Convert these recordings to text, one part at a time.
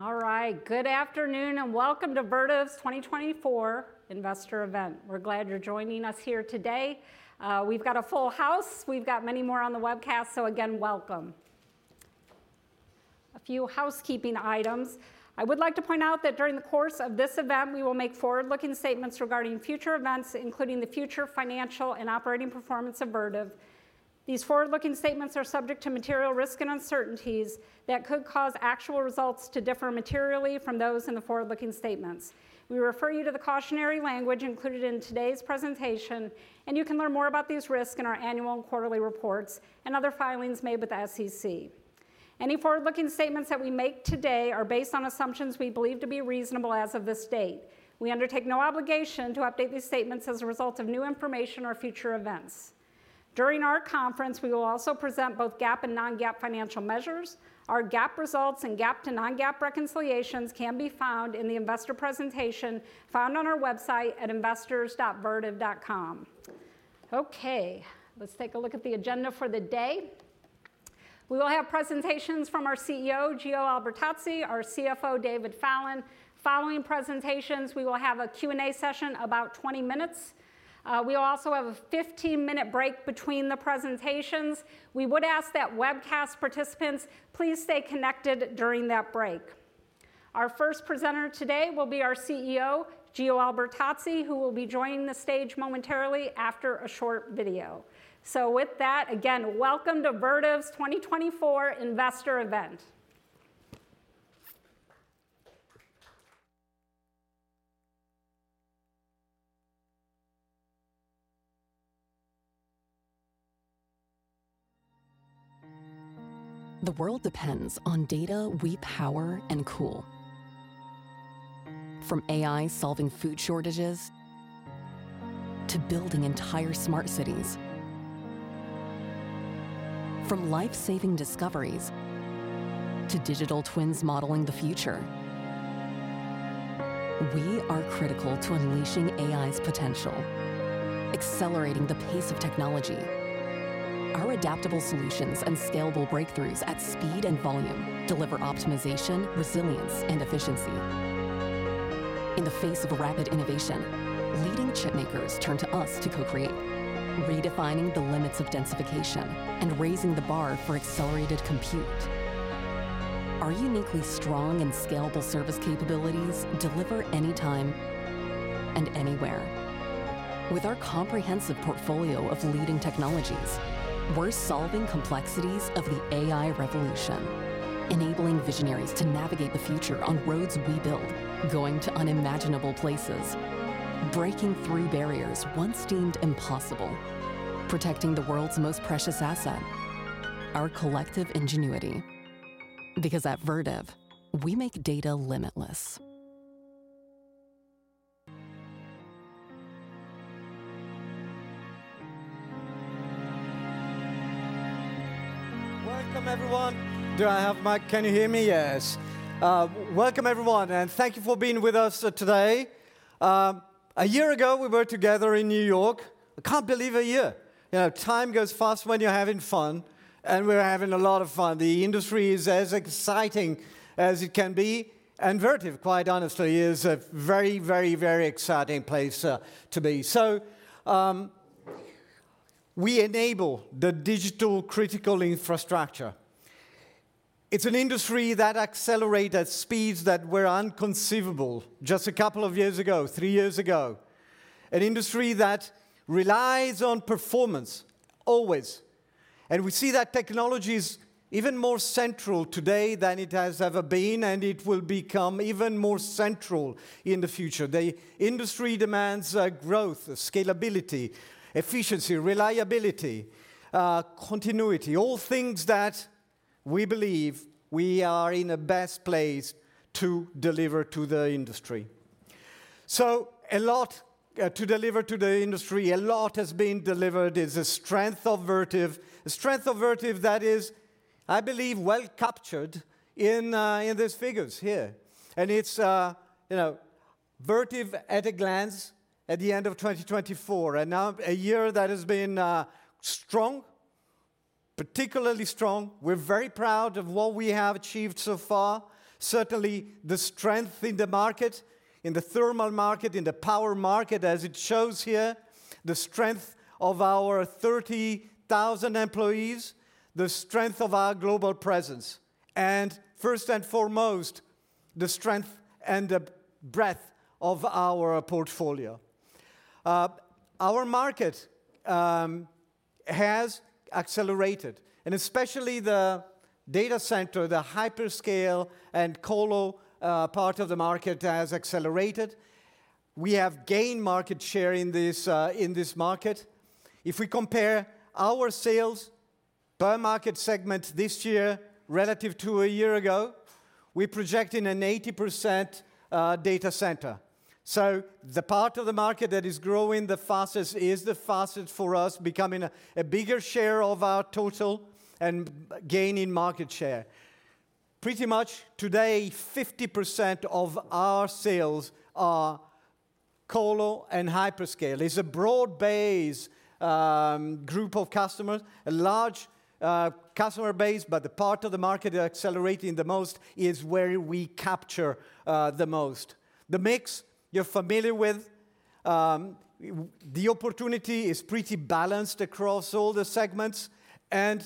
All right, good afternoon and welcome to Vertiv's 2024 Investor Event. We're glad you're joining us here today. We've got a full house. We've got many more on the webcast, so again, welcome. A few housekeeping items. I would like to point out that during the course of this event, we will make forward-looking statements regarding future events, including the future financial and operating performance of Vertiv. These forward-looking statements are subject to material risk and uncertainties that could cause actual results to differ materially from those in the forward-looking statements. We refer you to the cautionary language included in today's presentation, and you can learn more about these risks in our annual and quarterly reports and other filings made with the SEC. Any forward-looking statements that we make today are based on assumptions we believe to be reasonable as of this date. We undertake no obligation to update these statements as a result of new information or future events. During our conference, we will also present both GAAP and non-GAAP financial measures. Our GAAP results and GAAP-to-non-GAAP reconciliations can be found in the investor presentation found on our website at investors.vertiv.com. Okay, let's take a look at the agenda for the day. We will have presentations from our CEO, Gio Albertazzi, our CFO, David Fallon. Following presentations, we will have a Q&A session of about 20 minutes. We will also have a 15-minute break between the presentations. We would ask that webcast participants please stay connected during that break. Our first presenter today will be our CEO, Gio Albertazzi, who will be joining the stage momentarily after a short video. So with that, again, welcome to Vertiv's 2024 Investor Event. The world depends on data we power and cool. From AI solving food shortages to building entire smart cities, from life-saving discoveries to digital twins modeling the future, we are critical to unleashing AI's potential, accelerating the pace of technology. Our adaptable solutions and scalable breakthroughs at speed and volume deliver optimization, resilience, and efficiency. In the face of rapid innovation, leading chipmakers turn to us to co-create, redefining the limits of densification and raising the bar for accelerated compute. Our uniquely strong and scalable service capabilities deliver anytime and anywhere. With our comprehensive portfolio of leading technologies, we're solving complexities of the AI revolution, enabling visionaries to navigate the future on roads we build, going to unimaginable places, breaking through barriers once deemed impossible, protecting the world's most precious asset, our collective ingenuity. Because at Vertiv, we make data limitless. Welcome, everyone. Do I have my? Can you hear me? Yes. Welcome, everyone, and thank you for being with us today. A year ago, we were together in New York. I can't believe a year. Time goes fast when you're having fun, and we're having a lot of fun. The industry is as exciting as it can be, and Vertiv, quite honestly, is a very, very, very exciting place to be. So we enable the digital critical infrastructure. It's an industry that accelerates at speeds that were inconceivable just a couple of years ago, three years ago. An industry that relies on performance, always, and we see that technology is even more central today than it has ever been, and it will become even more central in the future. The industry demands growth, scalability, efficiency, reliability, continuity, all things that we believe we are in a best place to deliver to the industry. So a lot to deliver to the industry, a lot has been delivered. It's the strength of Vertiv. The strength of Vertiv, that is, I believe, well captured in these figures here, and it's Vertiv at a glance at the end of 2024, and now a year that has been strong, particularly strong. We're very proud of what we have achieved so far. Certainly, the strength in the market, in the thermal market, in the power market, as it shows here, the strength of our 30,000 employees, the strength of our global presence, and first and foremost, the strength and the breadth of our portfolio. Our market has accelerated, and especially the data center, the hyperscale and colo part of the market has accelerated. We have gained market share in this market. If we compare our sales per market segment this year relative to a year ago, we project in an 80% data center. So the part of the market that is growing the fastest is the fastest for us, becoming a bigger share of our total and gaining market share. Pretty much today, 50% of our sales are colo and hyperscale. It's a broad-based group of customers, a large customer base, but the part of the market that's accelerating the most is where we capture the most. The mix you're familiar with, the opportunity is pretty balanced across all the segments. And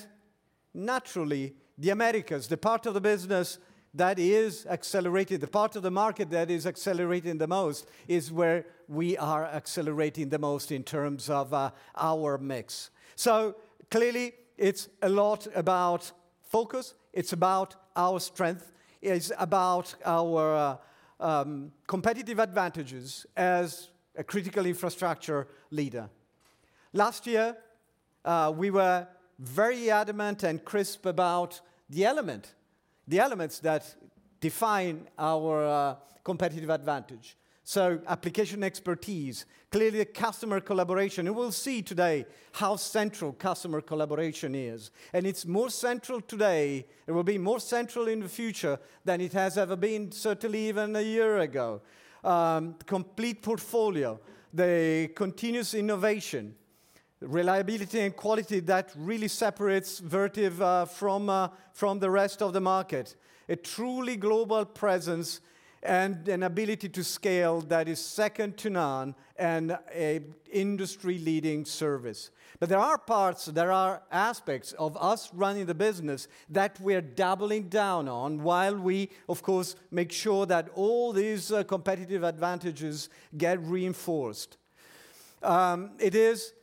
naturally, the Americas, the part of the business that is accelerating, the part of the market that is accelerating the most is where we are accelerating the most in terms of our mix. So clearly, it's a lot about focus. It's about our strength. It's about our competitive advantages as a critical infrastructure leader. Last year, we were very adamant and crisp about the elements that define our competitive advantage. So application expertise, clearly customer collaboration. And we'll see today how central customer collaboration is. And it's more central today. It will be more central in the future than it has ever been, certainly even a year ago. Complete portfolio, the continuous innovation, reliability and quality that really separates Vertiv from the rest of the market. A truly global presence and an ability to scale that is second to none and an industry-leading service. But there are parts, there are aspects of us running the business that we're doubling down on while we, of course, make sure that all these competitive advantages get reinforced. It is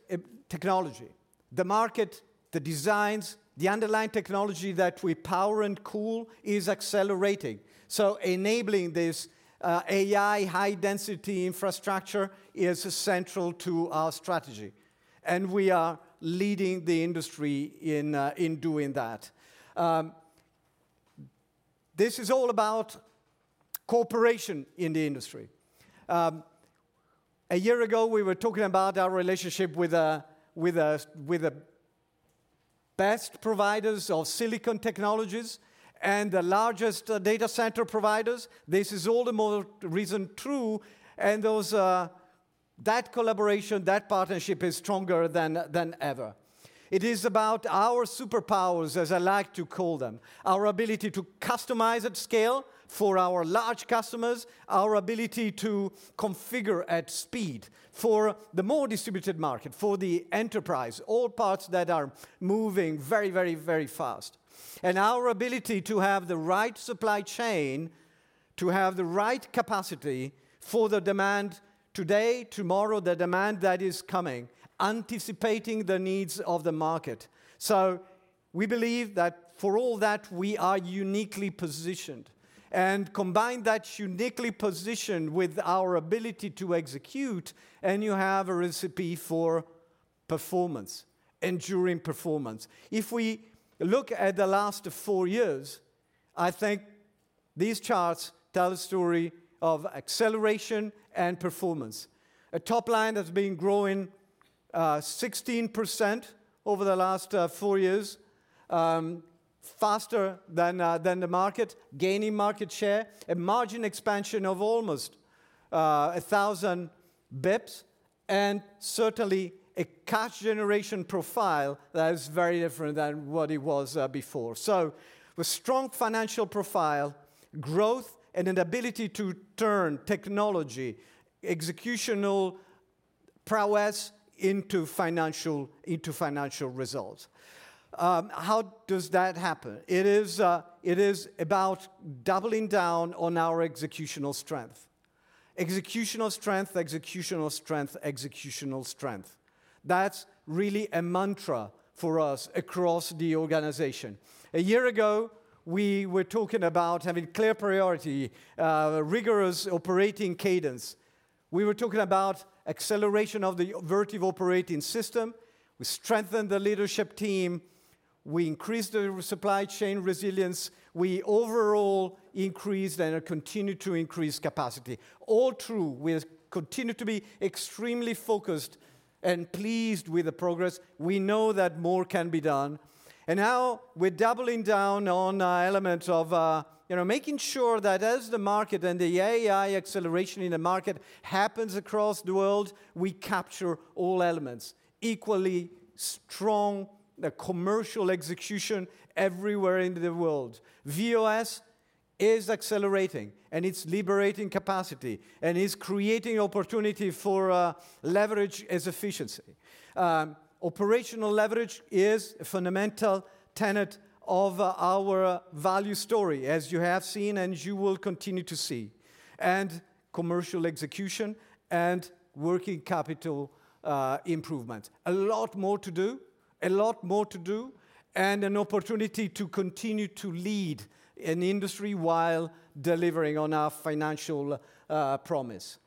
technology. The market, the designs, the underlying technology that we power and cool is accelerating. So enabling this AI high-density infrastructure is central to our strategy. And we are leading the industry in doing that. This is all about cooperation in the industry. A year ago, we were talking about our relationship with the best providers of silicon technologies and the largest data center providers. This is all the more reason true. And that collaboration, that partnership is stronger than ever. It is about our superpowers, as I like to call them, our ability to customize at scale for our large customers, our ability to configure at speed for the more distributed market, for the enterprise, all parts that are moving very, very, very fast. Our ability to have the right supply chain, to have the right capacity for the demand today, tomorrow, the demand that is coming, anticipating the needs of the market. So we believe that for all that, we are uniquely positioned. And combine that uniquely positioned with our ability to execute, and you have a recipe for performance, enduring performance. If we look at the last four years, I think these charts tell a story of acceleration and performance. The top line has been growing 16% over the last four years, faster than the market, gaining market share, a margin expansion of almost 1,000 basis points, and certainly a cash generation profile that is very different than what it was before. So with strong financial profile, growth, and an ability to turn technology, executional prowess into financial results. How does that happen? It is about doubling down on our executional strength. Executional strength, executional strength, executional strength. That's really a mantra for us across the organization. A year ago, we were talking about having clear priority, rigorous operating cadence. We were talking about acceleration of the Vertiv Operating System. We strengthened the leadership team. We increased the supply chain resilience. We overall increased and continue to increase capacity. All true. We continue to be extremely focused and pleased with the progress. We know that more can be done. Now we're doubling down on elements of making sure that as the market and the AI acceleration in the market happens across the world, we capture all elements. Equally strong, the commercial execution everywhere in the world. VOS is accelerating, and it's liberating capacity, and it's creating opportunity for leverage as efficiency. Operational leverage is a fundamental tenet of our value story, as you have seen and you will continue to see. Commercial execution and working capital improvement. A lot more to do, a lot more to do, and an opportunity to continue to lead an industry while delivering on our financial promise.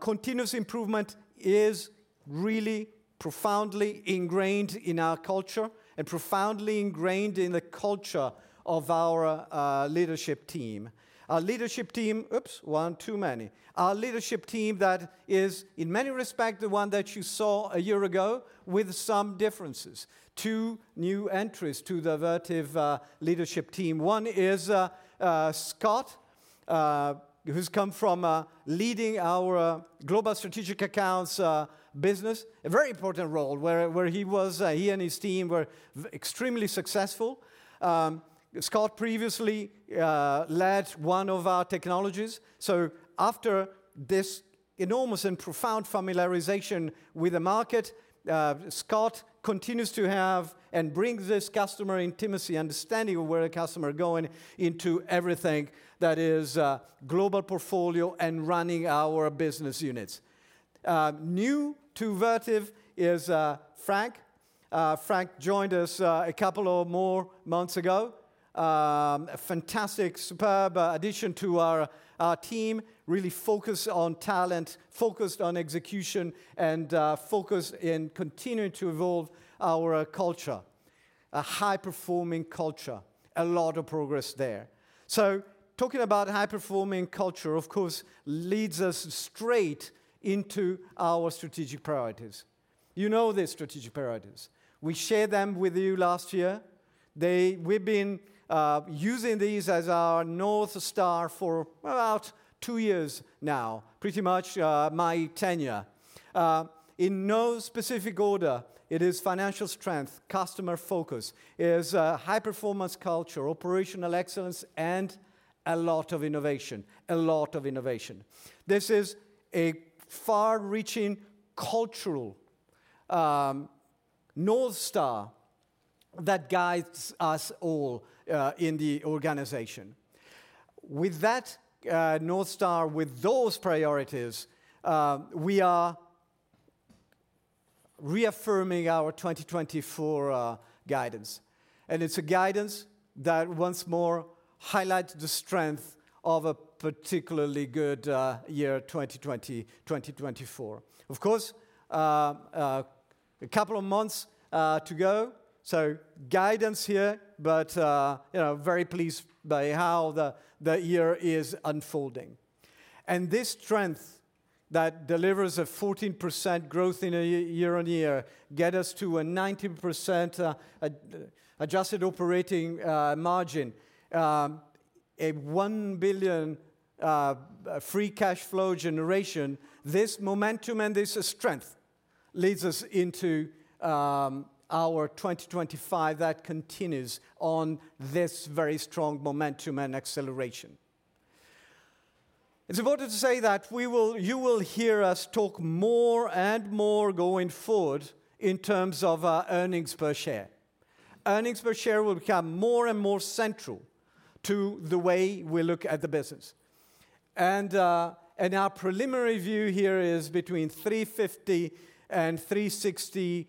Continuous improvement is really profoundly ingrained in our culture and profoundly ingrained in the culture of our leadership team. Our leadership team, oops, one too many. Our leadership team that is, in many respects, the one that you saw a year ago with some differences. Two new entries to the Vertiv leadership team. One is Scott, who's come from leading our global strategic accounts business, a very important role where he was, he and his team were extremely successful. Scott previously led one of our technologies. So after this enormous and profound familiarization with the market, Scott continues to have and brings this customer intimacy, understanding of where the customer is going into everything that is global portfolio and running our business units. New to Vertiv is Frank. Frank joined us a couple of more months ago. A fantastic, superb addition to our team, really focused on talent, focused on execution, and focused in continuing to evolve our culture. A high-performing culture, a lot of progress there. So talking about high-performing culture, of course, leads us straight into our strategic priorities. You know these strategic priorities. We shared them with you last year. We've been using these as our north star for about two years now, pretty much my tenure. In no specific order, it is financial strength, customer focus, it is high-performance culture, operational excellence, and a lot of innovation, a lot of innovation. This is a far-reaching Cultural North Star that guides us all in the organization. With that north star, with those priorities, we are reaffirming our 2024 guidance. It's a guidance that once more highlights the strength of a particularly good year 2024. Of course, a couple of months to go. Guidance here, but very pleased by how the year is unfolding. This strength that delivers a 14% growth in a year on year gets us to a 19% adjusted operating margin, a $1 billion free cash flow generation. This momentum and this strength leads us into our 2025 that continues on this very strong momentum and acceleration. It's important to say that you will hear us talk more and more going forward in terms of our earnings per share. Earnings per share will become more and more central to the way we look at the business. Our preliminary view here is between $350 and $360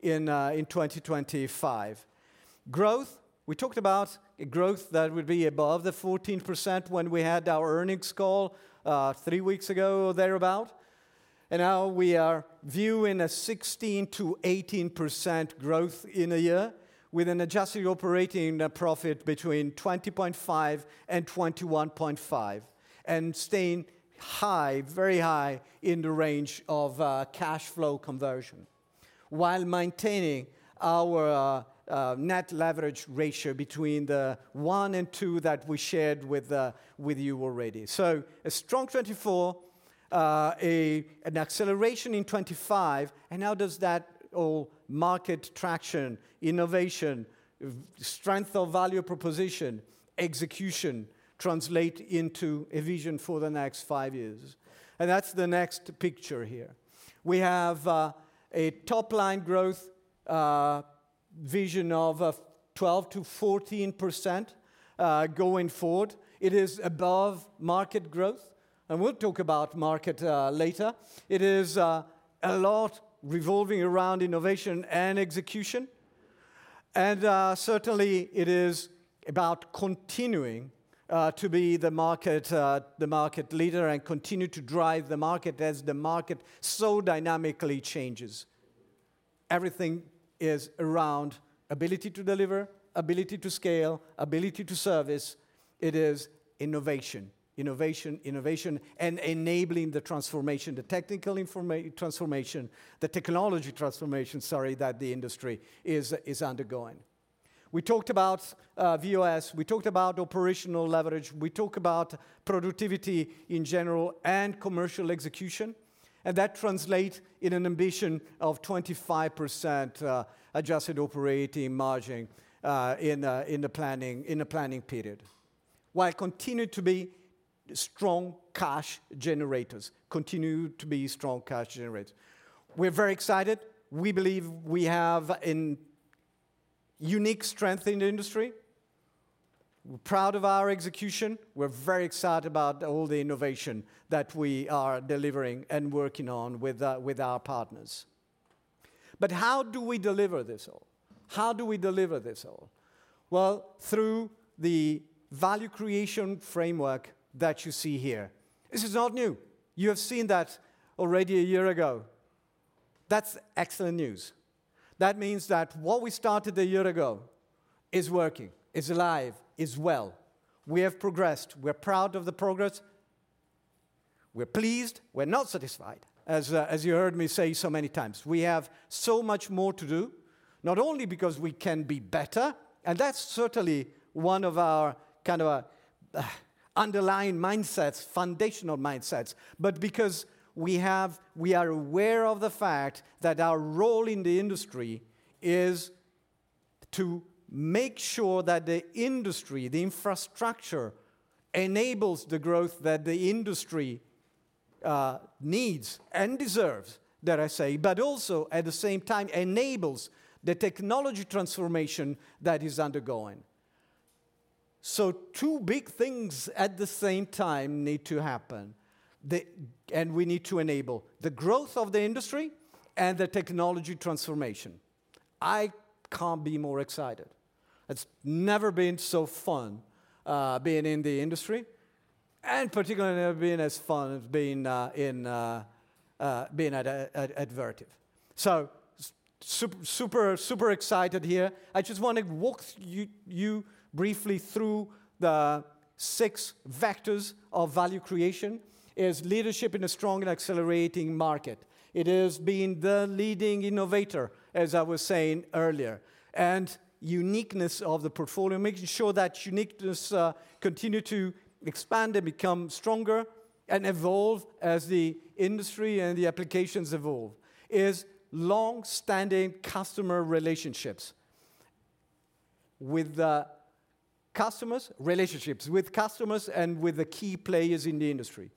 in 2025. Growth, we talked about growth that would be above the 14% when we had our earnings call three weeks ago or thereabout. Now we are viewing a 16%-18% growth in a year with an adjusted operating profit between 20.5%-21.5% and staying high, very high in the range of cash flow conversion while maintaining our net leverage ratio between the one and two that we shared with you already. A strong 2024, an acceleration in 2025. How does that all market traction, innovation, strength of value proposition, execution translate into a vision for the next five years? That's the next picture here. We have a top-line growth vision of 12%-14% going forward. It is above market growth. We'll talk about market later. It is a lot revolving around innovation and execution, and certainly, it is about continuing to be the market leader and continue to drive the market as the market so dynamically changes. Everything is around ability to deliver, ability to scale, ability to service. It is innovation, innovation, innovation, and enabling the transformation, the technical transformation, the technology transformation, sorry, that the industry is undergoing. We talked about VOS. We talked about operational leverage. We talked about productivity in general and commercial execution, and that translates in an ambition of 25% adjusted operating margin in the planning period while continuing to be strong cash generators, continue to be strong cash generators. We're very excited. We believe we have a unique strength in the industry. We're proud of our execution. We're very excited about all the innovation that we are delivering and working on with our partners. But how do we deliver this all? How do we deliver this all? Well, through the value creation framework that you see here. This is not new. You have seen that already a year ago. That's excellent news. That means that what we started a year ago is working, is alive, is well. We have progressed. We're proud of the progress. We're pleased. We're not satisfied, as you heard me say so many times. We have so much more to do, not only because we can be better, and that's certainly one of our kind of underlying mindsets, foundational mindsets, but because we are aware of the fact that our role in the industry is to make sure that the industry, the infrastructure enables the growth that the industry needs and deserves, that I say, but also at the same time enables the technology transformation that is undergoing. Two big things at the same time need to happen, and we need to enable the growth of the industry and the technology transformation. I can't be more excited. It's never been so fun being in the industry, and particularly never been as fun as being at Vertiv. So super excited here. I just want to walk you briefly through the six vectors of value creation. It is leadership in a strong and accelerating market. It is being the leading innovator, as I was saying earlier, and uniqueness of the portfolio, making sure that uniqueness continues to expand and become stronger and evolve as the industry and the applications evolve. It is long-standing customer relationships with customers and with the key players in the industry.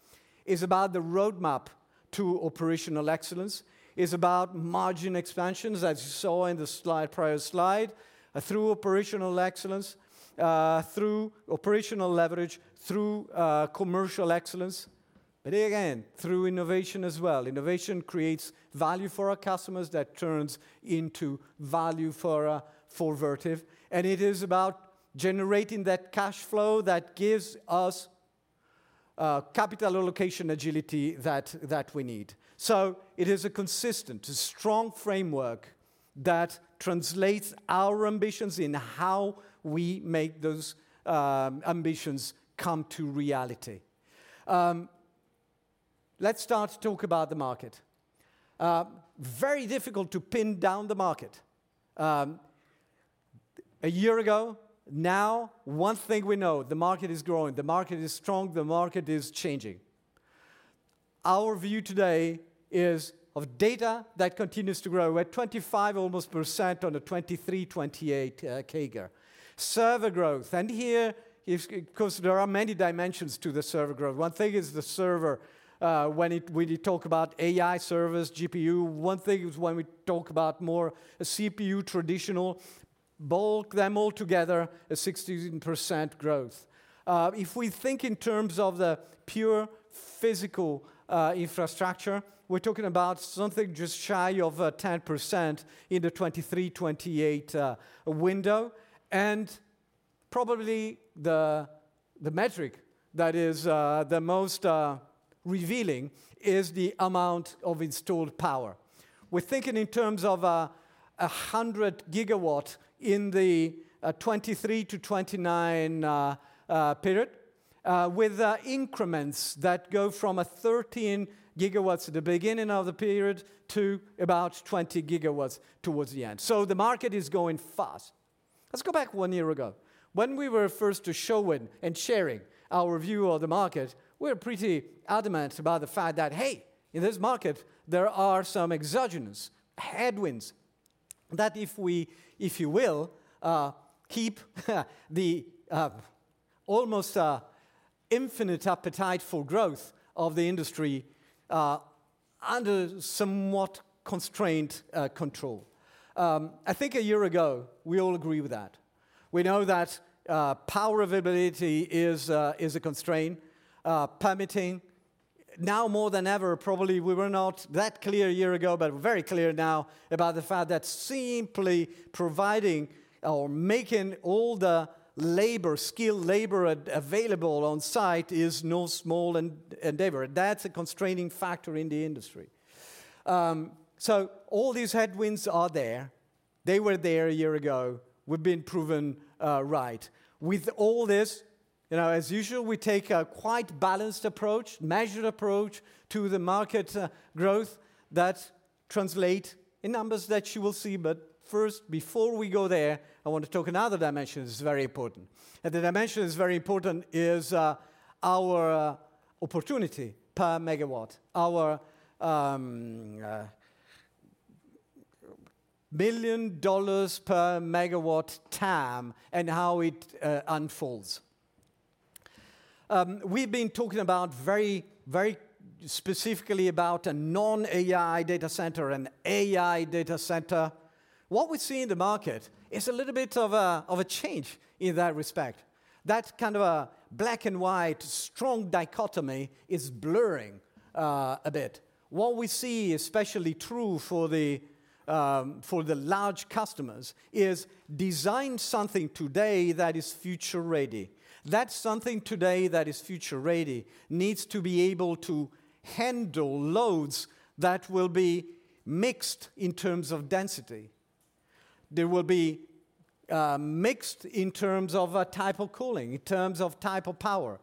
It's about the roadmap to operational excellence. It's about margin expansions, as you saw in the prior slide, through operational excellence, through operational leverage, through commercial excellence, but again, through innovation as well. Innovation creates value for our customers that turns into value for Vertiv. And it is about generating that cash flow that gives us capital allocation agility that we need. It is a consistent, strong framework that translates our ambitions in how we make those ambitions come to reality. Let's start to talk about the market. Very difficult to pin down the market. A year ago now, one thing we know, the market is growing. The market is strong. The market is changing. Our view today is of data that continues to grow. We're almost 25% on the 2023, 28% CAGR. Server growth. And here, of course, there are many dimensions to the server growth. One thing is the server. When we talk about AI servers, GPU, one thing is when we talk about more CPU, traditional, bulk them all together, a 16% growth. If we think in terms of the pure physical infrastructure, we're talking about something just shy of 10% in the 2023-2028 window. And probably the metric that is the most revealing is the amount of installed power. We're thinking in terms of 100 gigawatts in the 2023 to 2029 period with increments that go from 13 gigawatts at the beginning of the period to about 20 gigawatts towards the end. So the market is going fast. Let's go back one year ago. When we were first showing and sharing our view of the market, we were pretty adamant about the fact that, hey, in this market, there are some exogenous headwinds that if you will keep the almost infinite appetite for growth of the industry under somewhat constrained control. I think a year ago, we all agree with that. We know that power availability is a constraint. Now more than ever, probably we were not that clear a year ago, but we're very clear now about the fact that simply providing or making all the labor, skilled labor available on site is no small endeavor. That's a constraining factor in the industry. So all these headwinds are there. They were there a year ago. We've been proven right. With all this, as usual, we take a quite balanced approach, measured approach to the market growth that translates in numbers that you will see. But first, before we go there, I want to talk about another dimension that is very important. And the dimension that is very important is our opportunity per megawatt, our $1 million per megawatt TAM and how it unfolds. We've been talking about very specifically about a non-AI data center, an AI data center. What we see in the market is a little bit of a change in that respect. That kind of a black and white, strong dichotomy is blurring a bit. What we see, especially true for the large customers, is design something today that is future-ready. That's something today that is future-ready needs to be able to handle loads that will be mixed in terms of density. There will be mixed in terms of a type of cooling, in terms of type of power.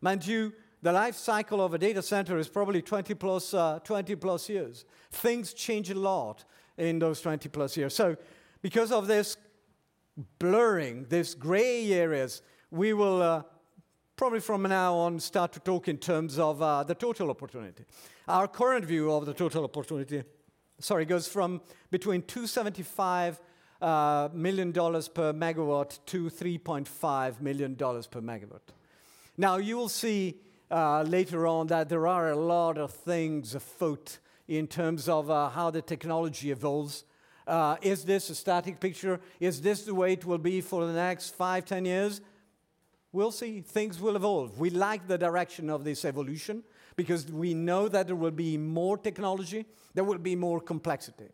Mind you, the life cycle of a data center is probably 20+ years. Things change a lot in those 20+ years. So because of this blurring, this gray areas, we will probably from now on start to talk in terms of the total opportunity. Our current view of the total opportunity, sorry, goes from between $275 million-$3.5 million per megawatt. Now, you will see later on that there are a lot of things afoot in terms of how the technology evolves. Is this a static picture? Is this the way it will be for the next five, 10 years? We'll see. Things will evolve. We like the direction of this evolution because we know that there will be more technology. There will be more complexity.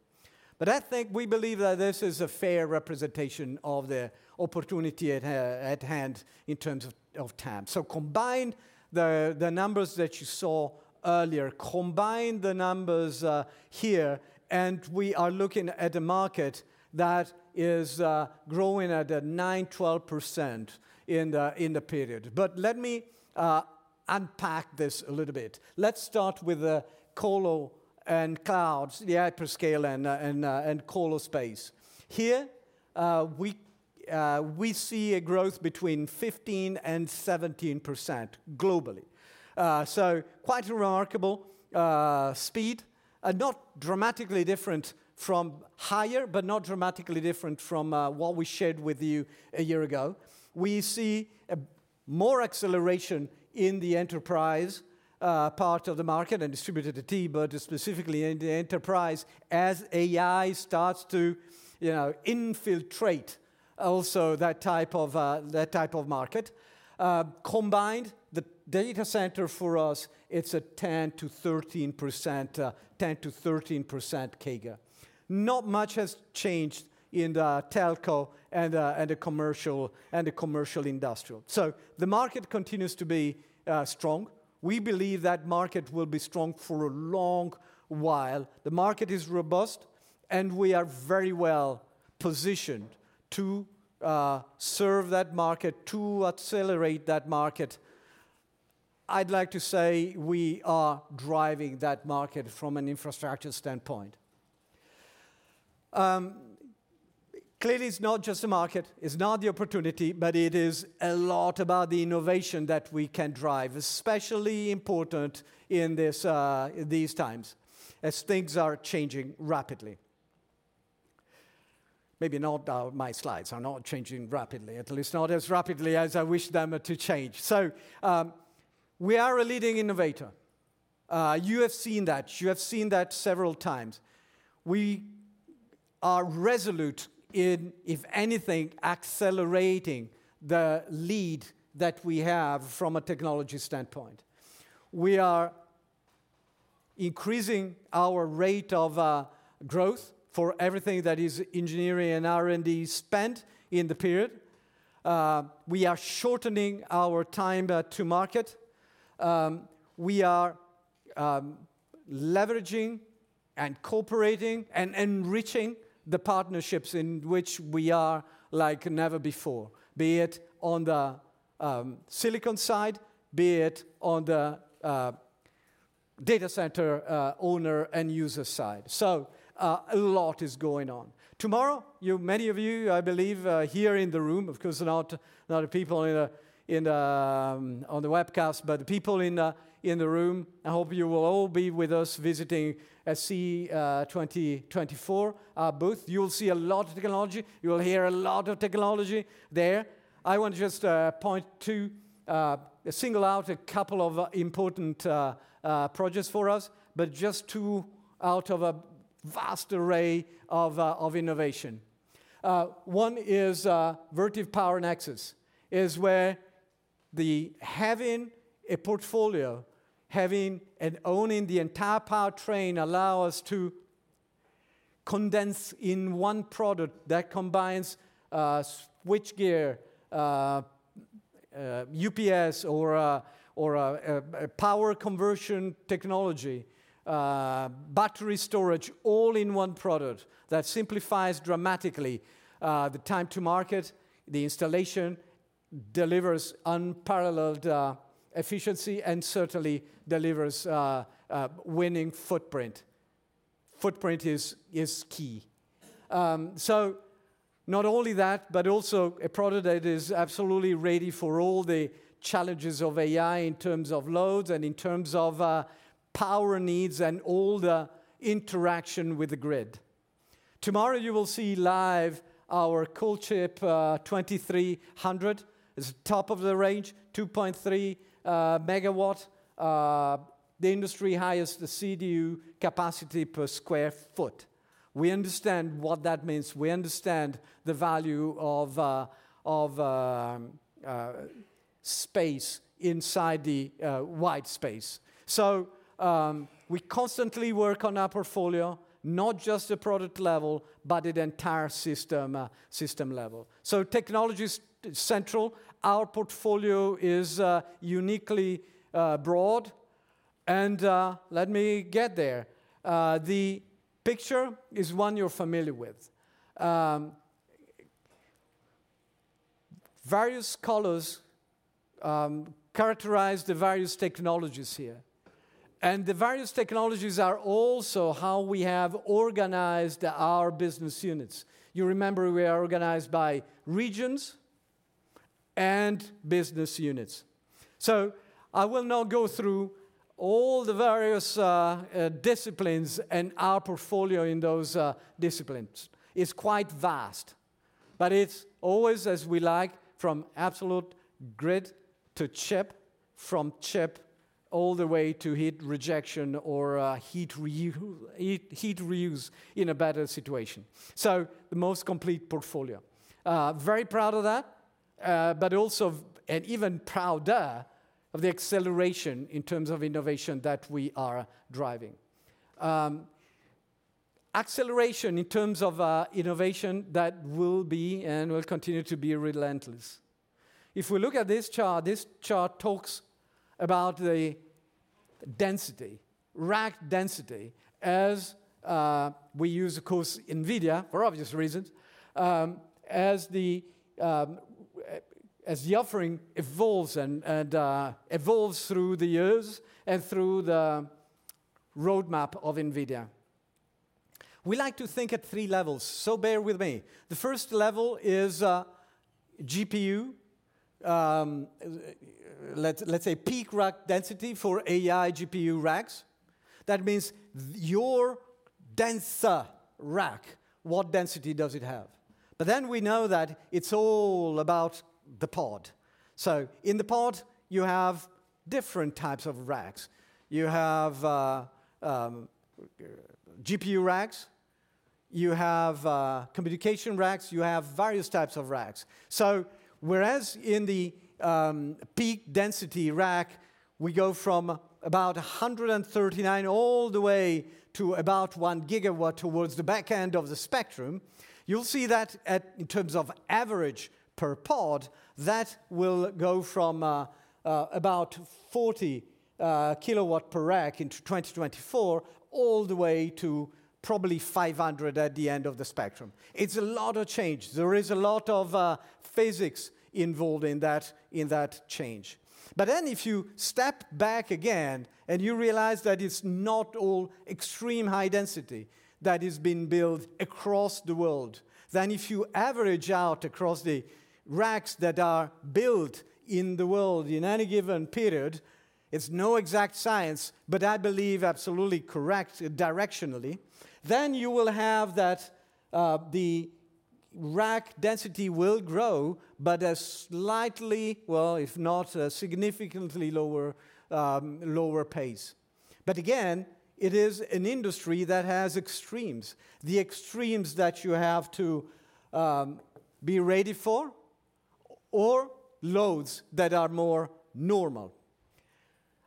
But I think we believe that this is a fair representation of the opportunity at hand in terms of TAM. So combine the numbers that you saw earlier, combine the numbers here, and we are looking at a market that is growing at a 9%-12% in the period. But let me unpack this a little bit. Let's start with the colo and clouds, the hyperscale and colo space. Here, we see a growth between 15% and 17% globally. So quite remarkable speed, not dramatically different from prior, but not dramatically different from what we shared with you a year ago. We see more acceleration in the enterprise part of the market and distributed IT, but specifically in the enterprise as AI starts to infiltrate also that type of market. Combined, the data center for us, it's a 10%-13% CAGR. Not much has changed in the telco and the commercial industrial. So the market continues to be strong. We believe that market will be strong for a long while. The market is robust, and we are very well positioned to serve that market, to accelerate that market. I'd like to say we are driving that market from an infrastructure standpoint. Clearly, it's not just a market. It's not the opportunity, but it is a lot about the innovation that we can drive, especially important in these times as things are changing rapidly. Maybe my slides are not changing rapidly, at least not as rapidly as I wish them to change. So we are a leading innovator. You have seen that. You have seen that several times. We are resolute in, if anything, accelerating the lead that we have from a technology standpoint. We are increasing our rate of growth for everything that is engineering and R&D spent in the period. We are shortening our time to market. We are leveraging and cooperating and enriching the partnerships in which we are like never before, be it on the silicon side, be it on the data center owner and user side. So a lot is going on. Tomorrow, many of you, I believe, here in the room, of course, not the people on the webcast, but the people in the room, I hope you will all be with us visiting SC 2024 booth. You will see a lot of technology. You will hear a lot of technology there. I want to just point to single out a couple of important projects for us, but just two out of a vast array of innovation. One is Vertiv PowerNexus, where having a portfolio, having and owning the entire powertrain allows us to condense in one product that combines switchgear, UPS, or power conversion technology, battery storage, all in one product that simplifies dramatically the time to market. The installation delivers unparalleled efficiency and certainly delivers a winning footprint. Footprint is key. So not only that, but also a product that is absolutely ready for all the challenges of AI in terms of loads and in terms of power needs and all the interaction with the grid. Tomorrow, you will see live our CoolChip CDU 2300. It's top of the range, 2.3 megawatt. The industry highest CDU capacity per sq ft. We understand what that means. We understand the value of space inside the white space. So we constantly work on our portfolio, not just at product level, but at entire system level. So technology is central. Our portfolio is uniquely broad. And let me get there. The picture is one you're familiar with. Various colors characterize the various technologies here. And the various technologies are also how we have organized our business units. You remember we are organized by regions and business units. So I will now go through all the various disciplines and our portfolio in those disciplines. It's quite vast, but it's always as we like from absolute grid to chip, from chip all the way to heat rejection or heat reuse in a better situation. So the most complete portfolio. Very proud of that, but also and even prouder of the acceleration in terms of innovation that we are driving. Acceleration in terms of innovation that will be and will continue to be relentless. If we look at this chart, this chart talks about the density, rack density, as we use, of course, NVIDIA for obvious reasons, as the offering evolves through the years and through the roadmap of NVIDIA. We like to think at three levels. So bear with me. The first level is GPU. Let's say peak rack density for AI GPU racks. That means your denser rack, what density does it have? But then we know that it's all about the pod. So in the pod, you have different types of racks. You have GPU racks. You have communication racks. You have various types of racks. Whereas in the peak density rack, we go from about 139 all the way to about 1 gigawatt towards the back end of the spectrum, you'll see that in terms of average per pod, that will go from about 40 kilowatt per rack in 2024 all the way to probably 500 at the end of the spectrum. It's a lot of change. There is a lot of physics involved in that change. But then if you step back again and you realize that it's not all extreme high density that has been built across the world, then if you average out across the racks that are built in the world in any given period, it's no exact science, but I believe absolutely correct directionally, then you will have that the rack density will grow, but a slightly, well, if not significantly lower pace. But again, it is an industry that has extremes, the extremes that you have to be ready for or loads that are more normal.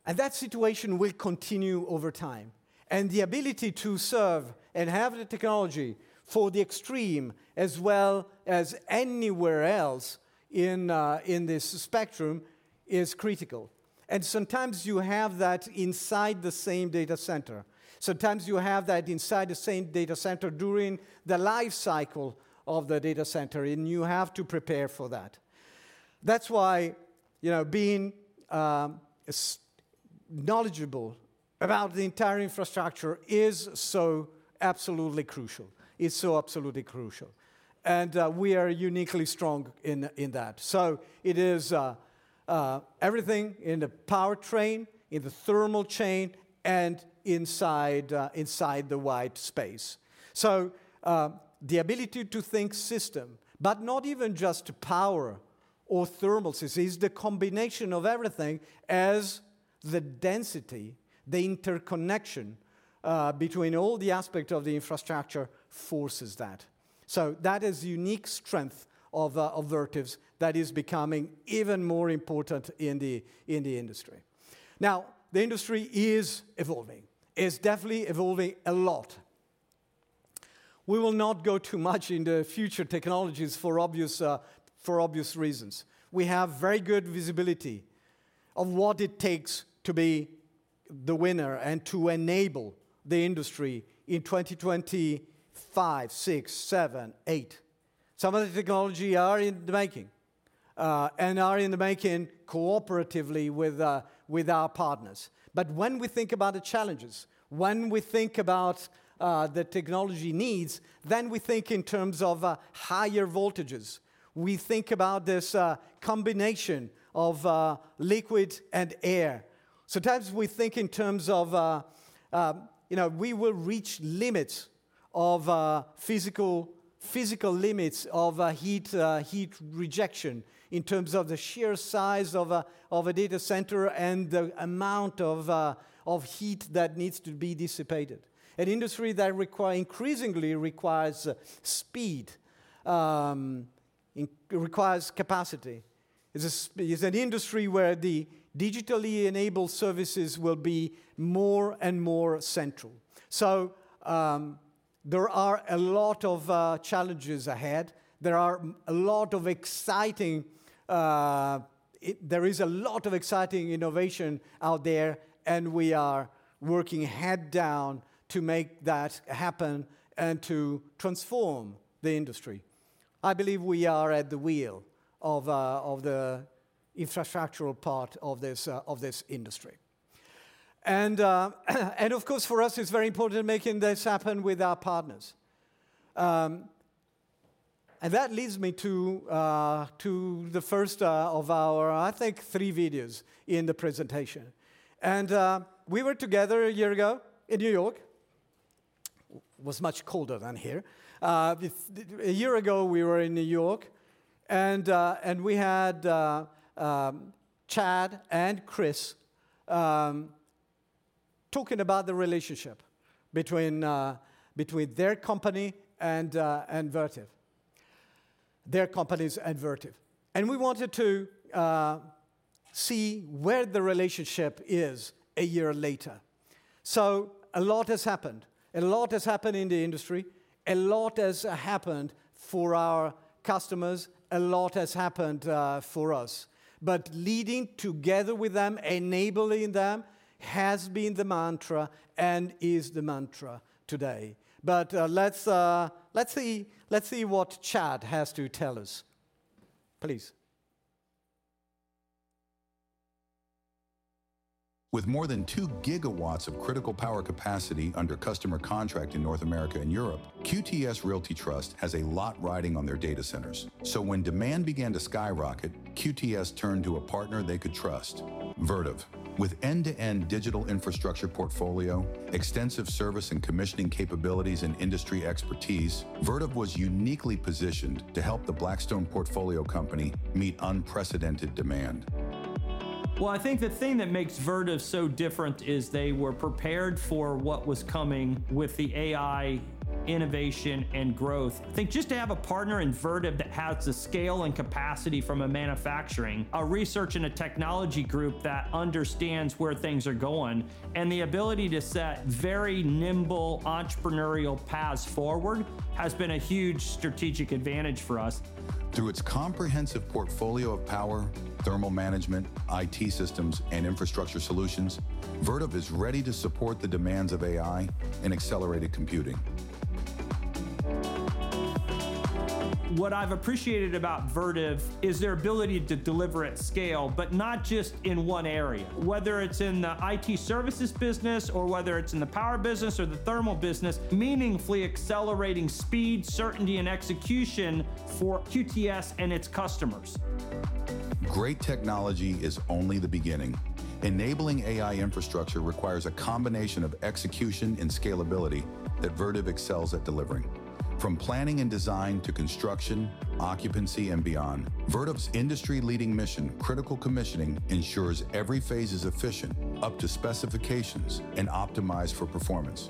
And that situation will continue over time. And the ability to serve and have the technology for the extreme as well as anywhere else in this spectrum is critical. And sometimes you have that inside the same data center during the life cycle of the data center, and you have to prepare for that. That's why being knowledgeable about the entire infrastructure is so absolutely crucial. It's so absolutely crucial. And we are uniquely strong in that. So it is everything in the powertrain, in the thermal chain, and inside the white space. So the ability to think system, but not even just power or thermal systems, is the combination of everything as the density, the interconnection between all the aspects of the infrastructure forces that. So that is a unique strength of Vertiv that is becoming even more important in the industry. Now, the industry is evolving. It's definitely evolving a lot. We will not go too much into future technologies for obvious reasons. We have very good visibility of what it takes to be the winner and to enable the industry in 2025, 2026, 2027, 2028. Some of the technology are in the making and are in the making cooperatively with our partners. But when we think about the challenges, when we think about the technology needs, then we think in terms of higher voltages. We think about this combination of liquid and air. Sometimes we think in terms of we will reach limits of physical limits of heat rejection in terms of the sheer size of a data center and the amount of heat that needs to be dissipated. An industry that increasingly requires speed, requires capacity. It's an industry where the digitally enabled services will be more and more central, so there are a lot of challenges ahead. There is a lot of exciting innovation out there, and we are working head down to make that happen and to transform the industry. I believe we are at the wheel of the infrastructural part of this industry, and of course, for us, it's very important making this happen with our partners, and that leads me to the first of our, I think, three videos in the presentation, and we were together a year ago in New York. It was much colder than here. A year ago, we were in New York, and we had Chad and Chris talking about the relationship between their company and Vertiv, their companies and Vertiv, and we wanted to see where the relationship is a year later, so a lot has happened. A lot has happened in the industry. A lot has happened for our customers. A lot has happened for us, but leading together with them, enabling them has been the mantra and is the mantra today, but let's see what Chad has to tell us. Please. With more than two gigawatts of critical power capacity under customer contract in North America and Europe, QTS Realty Trust has a lot riding on their data centers. So when demand began to skyrocket, QTS turned to a partner they could trust, Vertiv. With end-to-end digital infrastructure portfolio, extensive service and commissioning capabilities, and industry expertise, Vertiv was uniquely positioned to help the Blackstone portfolio company meet unprecedented demand. Well, I think the thing that makes Vertiv so different is they were prepared for what was coming with the AI innovation and growth. I think just to have a partner in Vertiv that has the scale and capacity from a manufacturing, a research and a technology group that understands where things are going, and the ability to set very nimble entrepreneurial paths forward has been a huge strategic advantage for us. Through its comprehensive portfolio of power, thermal management, IT systems, and infrastructure solutions, Vertiv is ready to support the demands of AI and accelerated computing. What I've appreciated about Vertiv is their ability to deliver at scale, but not just in one area. Whether it's in the IT services business or whether it's in the power business or the thermal business, meaningfully accelerating speed, certainty, and execution for QTS and its customers. Great technology is only the beginning. Enabling AI infrastructure requires a combination of execution and scalability that Vertiv excels at delivering. From planning and design to construction, occupancy, and beyond, Vertiv's industry-leading mission-critical commissioning ensures every phase is efficient up to specifications and optimized for performance.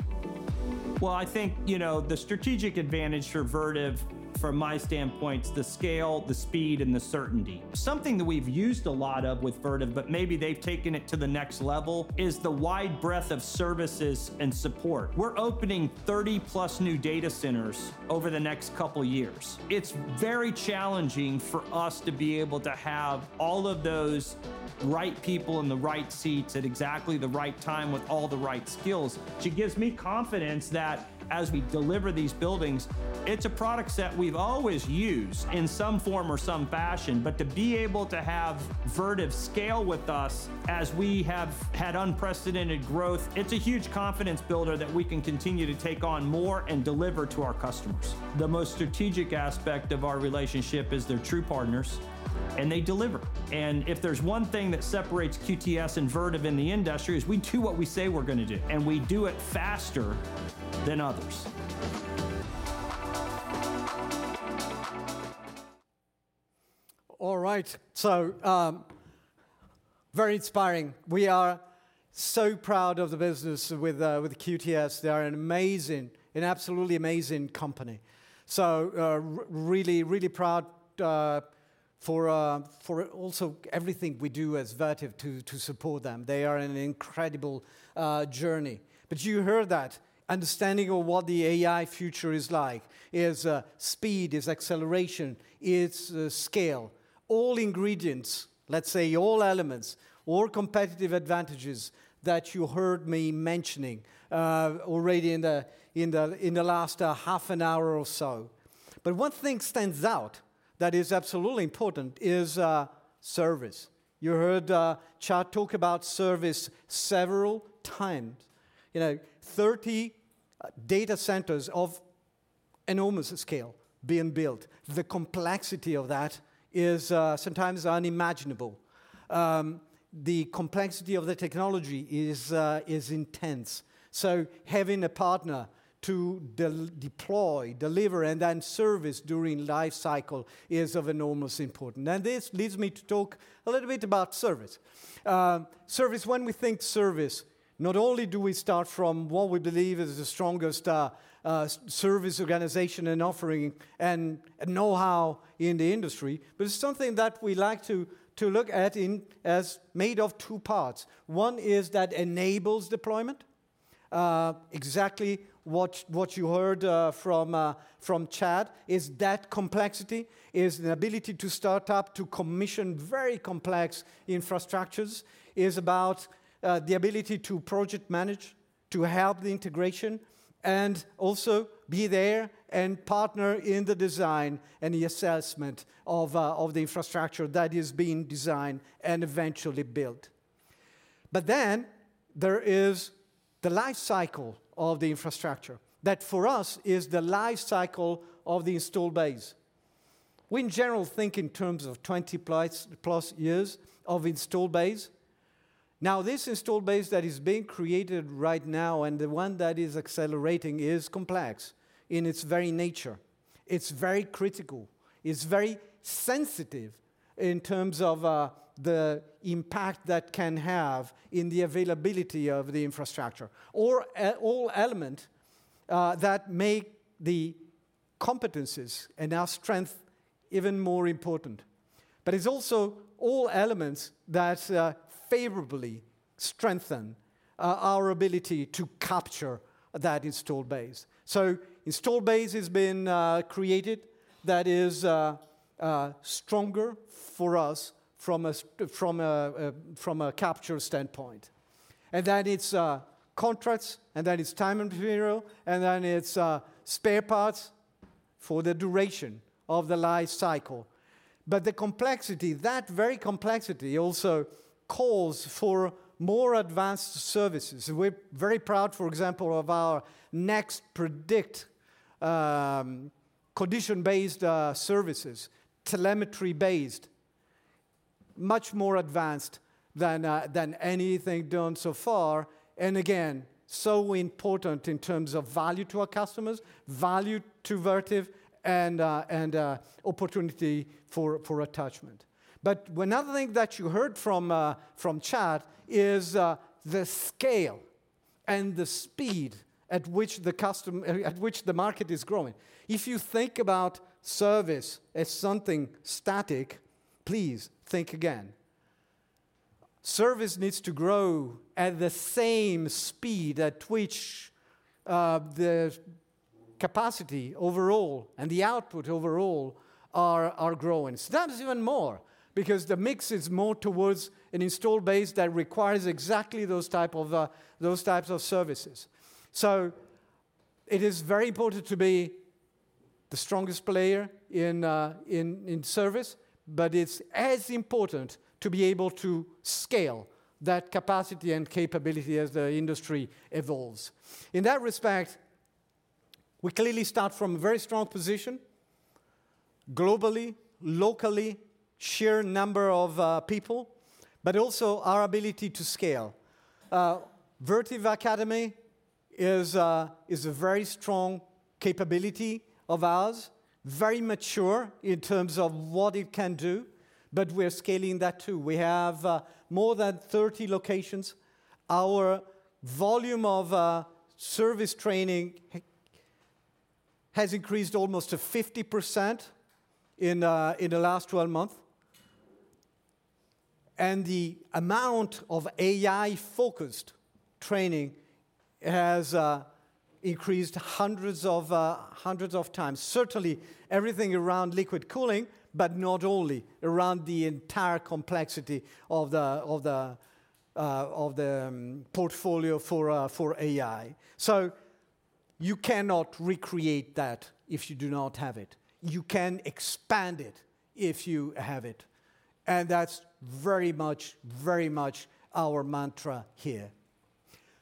Well, I think the strategic advantage for Vertiv, from my standpoint, is the scale, the speed, and the certainty. Something that we've used a lot of with Vertiv, but maybe they've taken it to the next level, is the wide breadth of services and support. We're opening 30-plus new data centers over the next couple of years. It's very challenging for us to be able to have all of those right people in the right seats at exactly the right time with all the right skills. It gives me confidence that as we deliver these buildings, it's a product set we've always used in some form or some fashion, but to be able to have Vertiv scale with us as we have had unprecedented growth, it's a huge confidence builder that we can continue to take on more and deliver to our customers. The most strategic aspect of our relationship is they're true partners, and they deliver, and if there's one thing that separates QTS and Vertiv in the industry, it's we do what we say we're going to do, and we do it faster than others. All right, so very inspiring. We are so proud of the business with QTS. They are an amazing, an absolutely amazing company. So really, really proud for also everything we do as Vertiv to support them. They are an incredible journey. But you heard that. Understanding of what the AI future is like is speed, is acceleration, is scale. All ingredients, let's say all elements, all competitive advantages that you heard me mentioning already in the last half an hour or so. But one thing stands out that is absolutely important is service. You heard Chad talk about service several times. 30 data centers of enormous scale being built. The complexity of that is sometimes unimaginable. The complexity of the technology is intense. So having a partner to deploy, deliver, and then service during life cycle is of enormous importance. And this leads me to talk a little bit about service. Service, when we think service, not only do we start from what we believe is the strongest service organization and offering and know-how in the industry, but it's something that we like to look at as made of two parts. One is that enables deployment. Exactly what you heard from Chad is that complexity is the ability to start up, to commission very complex infrastructures is about the ability to project manage, to help the integration, and also be there and partner in the design and the assessment of the infrastructure that is being designed and eventually built. But then there is the life cycle of the infrastructure that for us is the life cycle of the installed base. We, in general, think in terms of 20+ years of installed base. Now, this installed base that is being created right now and the one that is accelerating is complex in its very nature. It's very critical. It's very sensitive in terms of the impact that can have in the availability of the infrastructure or all elements that make the competencies and our strength even more important. But it's also all elements that favorably strengthen our ability to capture that installed base. So installed base has been created. That is stronger for us from a capture standpoint. And then it's contracts, and then it's time and material, and then it's spare parts for the duration of the life cycle. But the complexity, that very complexity also calls for more advanced services. We're very proud, for example, of our NextPredict condition-based services, telemetry-based, much more advanced than anything done so far. And again, so important in terms of value to our customers, value to Vertiv, and opportunity for attachment. But another thing that you heard from Chad is the scale and the speed at which the market is growing. If you think about service as something static, please think again. Service needs to grow at the same speed at which the capacity overall and the output overall are growing. Sometimes even more because the mix is more towards an installed base that requires exactly those types of services. So it is very important to be the strongest player in service, but it's as important to be able to scale that capacity and capability as the industry evolves. In that respect, we clearly start from a very strong position globally, locally, sheer number of people, but also our ability to scale. Vertiv Academy is a very strong capability of ours, very mature in terms of what it can do, but we're scaling that too. We have more than 30 locations. Our volume of service training has increased almost to 50% in the last 12 months, and the amount of AI-focused training has increased hundreds of times. Certainly, everything around liquid cooling, but not only, around the entire complexity of the portfolio for AI, so you cannot recreate that if you do not have it. You can expand it if you have it, and that's very much our mantra here,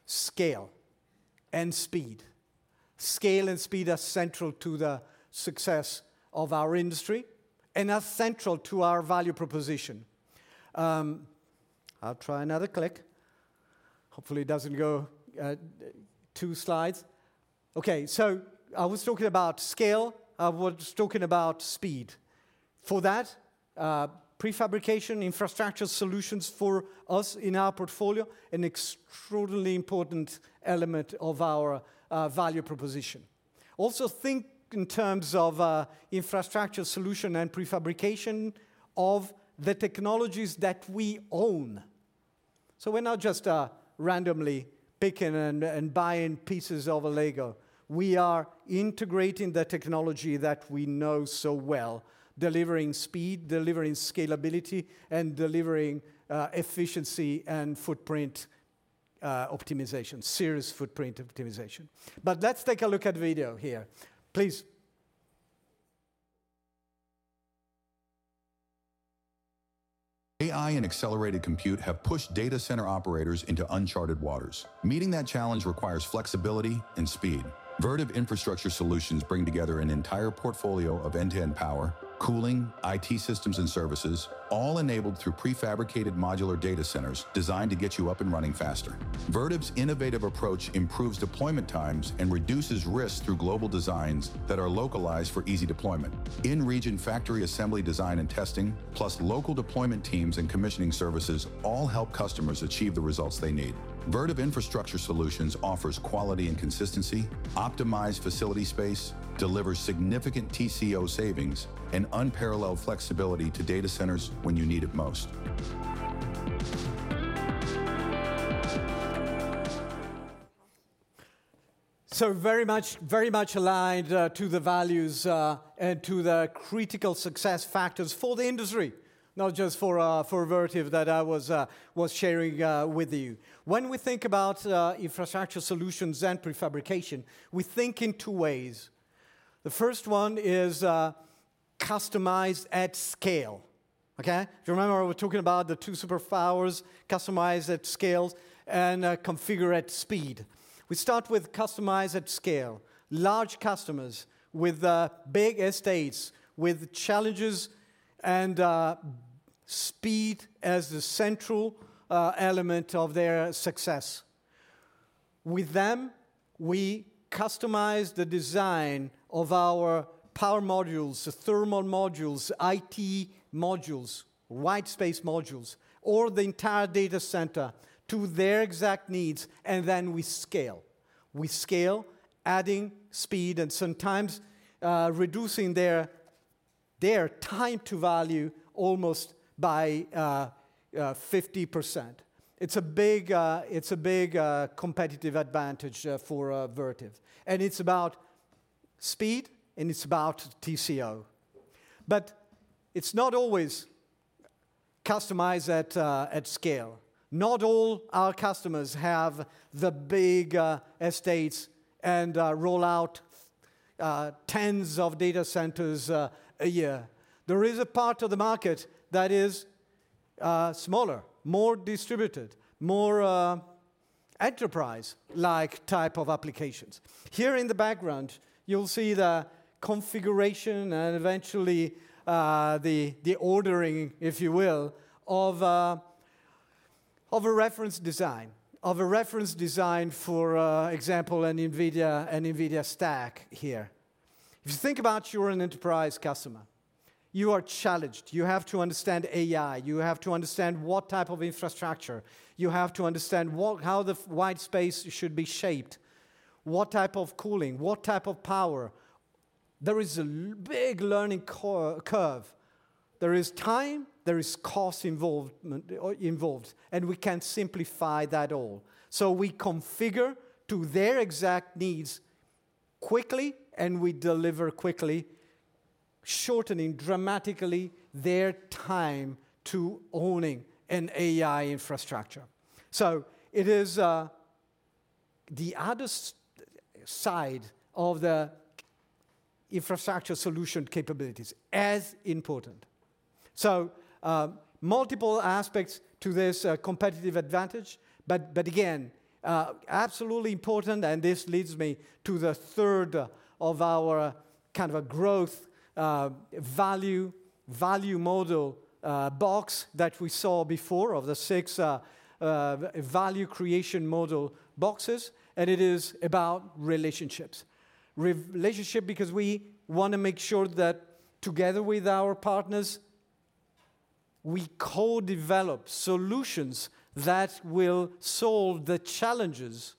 scale and speed. Scale and speed are central to the success of our industry and are central to our value proposition. I'll try another click. Hopefully, it doesn't go two slides. Okay, so I was talking about scale. I was talking about speed. For that, prefabrication infrastructure solutions for us in our portfolio, an extraordinarily important element of our value proposition. Also think in terms of infrastructure solution and prefabrication of the technologies that we own. So we're not just randomly picking and buying pieces of a Lego. We are integrating the technology that we know so well, delivering speed, delivering scalability, and delivering efficiency and footprint optimization, serious footprint optimization. But let's take a look at video here. Please. AI and accelerated compute have pushed data center operators into uncharted waters. Meeting that challenge requires flexibility and speed. Vertiv Infrastructure Solutions bring together an entire portfolio of end-to-end power, cooling, IT systems, and services, all enabled through prefabricated modular data centers designed to get you up and running faster. Vertiv's innovative approach improves deployment times and reduces risk through global designs that are localized for easy deployment. In-region factory assembly design and testing, plus local deployment teams and commissioning services all help customers achieve the results they need. Vertiv Infrastructure Solutions offers quality and consistency, optimized facility space, delivers significant TCO savings, and unparalleled flexibility to data centers when you need it most. So very much aligned to the values and to the critical success factors for the industry, not just for Vertiv that I was sharing with you. When we think about Infrastructure Solutions and prefabrication, we think in two ways. The first one is customized at scale. Okay? Do you remember we were talking about the two superpowers, customized at scale and configured at speed? We start with customized at scale. Large customers with big estates with challenges and speed as the central element of their success. With them, we customize the design of our power modules, thermal modules, IT modules, white space modules, or the entire data center to their exact needs, and then we scale. We scale, adding speed and sometimes reducing their time to value almost by 50%. It's a big competitive advantage for Vertiv. And it's about speed, and it's about TCO. But it's not always customized at scale. Not all our customers have the big estates and roll out tens of data centers a year. There is a part of the market that is smaller, more distributed, more enterprise-like type of applications. Here in the background, you'll see the configuration and eventually the ordering, if you will, of a reference design, of a reference design for, for example, an NVIDIA stack here. If you think about, you're an enterprise customer, you are challenged. You have to understand AI. You have to understand what type of infrastructure. You have to understand how the white space should be shaped, what type of cooling, what type of power. There is a big learning curve. There is time. There is cost involved. And we can simplify that all. So we configure to their exact needs quickly, and we deliver quickly, shortening dramatically their time to owning an AI infrastructure. So it is the other side of the infrastructure solution capabilities as important. So multiple aspects to this competitive advantage, but again, absolutely important. And this leads me to the third of our kind of a growth value model box that we saw before of the six value creation model boxes. And it is about relationships. Relationship because we want to make sure that together with our partners, we co-develop solutions that will solve the challenges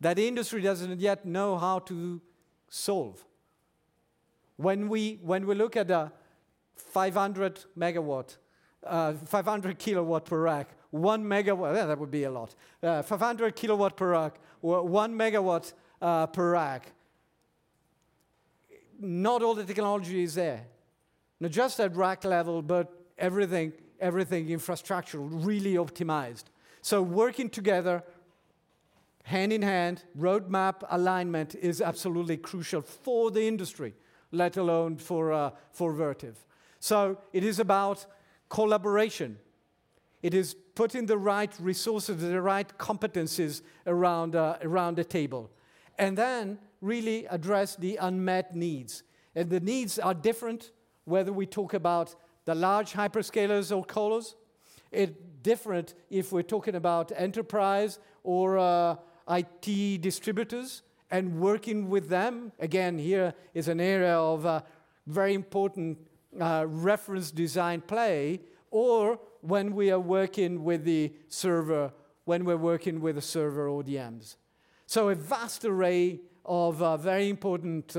that the industry doesn't yet know how to solve. When we look at a 500 kilowatt per rack, one megawatt, that would be a lot. 500 kilowatt per rack or one megawatt per rack. Not all the technology is there. Not just at rack level, but everything infrastructure really optimized, so working together hand in hand, roadmap alignment is absolutely crucial for the industry, let alone for Vertiv, so it is about collaboration. It is putting the right resources, the right competencies around the table, and then really address the unmet needs, and the needs are different whether we talk about the large hyperscalers or colos. It's different if we're talking about enterprise or IT distributors and working with them. Again, here is an area of very important reference design play or when we are working with the server, when we're working with the server ODMs. So a vast array of very important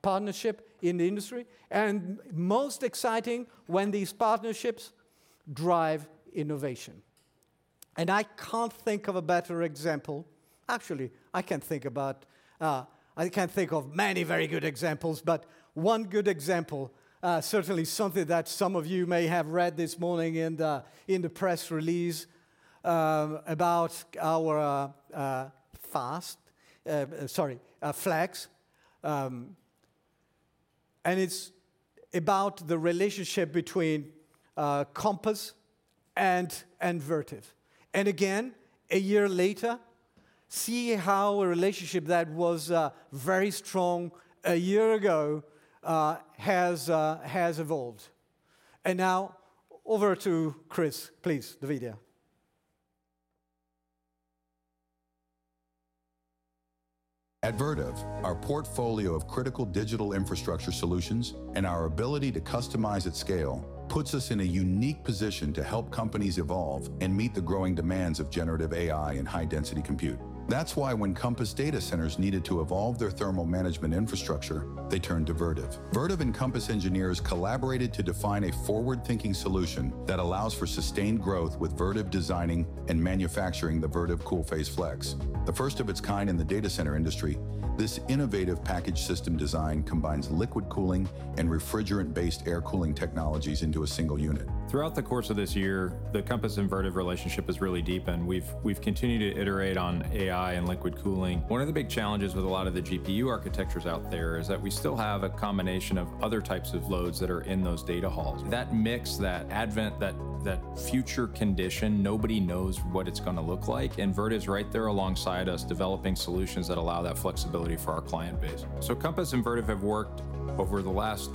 partnerships in the industry. And most exciting when these partnerships drive innovation. And I can't think of a better example. Actually, I can think of many very good examples, but one good example, certainly something that some of you may have read this morning in the press release about our fast, sorry, flex. And it's about the relationship between Compass and Vertiv. And again, a year later, see how a relationship that was very strong a year ago has evolved. And now over to Chris, please, David. At Vertiv, our portfolio of critical digital infrastructure solutions and our ability to customize at scale puts us in a unique position to help companies evolve and meet the growing demands of generative AI and high-density compute. That's why when Compass Datacenters needed to evolve their thermal management infrastructure, they turned to Vertiv. Vertiv and Compass engineers collaborated to define a forward-thinking solution that allows for sustained growth with Vertiv designing and manufacturing the Vertiv CoolPhase Flex. The first of its kind in the data center industry, this innovative package system design combines liquid cooling and refrigerant-based air cooling technologies into a single unit. Throughout the course of this year, the Compass and Vertiv relationship is really deep, and we've continued to iterate on AI and liquid cooling. One of the big challenges with a lot of the GPU architectures out there is that we still have a combination of other types of loads that are in those data halls. That mix, that blend, that future condition, nobody knows what it's going to look like. And Vertiv's right there alongside us developing solutions that allow that flexibility for our client base. So Compass and Vertiv have worked over the last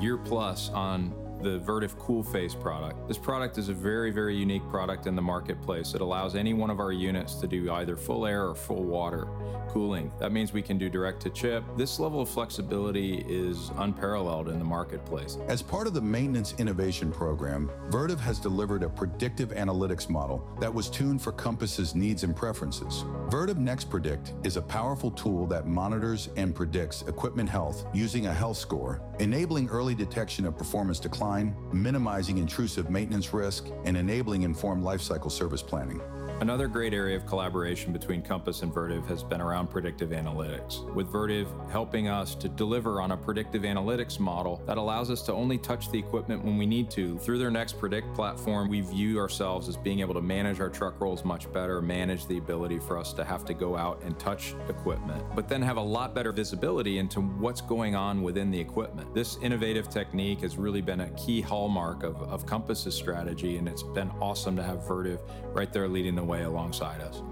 year plus on the Vertiv CoolPhase Flex product. This product is a very, very unique product in the marketplace. It allows any one of our units to do either full air or full water cooling. That means we can do direct-to-chip. This level of flexibility is unparalleled in the marketplace. As part of the maintenance innovation program, Vertiv has delivered a predictive analytics model that was tuned for Compass's needs and preferences. Vertiv NextPredict is a powerful tool that monitors and predicts equipment health using a health score, enabling early detection of performance decline, minimizing intrusive maintenance risk, and enabling informed lifecycle service planning. Another great area of collaboration between Compass and Vertiv has been around predictive analytics, with Vertiv helping us to deliver on a predictive analytics model that allows us to only touch the equipment when we need to. Through their NextPredict platform, we view ourselves as being able to manage our truck rolls much better, manage the ability for us to have to go out and touch equipment, but then have a lot better visibility into what's going on within the equipment. This innovative technique has really been a key hallmark of Compass's strategy, and it's been awesome to have Vertiv right there leading the way alongside us.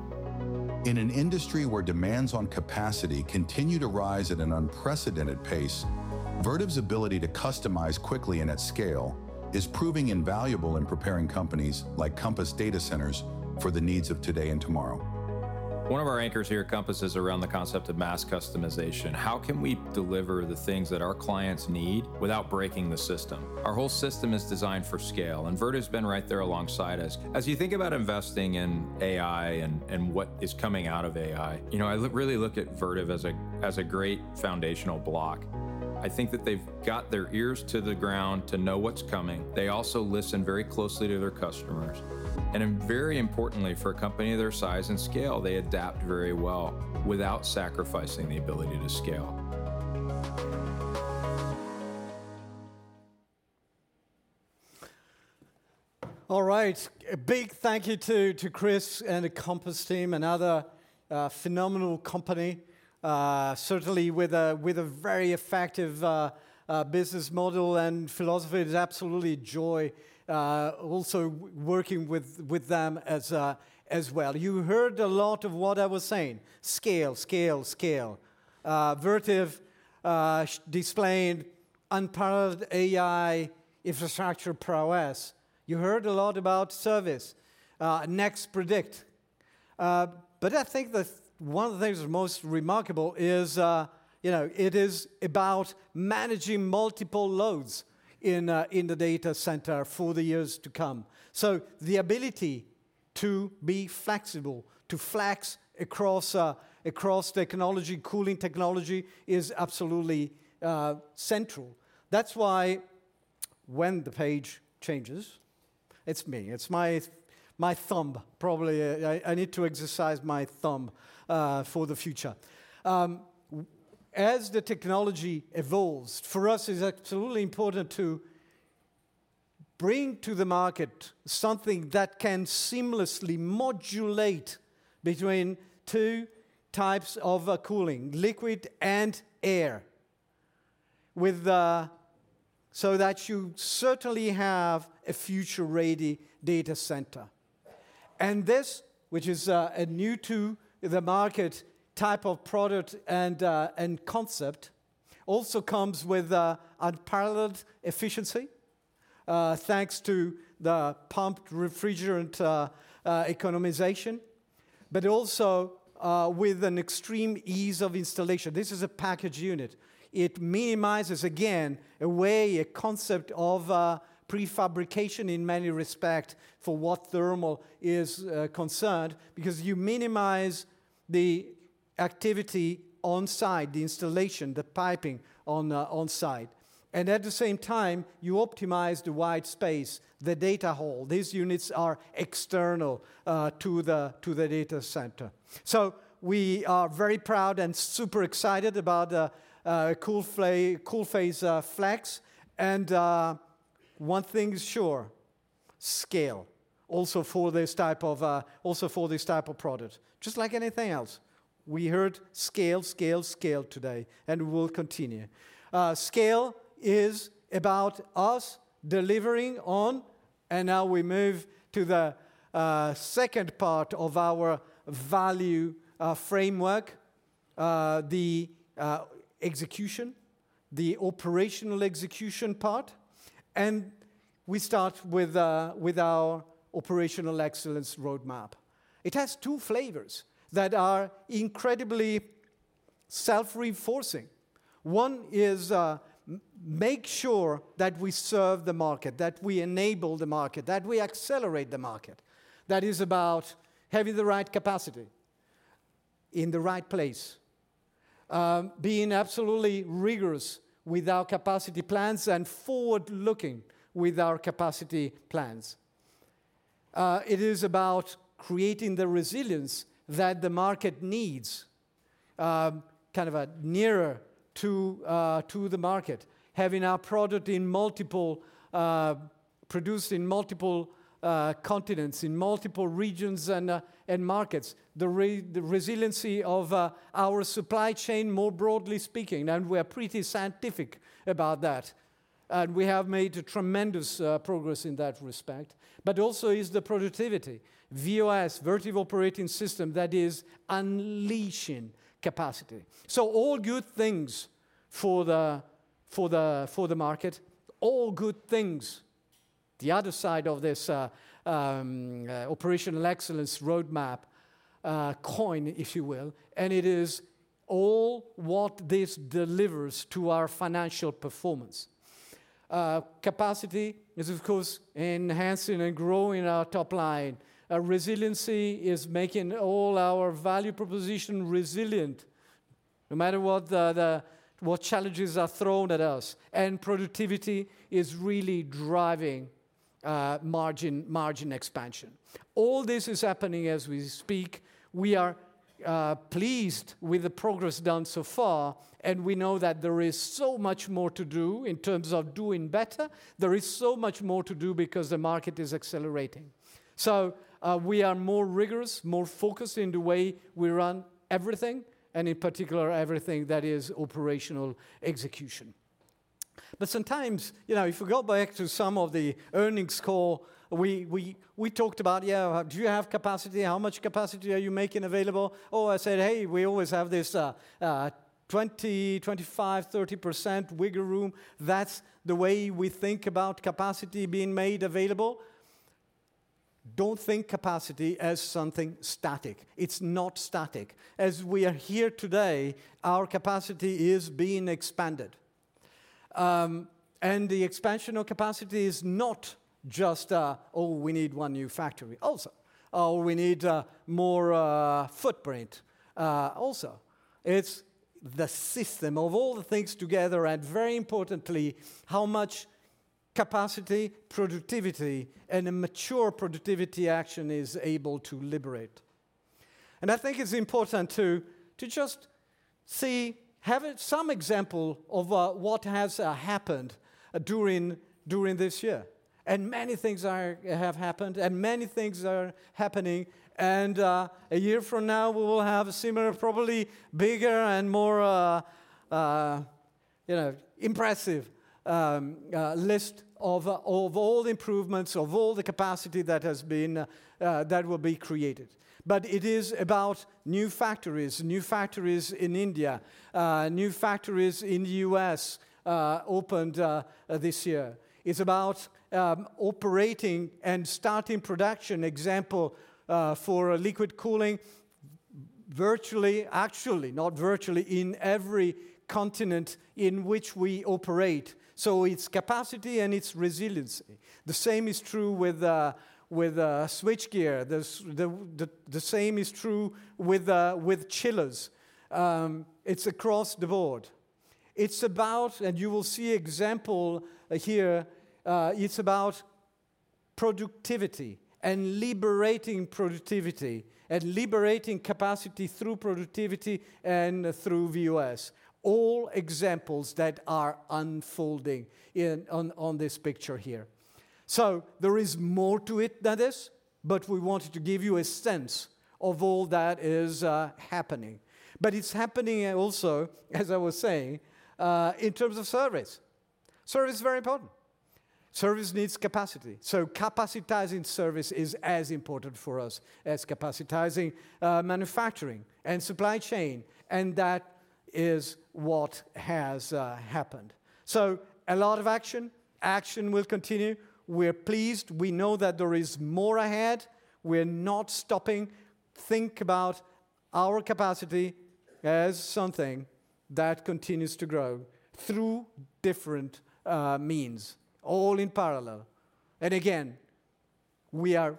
In an industry where demands on capacity continue to rise at an unprecedented pace, Vertiv's ability to customize quickly and at scale is proving invaluable in preparing companies like Compass Data Centers for the needs of today and tomorrow. One of our anchors here at Compass is around the concept of mass customization. How can we deliver the things that our clients need without breaking the system? Our whole system is designed for scale, and Vertiv's been right there alongside us. As you think about investing in AI and what is coming out of AI, I really look at Vertiv as a great foundational block. I think that they've got their ears to the ground to know what's coming. They also listen very closely to their customers. And very importantly, for a company of their size and scale, they adapt very well without sacrificing the ability to scale. All right. A big thank you to Chris and the Compass team and other phenomenal company, certainly with a very effective business model and philosophy. It's absolutely a joy also working with them as well. You heard a lot of what I was saying. Scale, scale, scale. Vertiv displayed unparalleled AI infrastructure prowess. You heard a lot about service. NextPredict. But I think that one of the things that's most remarkable is it is about managing multiple loads in the data center for the years to come. So the ability to be flexible, to flex across technology, cooling technology is absolutely central. That's why when the page changes, it's me. It's my thumb, probably. I need to exercise my thumb for the future. As the technology evolves, for us, it's absolutely important to bring to the market something that can seamlessly modulate between two types of cooling, liquid and air, so that you certainly have a future-ready data center, and this, which is a new to the market type of product and concept, also comes with unparalleled efficiency thanks to the pumped refrigerant economization, but also with an extreme ease of installation. This is a package unit. It minimizes, again, the concept of prefabrication in many respects for what thermal is concerned because you minimize the activity on-site, the installation, the piping on-site, and at the same time, you optimize the white space, the data hall. These units are external to the data center, so we are very proud and super excited about CoolPhase Flex, and one thing is sure, scale also for this type of product. Just like anything else, we heard scale, scale, scale today, and we will continue. Scale is about us delivering on, and now we move to the second part of our value framework, the execution, the operational execution part. And we start with our operational excellence roadmap. It has two flavors that are incredibly self-reinforcing. One is make sure that we serve the market, that we enable the market, that we accelerate the market. That is about having the right capacity in the right place, being absolutely rigorous with our capacity plans and forward-looking with our capacity plans. It is about creating the resilience that the market needs, kind of a mirror to the market, having our product produced in multiple continents, in multiple regions and markets, the resiliency of our supply chain, more broadly speaking. And we are pretty scientific about that. We have made tremendous progress in that respect. Also is the productivity, VOS, Vertiv Operating System that is unleashing capacity. All good things for the market, all good things, the other side of this operational excellence roadmap coin, if you will. It is all what this delivers to our financial performance. Capacity is, of course, enhancing and growing our top line. Resiliency is making all our value proposition resilient, no matter what challenges are thrown at us. Productivity is really driving margin expansion. All this is happening as we speak. We are pleased with the progress done so far, and we know that there is so much more to do in terms of doing better. There is so much more to do because the market is accelerating. So we are more rigorous, more focused in the way we run everything, and in particular, everything that is operational execution. But sometimes, if we go back to some of the earnings call, we talked about, yeah, do you have capacity? How much capacity are you making available? Oh, I said, hey, we always have this 20%, 25%, 30% wiggle room. That's the way we think about capacity being made available. Don't think capacity as something static. It's not static. As we are here today, our capacity is being expanded. And the expansion of capacity is not just, oh, we need one new factory also, or we need more footprint also. It's the system of all the things together and very importantly, how much capacity, productivity, and a mature productivity action is able to liberate. And I think it's important to just see, have some example of what has happened during this year. And many things have happened, and many things are happening. And a year from now, we will have a similar, probably bigger and more impressive list of all the improvements, of all the capacity that will be created. But it is about new factories, new factories in India, new factories in the U.S. opened this year. It's about operating and starting production example for liquid cooling virtually, actually, not virtually, in every continent in which we operate. So it's capacity and it's resiliency. The same is true with switchgear. The same is true with chillers. It's across the board. It's about, and you will see example here, it's about productivity and liberating productivity and liberating capacity through productivity and through VOS. All examples that are unfolding on this picture here. So there is more to it than this, but we wanted to give you a sense of all that is happening. But it's happening also, as I was saying, in terms of service. Service is very important. Service needs capacity. So capacitizing service is as important for us as capacitizing manufacturing and supply chain. And that is what has happened. So a lot of action. Action will continue. We're pleased. We know that there is more ahead. We're not stopping. Think about our capacity as something that continues to grow through different means, all in parallel. And again, we are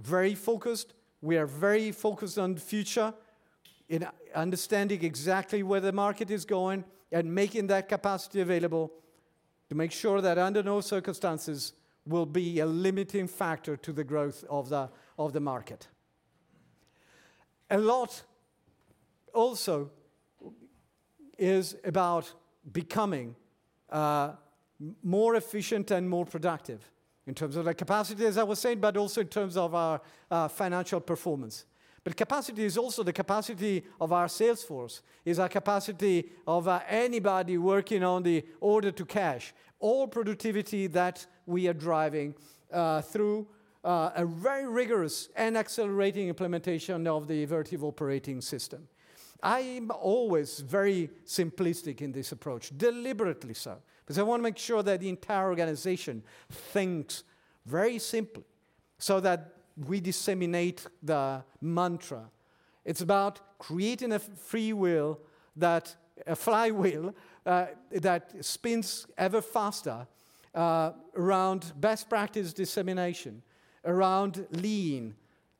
very focused. We are very focused on the future, understanding exactly where the market is going and making that capacity available to make sure that under no circumstances will be a limiting factor to the growth of the market. A lot also is about becoming more efficient and more productive in terms of capacity, as I was saying, but also in terms of our financial performance, but capacity is also the capacity of our salesforce, is our capacity of anybody working on the order to cash, all productivity that we are driving through a very rigorous and accelerating implementation of the Vertiv Operating System. I am always very simplistic in this approach, deliberately so, because I want to make sure that the entire organization thinks very simply so that we disseminate the mantra. It's about creating a freewheel, a flywheel that spins ever faster around best practice dissemination, around lean,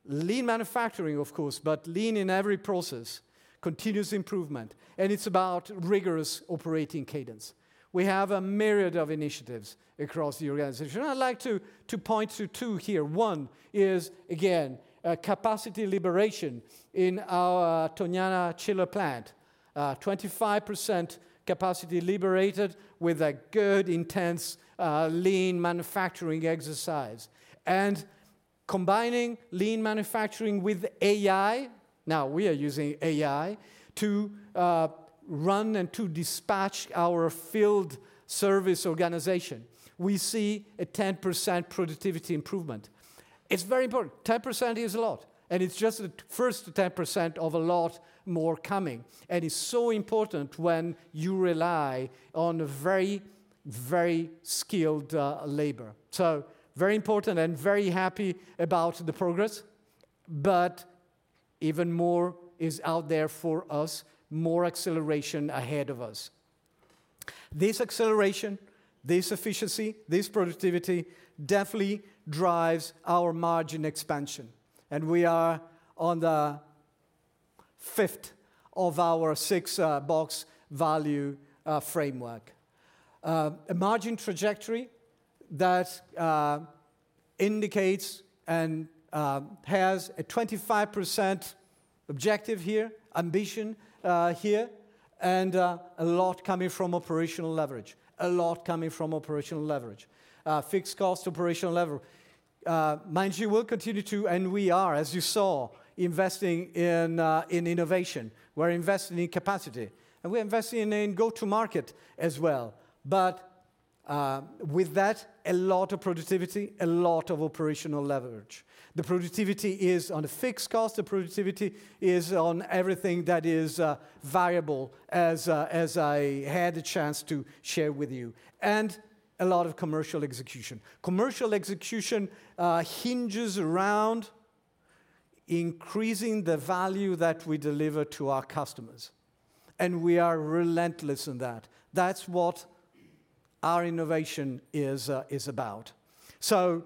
lean manufacturing, of course, but lean in every process, continuous improvement, and it's about rigorous operating cadence. We have a myriad of initiatives across the organization. I'd like to point to two here. One is, again, capacity liberation in our Tognana chiller plant. 25% capacity liberated with a good, intense, lean manufacturing exercise, and combining lean manufacturing with AI, now we are using AI to run and to dispatch our field service organization. We see a 10% productivity improvement. It's very important. 10% is a lot, and it's just the first 10% of a lot more coming. And it's so important when you rely on very, very skilled labor, so very important and very happy about the progress, but even more is out there for us, more acceleration ahead of us. This acceleration, this efficiency, this productivity definitely drives our margin expansion, and we are on the fifth of our six-box value framework. A margin trajectory that indicates and has a 25% objective here, ambition here, and a lot coming from operational leverage, a lot coming from operational leverage, fixed cost operational leverage. Mind you, we'll continue to, and we are, as you saw, investing in innovation. We're investing in capacity, and we're investing in go-to-market as well. But with that, a lot of productivity, a lot of operational leverage. The productivity is on the fixed cost. The productivity is on everything that is viable, as I had a chance to share with you. And a lot of commercial execution. Commercial execution hinges around increasing the value that we deliver to our customers, and we are relentless in that. That's what our innovation is about. So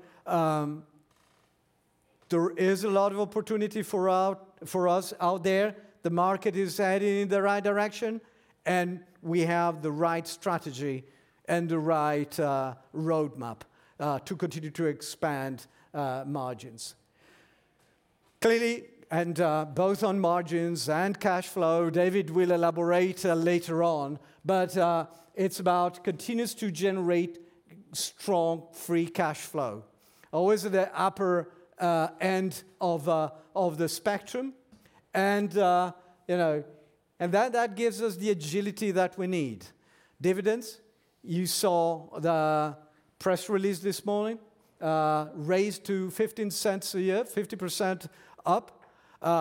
there is a lot of opportunity for us out there. The market is heading in the right direction, and we have the right strategy and the right roadmap to continue to expand margins. Clearly, and both on margins and cash flow, David will elaborate later on, but it's about continues to generate strong free cash flow. Always at the upper end of the spectrum, and that gives us the agility that we need. Dividends, you saw the press release this morning, raised to $0.15 a year, 50% up.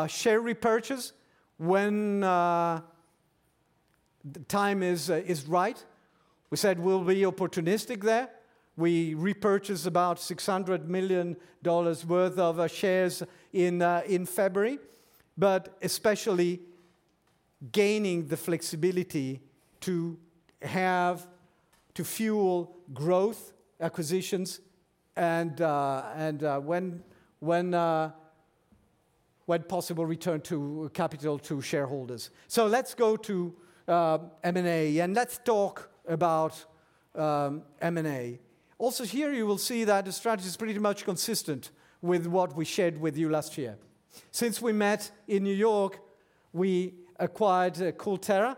Share repurchase, when the time is right, we said we'll be opportunistic there. We repurchased about $600 million worth of shares in February, but especially gaining the flexibility to fuel growth acquisitions and when possible, return capital to shareholders, so let's go to M&A and let's talk about M&A. Also, here, you will see that the strategy is pretty much consistent with what we shared with you last year. Since we met in New York, we acquired CoolTera,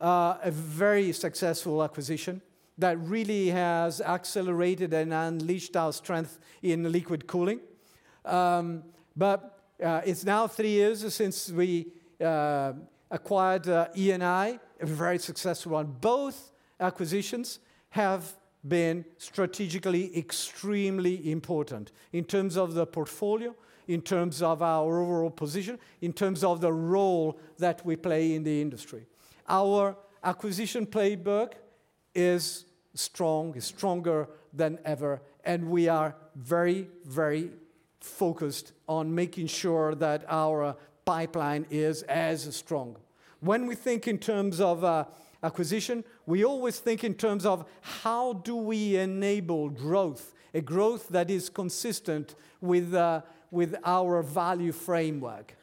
a very successful acquisition that really has accelerated and unleashed our strength in liquid cooling, but it's now three years since we acquired E&I, a very successful one. Both acquisitions have been strategically extremely important in terms of the portfolio, in terms of our overall position, in terms of the role that we play in the industry. Our acquisition playbook is strong, is stronger than ever, and we are very, very focused on making sure that our pipeline is as strong. When we think in terms of acquisition, we always think in terms of how do we enable growth, a growth that is consistent with our value framework.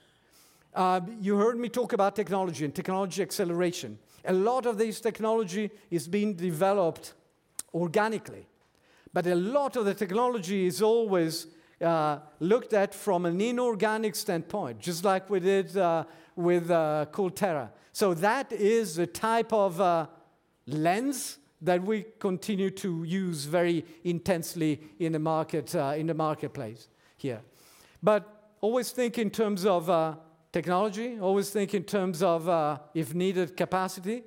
You heard me talk about technology and technology acceleration. A lot of this technology is being developed organically, but a lot of the technology is always looked at from an inorganic standpoint, just like we did with CoolTera, so that is a type of lens that we continue to use very intensely in the marketplace here. But always think in terms of technology, always think in terms of, if needed, capacity,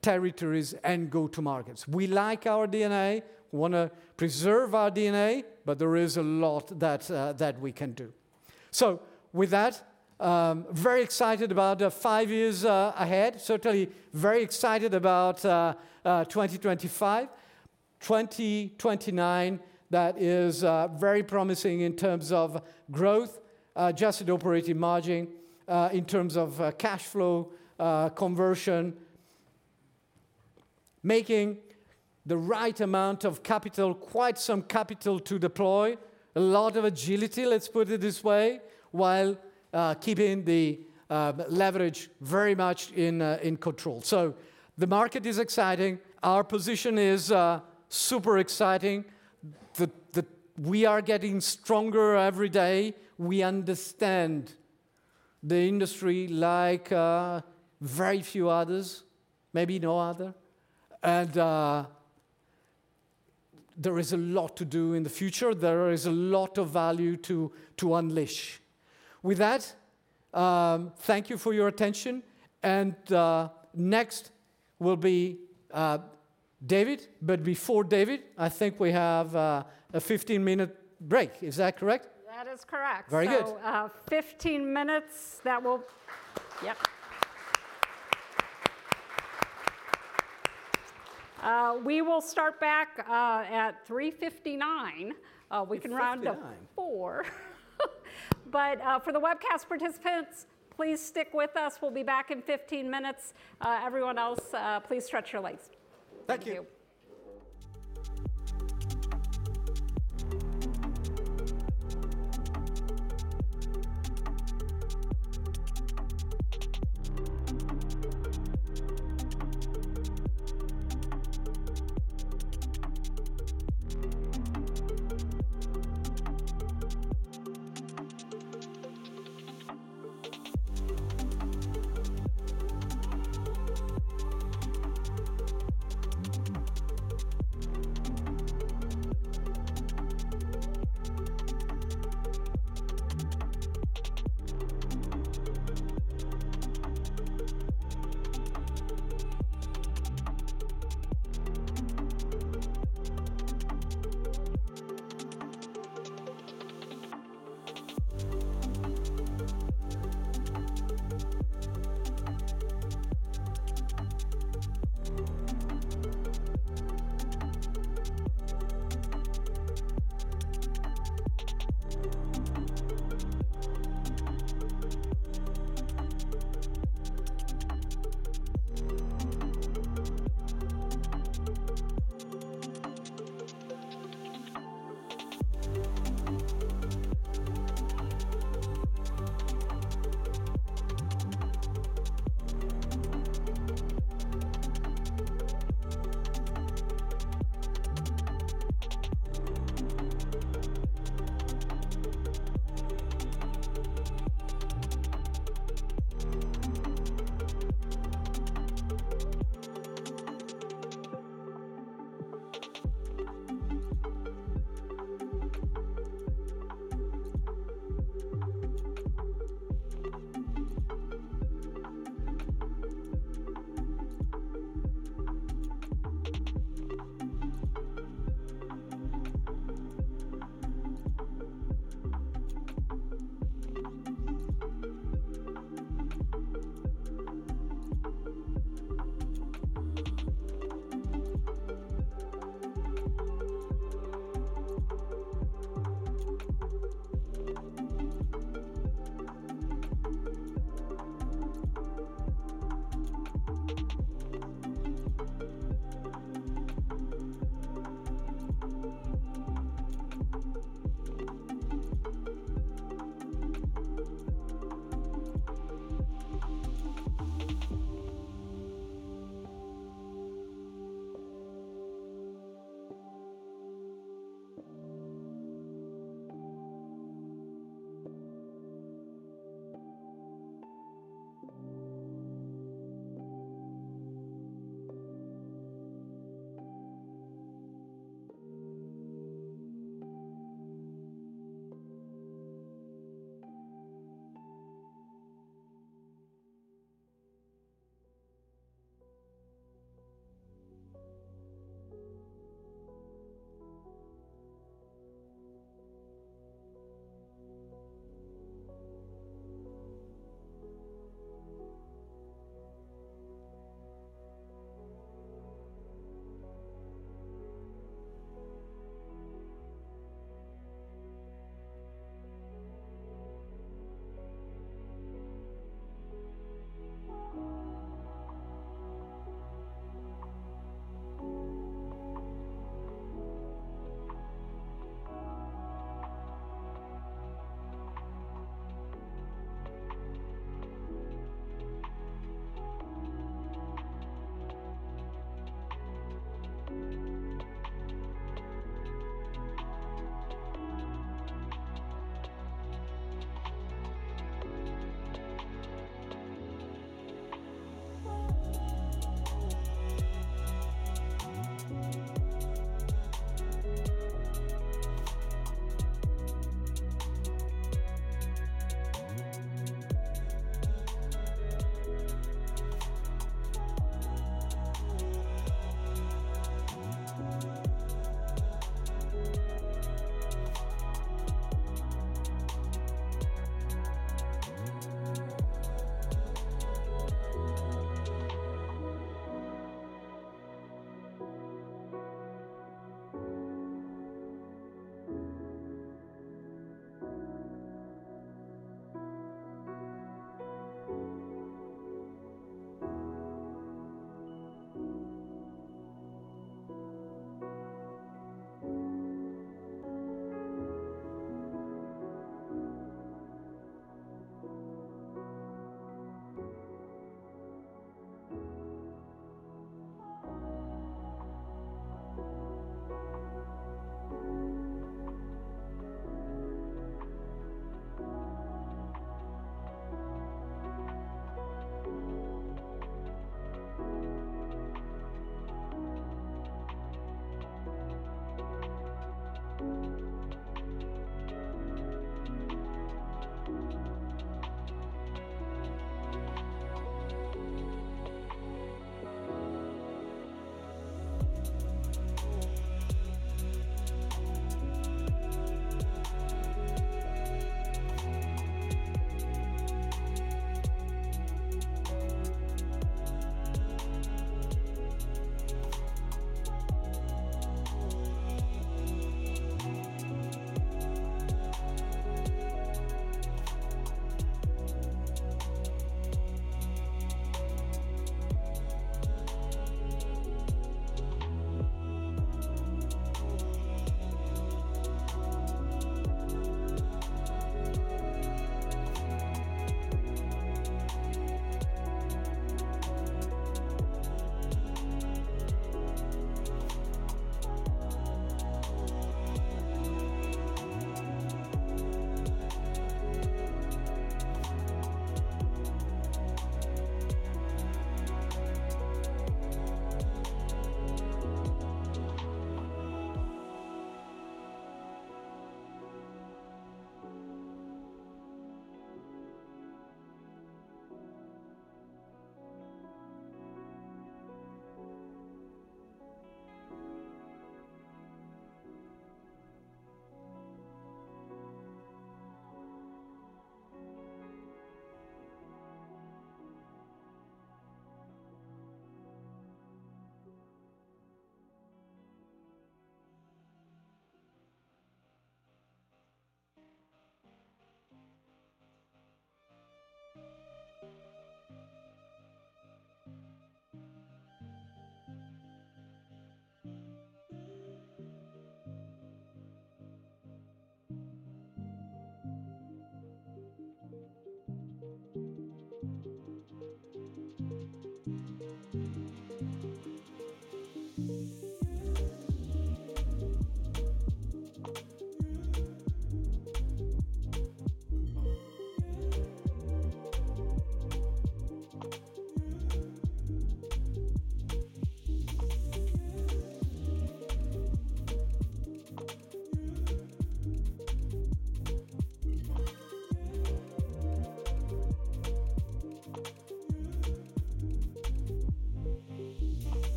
territories, and go-to-markets. We like our DNA. We want to preserve our DNA, but there is a lot that we can do. So with that, very excited about five years ahead, certainly very excited about 2025. 2029, that is very promising in terms of growth, adjusted operating margin in terms of cash flow conversion, making the right amount of capital, quite some capital to deploy, a lot of agility, let's put it this way, while keeping the leverage very much in control. So the market is exciting. Our position is super exciting. We are getting stronger every day. We understand the industry like very few others, maybe no other. And there is a lot to do in the future. There is a lot of value to unleash. With that, thank you for your attention. Next will be David. But before David, I think we have a 15-minute break. Is that correct? That is correct. Very good. So 15 minutes, that will, yep. We will start back at 3:59 P.M. We can round up 4. But for the webcast participants, please stick with us. We'll be back in 15 minutes. Everyone else, please stretch your legs. Thank you. Thank you.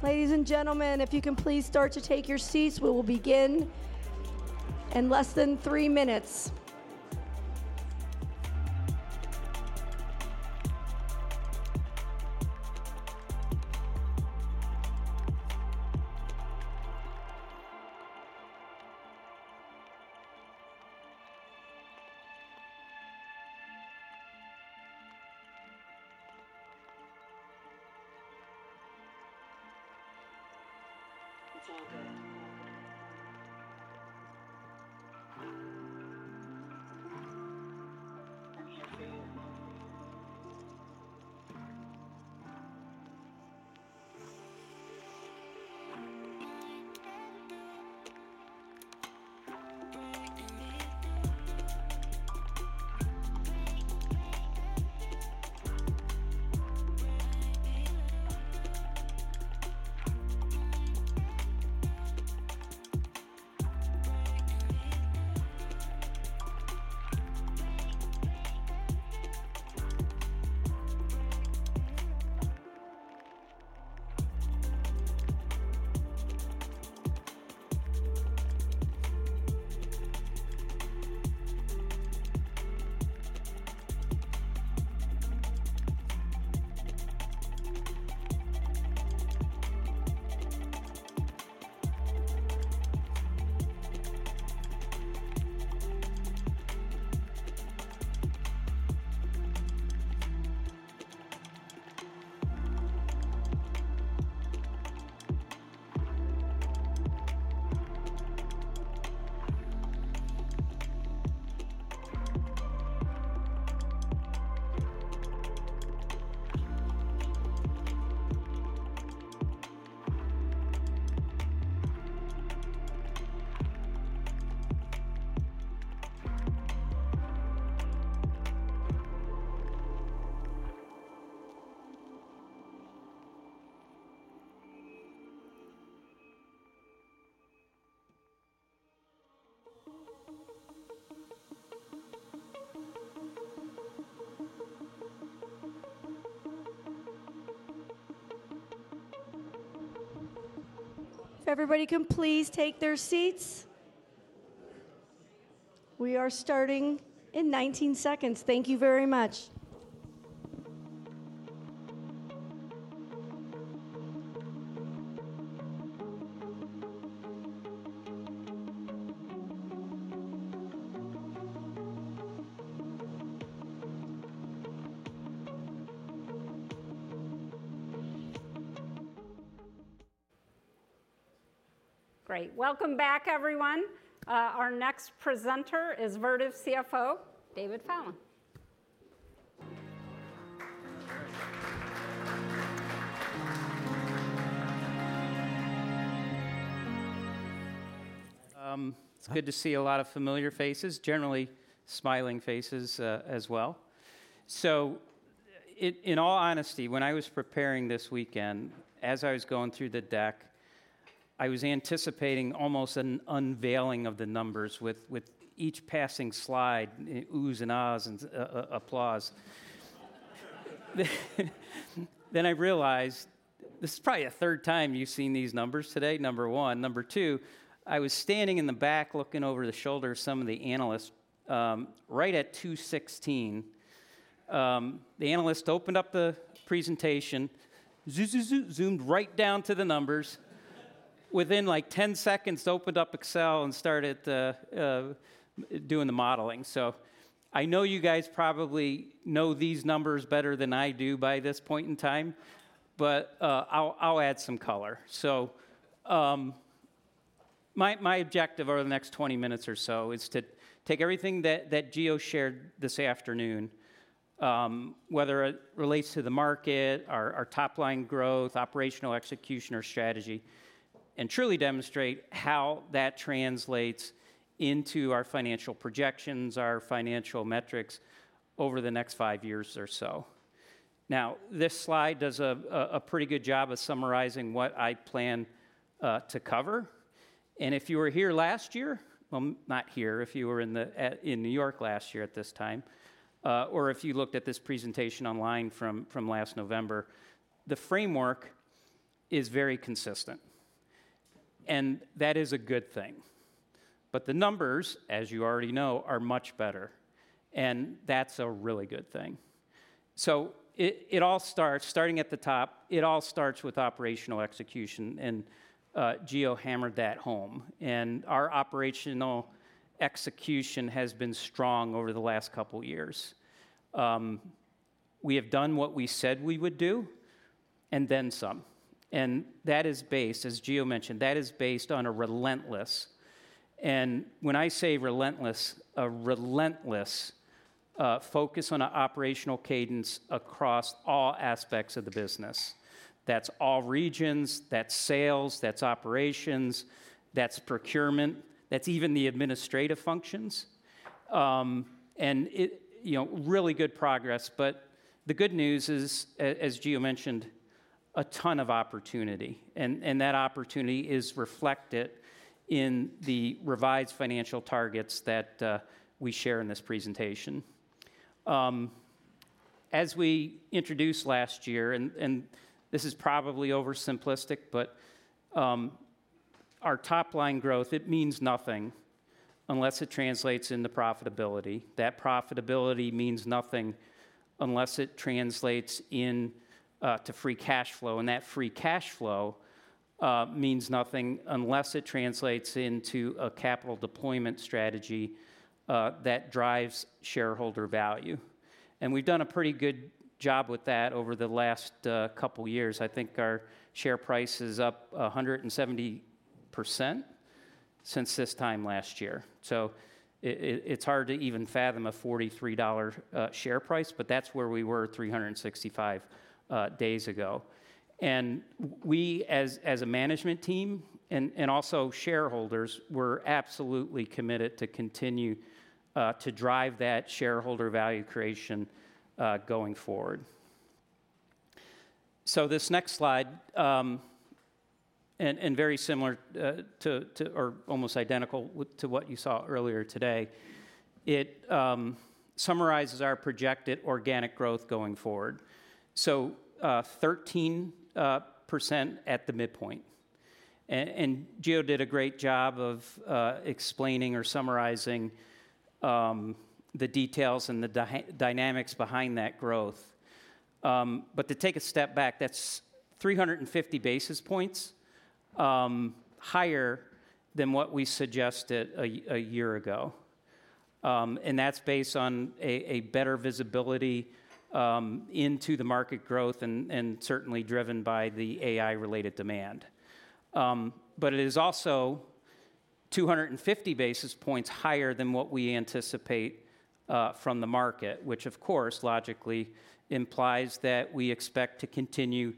Ladies and gentlemen, if you can please start to take your seats, we will begin in less than three minutes. It's all good. If everybody can please take their seats. We are starting in 19 seconds. Thank you very much. Great. Welcome back, everyone. Our next presenter is Vertiv CFO, David Fallon. It's good to see a lot of familiar faces, generally smiling faces as well. In all honesty, when I was preparing this weekend, as I was going through the deck, I was anticipating almost an unveiling of the numbers with each passing slide, oohs and ahs and applause. I realized this is probably a third time you've seen these numbers today, number one. Number two, I was standing in the back looking over the shoulder of some of the analysts right at 2:16 P.M. The analyst opened up the presentation, zoomed right down to the numbers. Within like 10 seconds, opened up Excel and started doing the modeling. I know you guys probably know these numbers better than I do by this point in time, but I'll add some color. So, my objective over the next 20 minutes or so is to take everything that Gio shared this afternoon, whether it relates to the market, our top line growth, operational execution, or strategy, and truly demonstrate how that translates into our financial projections, our financial metrics over the next five years or so. Now, this slide does a pretty good job of summarizing what I plan to cover. And if you were here last year, well, not here, if you were in New York last year at this time, or if you looked at this presentation online from last November, the framework is very consistent. And that is a good thing. But the numbers, as you already know, are much better. And that's a really good thing. So, it all starts at the top, it all starts with operational execution. And Gio hammered that home. Our operational execution has been strong over the last couple of years. We have done what we said we would do and then some. That is based, as Gio mentioned, that is based on a relentless, and when I say relentless, a relentless focus on an operational cadence across all aspects of the business. That's all regions, that's sales, that's operations, that's procurement, that's even the administrative functions. Really good progress. The good news is, as Gio mentioned, a ton of opportunity. That opportunity is reflected in the revised financial targets that we share in this presentation. As we introduced last year, and this is probably oversimplistic, but our top line growth, it means nothing unless it translates into profitability. That profitability means nothing unless it translates into free cash flow. That free cash flow means nothing unless it translates into a capital deployment strategy that drives shareholder value. We've done a pretty good job with that over the last couple of years. I think our share price is up 170% since this time last year. It's hard to even fathom a $43 share price, but that's where we were 365 days ago. We, as a management team and also shareholders, were absolutely committed to continue to drive that shareholder value creation going forward. This next slide, very similar to or almost identical to what you saw earlier today, summarizes our projected organic growth going forward. 13% at the midpoint. Gio did a great job of explaining or summarizing the details and the dynamics behind that growth. But to take a step back, that's 350 basis points higher than what we suggested a year ago. And that's based on a better visibility into the market growth and certainly driven by the AI-related demand. But it is also 250 basis points higher than what we anticipate from the market, which of course, logically implies that we expect to continue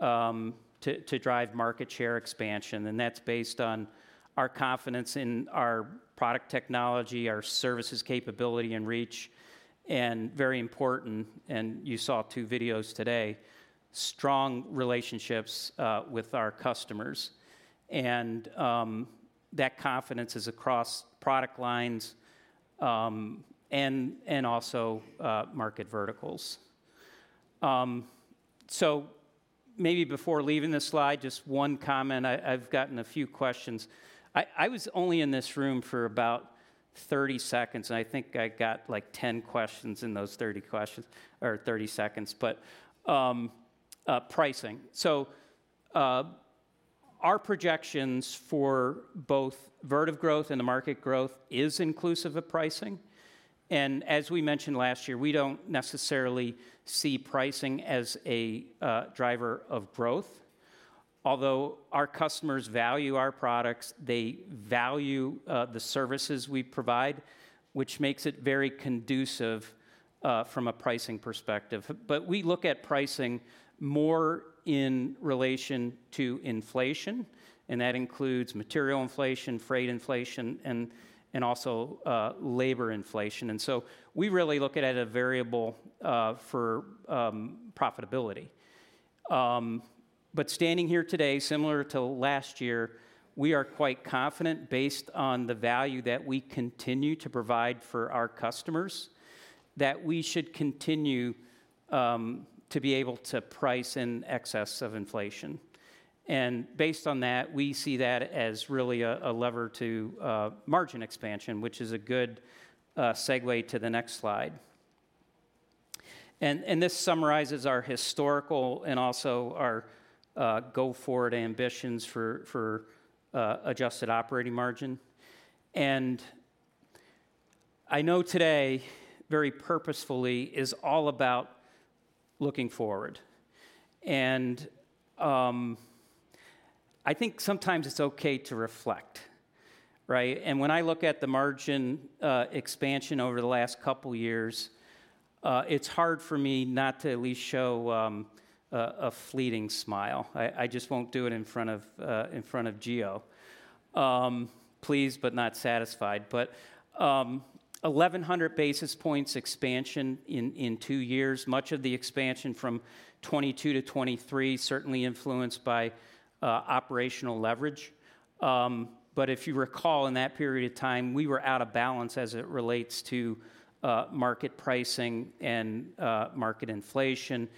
to drive market share expansion. And that's based on our confidence in our product technology, our services capability and reach, and very important, and you saw two videos today, strong relationships with our customers. And that confidence is across product lines and also market verticals. So, maybe before leaving this slide, just one comment. I've gotten a few questions. I was only in this room for about 30 seconds, and I think I got like 10 questions in those 30 questions or 30 seconds. But pricing. Our projections for both Vertiv growth and the market growth is inclusive of pricing. As we mentioned last year, we don't necessarily see pricing as a driver of growth. Although our customers value our products, they value the services we provide, which makes it very conducive from a pricing perspective. We look at pricing more in relation to inflation, and that includes material inflation, freight inflation, and also labor inflation. We really look at it as a variable for profitability. Standing here today, similar to last year, we are quite confident based on the value that we continue to provide for our customers that we should continue to be able to price in excess of inflation. Based on that, we see that as really a lever to margin expansion, which is a good segue to the next slide. This summarizes our historical and also our go forward ambitions for adjusted operating margin. I know today very purposefully is all about looking forward. I think sometimes it's okay to reflect, right? When I look at the margin expansion over the last couple of years, it's hard for me not to at least show a fleeting smile. I just won't do it in front of Gio. Pleased, but not satisfied. 1,100 basis points expansion in two years, much of the expansion from 2022 to 2023, certainly influenced by operational leverage. If you recall, in that period of time, we were out of balance as it relates to market pricing and market inflation.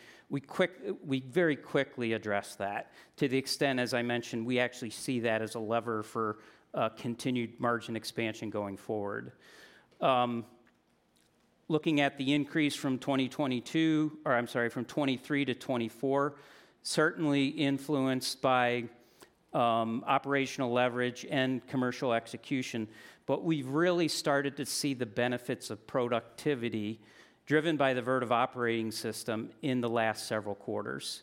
We very quickly addressed that to the extent, as I mentioned, we actually see that as a lever for continued margin expansion going forward. Looking at the increase from 2022, or I'm sorry, from 2023 to 2024, certainly influenced by operational leverage and commercial execution, but we've really started to see the benefits of productivity driven by the Vertiv Operating System in the last several quarters,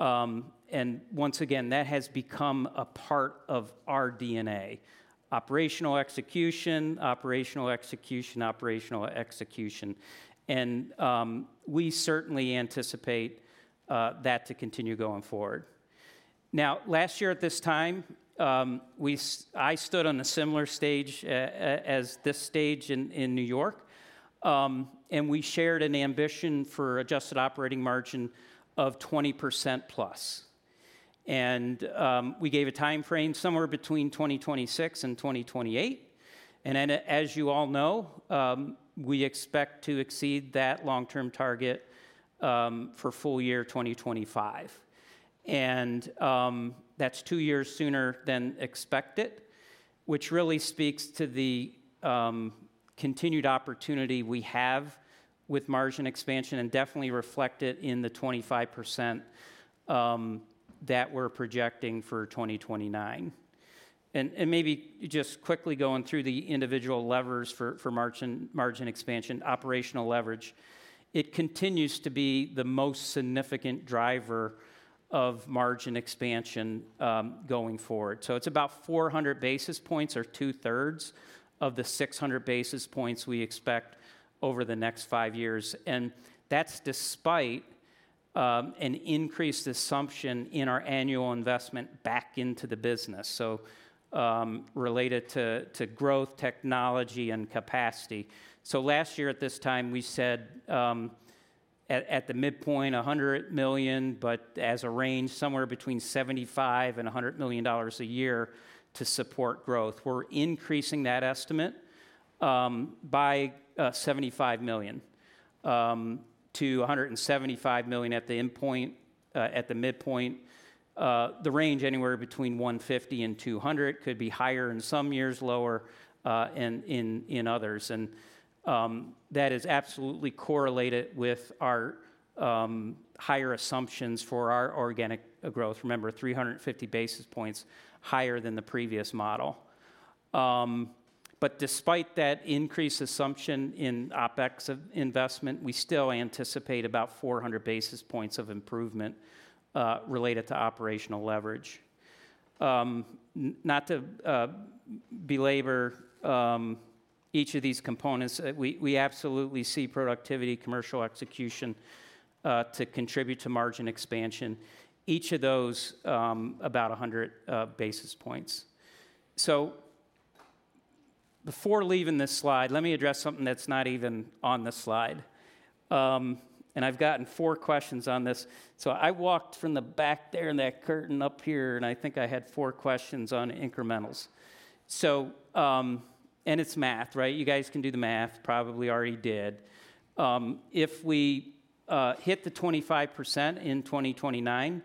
and once again, that has become a part of our DNA: operational execution, operational execution, operational execution, and we certainly anticipate that to continue going forward. Now, last year at this time, I stood on a similar stage as this stage in New York, and we shared an ambition for adjusted operating margin of 20%+, and we gave a timeframe somewhere between 2026 and 2028, and as you all know, we expect to exceed that long-term target for full year 2025. That's two years sooner than expected, which really speaks to the continued opportunity we have with margin expansion and definitely reflected in the 25% that we're projecting for 2029. Maybe just quickly going through the individual levers for margin expansion, operational leverage, it continues to be the most significant driver of margin expansion going forward. It's about 400 basis points or two-thirds of the 600 basis points we expect over the next five years. That's despite an increased assumption in our annual investment back into the business, so related to growth, technology, and capacity. Last year at this time, we said at the midpoint, $100 million, but as a range, somewhere between $75 million -$100 million a year to support growth. We're increasing that estimate by $75 million to $175 million at the midpoint. The range anywhere between 150 and 200 could be higher in some years, lower in others, and that is absolutely correlated with our higher assumptions for our organic growth. Remember, 350 basis points higher than the previous model, but despite that increased assumption in OpEx investment, we still anticipate about 400 basis points of improvement related to operational leverage. Not to belabor each of these components, we absolutely see productivity, commercial execution to contribute to margin expansion. Each of those, about 100 basis points, so before leaving this slide, let me address something that's not even on the slide, and I've gotten four questions on this, so I walked from the back there in that curtain up here, and I think I had four questions on incrementals, so and it's math, right? You guys can do the math, probably already did. If we hit the 25% in 2029,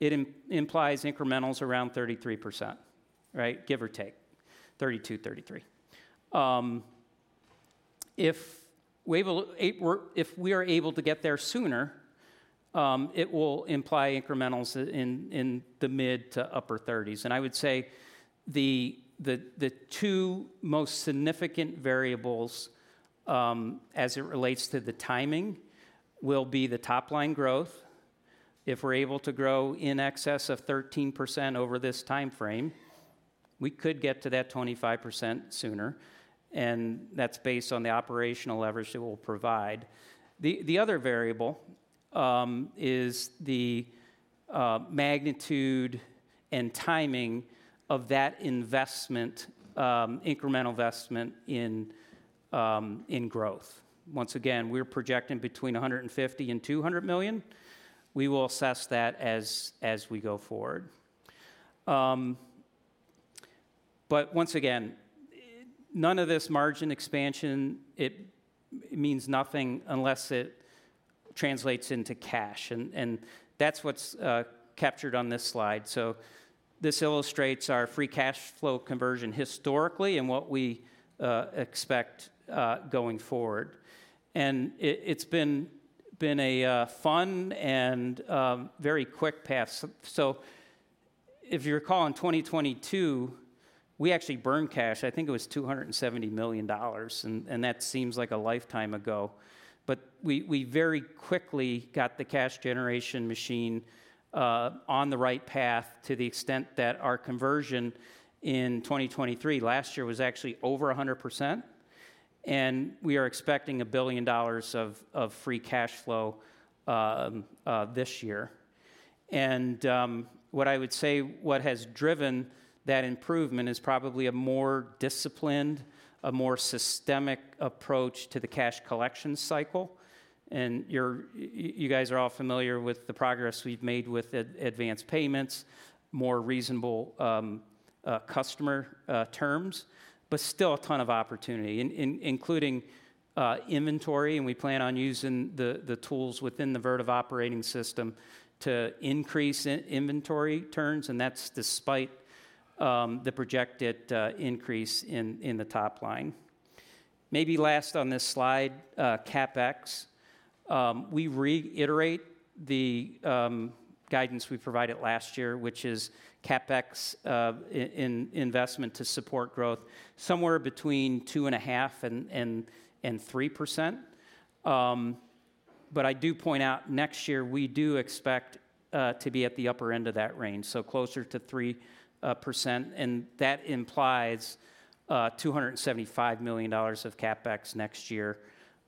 it implies incrementals around 33%, right? Give or take, 32%, 33%. If we are able to get there sooner, it will imply incrementals in the mid to upper 30s. And I would say the two most significant variables as it relates to the timing will be the top line growth. If we're able to grow in excess of 13% over this timeframe, we could get to that 25% sooner. And that's based on the operational leverage that we'll provide. The other variable is the magnitude and timing of that investment, incremental investment in growth. Once again, we're projecting between $150 million and $200 million. We will assess that as we go forward. But once again, none of this margin expansion, it means nothing unless it translates into cash. And that's what's captured on this slide. So, this illustrates our free cash flow conversion historically and what we expect going forward, and it's been a fun and very quick path. So, if you recall in 2022, we actually burned cash. I think it was $270 million, and that seems like a lifetime ago. But we very quickly got the cash generation machine on the right path to the extent that our conversion in 2023, last year, was actually over 100%. We are expecting $1 billion of free cash flow this year. What I would say, what has driven that improvement is probably a more disciplined, a more systemic approach to the cash collection cycle. You guys are all familiar with the progress we've made with advanced payments, more reasonable customer terms, but still a ton of opportunity, including inventory. And we plan on using the tools within the Vertiv Operating System to increase inventory turns. And that's despite the projected increase in the top line. Maybe last on this slide, CapEx. We reiterate the guidance we provided last year, which is CapEx investment to support growth somewhere between 2.5% and 3%. But I do point out next year, we do expect to be at the upper end of that range, so closer to 3%. And that implies $275 million of CapEx next year.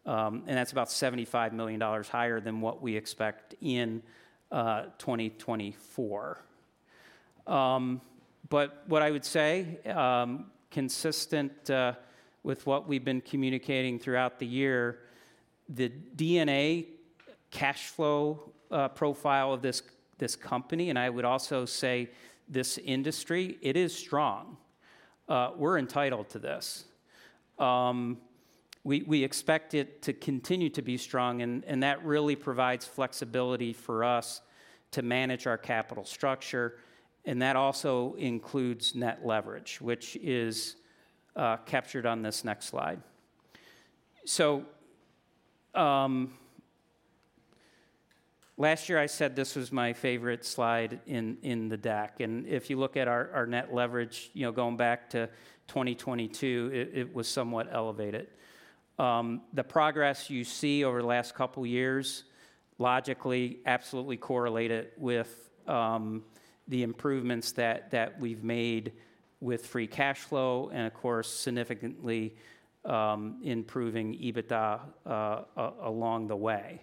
And that's about $75 million higher than what we expect in 2024. But what I would say, consistent with what we've been communicating throughout the year, the DNA cash flow profile of this company, and I would also say this industry, it is strong. We're entitled to this. We expect it to continue to be strong. And that really provides flexibility for us to manage our capital structure. And that also includes net leverage, which is captured on this next slide. So, last year, I said this was my favorite slide in the deck. And if you look at our net leverage, going back to 2022, it was somewhat elevated. The progress you see over the last couple of years, logically, absolutely correlated with the improvements that we've made with free cash flow and, of course, significantly improving EBITDA along the way.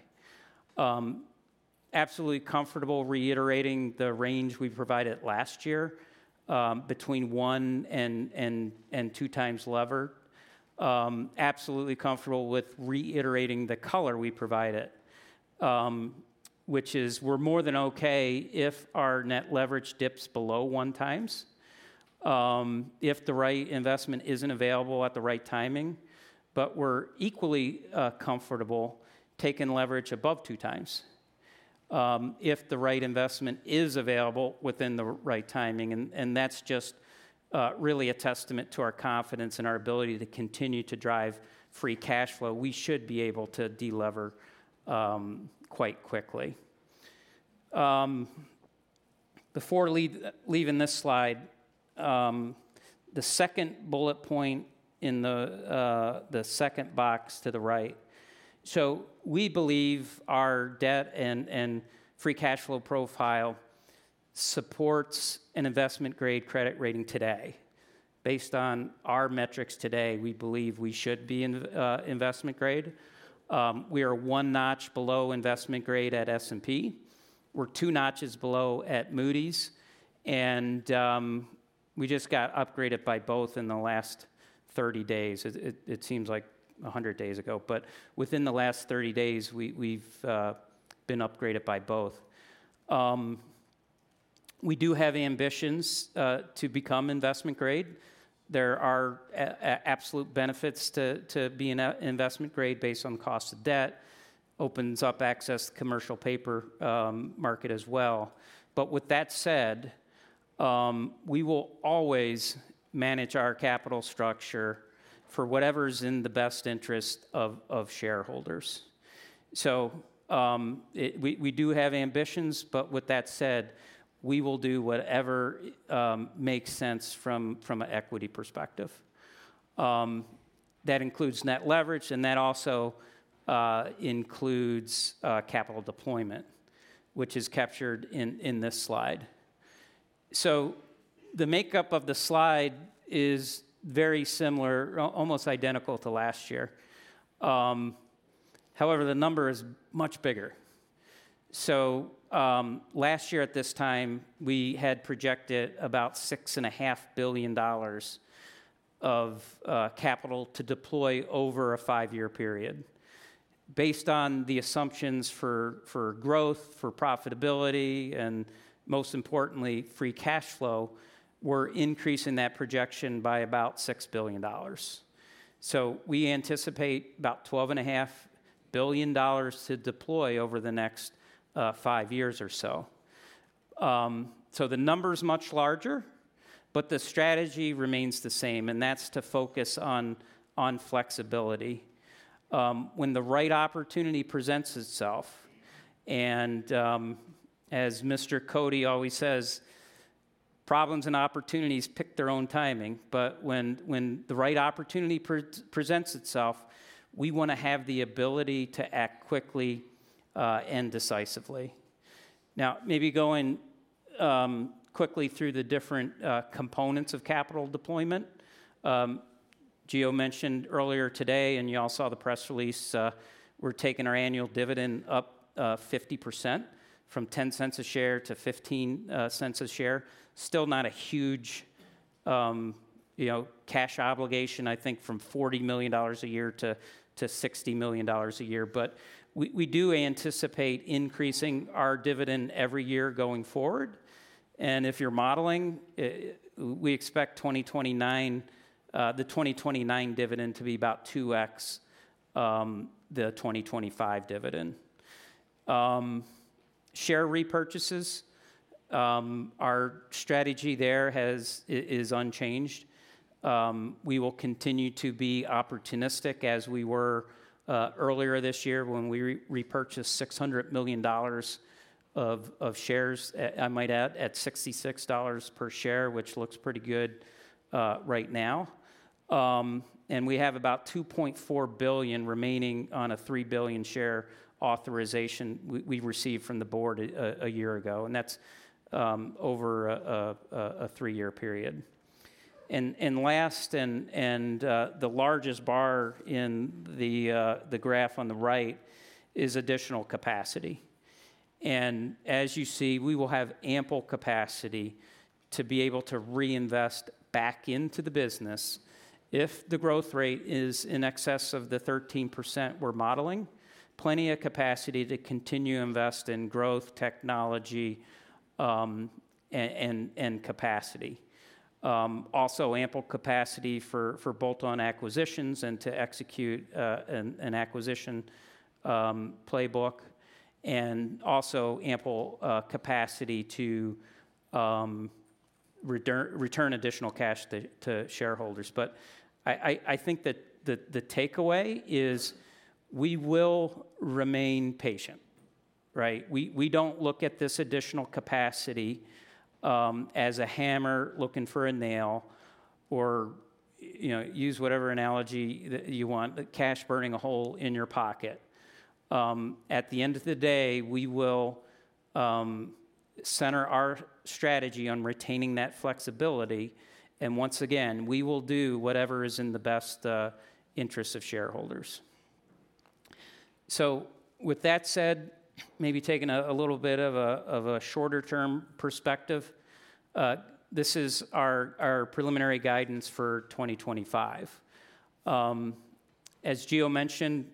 Absolutely comfortable reiterating the range we provided last year between one and two times lever. Absolutely comfortable with reiterating the color we provided, which is we're more than okay if our net leverage dips below one times, if the right investment isn't available at the right timing. But we're equally comfortable taking leverage above two times if the right investment is available within the right timing. And that's just really a testament to our confidence and our ability to continue to drive free cash flow. We should be able to delever quite quickly. Before leaving this slide, the second bullet point in the second box to the right. So, we believe our debt and free cash flow profile supports an investment-grade credit rating today. Based on our metrics today, we believe we should be in investment grade. We are one notch below investment grade at S&P. We're two notches below at Moody's. And we just got upgraded by both in the last 30 days. It seems like 100 days ago. But within the last 30 days, we've been upgraded by both. We do have ambitions to become investment grade. There are absolute benefits to being investment grade based on the cost of debt. Opens up access to the commercial paper market as well. But with that said, we will always manage our capital structure for whatever is in the best interest of shareholders. So, we do have ambitions. But with that said, we will do whatever makes sense from an equity perspective. That includes net leverage. And that also includes capital deployment, which is captured in this slide. So, the makeup of the slide is very similar, almost identical to last year. However, the number is much bigger. So, last year at this time, we had projected about $6.5 billion of capital to deploy over a five-year period. Based on the assumptions for growth, for profitability, and most importantly, free cash flow, we're increasing that projection by about $6 billion. We anticipate about $12.5 billion to deploy over the next five years or so. The number is much larger, but the strategy remains the same. That's to focus on flexibility when the right opportunity presents itself. As Mr. Cote always says, problems and opportunities pick their own timing. When the right opportunity presents itself, we want to have the ability to act quickly and decisively. Now, maybe going quickly through the different components of capital deployment. Gio mentioned earlier today, and you all saw the press release. We're taking our annual dividend up 50% from $0.10 a share to $0.15 a share. Still not a huge cash obligation, I think, from $40 million a year to $60 million a year. We do anticipate increasing our dividend every year going forward. If you're modeling, we expect the 2029 dividend to be about 2x the 2025 dividend. Share repurchases, our strategy there is unchanged. We will continue to be opportunistic as we were earlier this year when we repurchased $600 million of shares, I might add, at $66 per share, which looks pretty good right now. We have about $2.4 billion remaining on a $3 billion share authorization we received from the board a year ago. That's over a three-year period. Last, and the largest bar in the graph on the right is additional capacity. As you see, we will have ample capacity to be able to reinvest back into the business if the growth rate is in excess of the 13% we're modeling, plenty of capacity to continue to invest in growth, technology, and capacity. Also, ample capacity for bolt-on acquisitions and to execute an acquisition playbook. And also, ample capacity to return additional cash to shareholders. But I think that the takeaway is we will remain patient, right? We don't look at this additional capacity as a hammer looking for a nail or use whatever analogy you want, cash burning a hole in your pocket. At the end of the day, we will center our strategy on retaining that flexibility. And once again, we will do whatever is in the best interest of shareholders. So, with that said, maybe taking a little bit of a shorter-term perspective, this is our preliminary guidance for 2025. As Gio mentioned,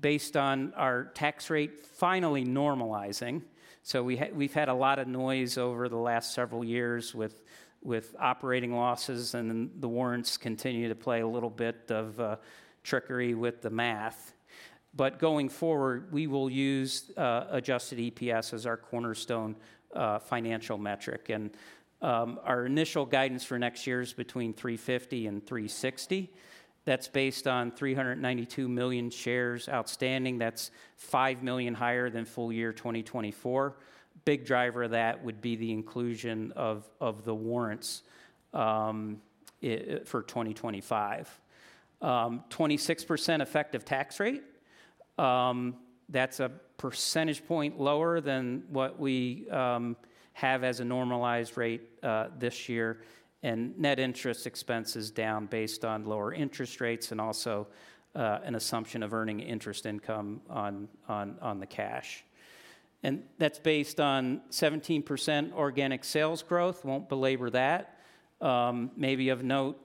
based on our tax rate finally normalizing, so we've had a lot of noise over the last several years with operating losses. And the warrants continue to play a little bit of trickery with the math. But going forward, we will use adjusted EPS as our cornerstone financial metric, and our initial guidance for next year is between $3.50 and $3.60. That's based on 392 million shares outstanding. That's five million higher than full year 2024. Big driver of that would be the inclusion of the warrants for 2025. 26% effective tax rate. That's a percentage point lower than what we have as a normalized rate this year, and net interest expense is down based on lower interest rates and also an assumption of earning interest income on the cash, and that's based on 17% organic sales growth. Won't belabor that. Maybe of note,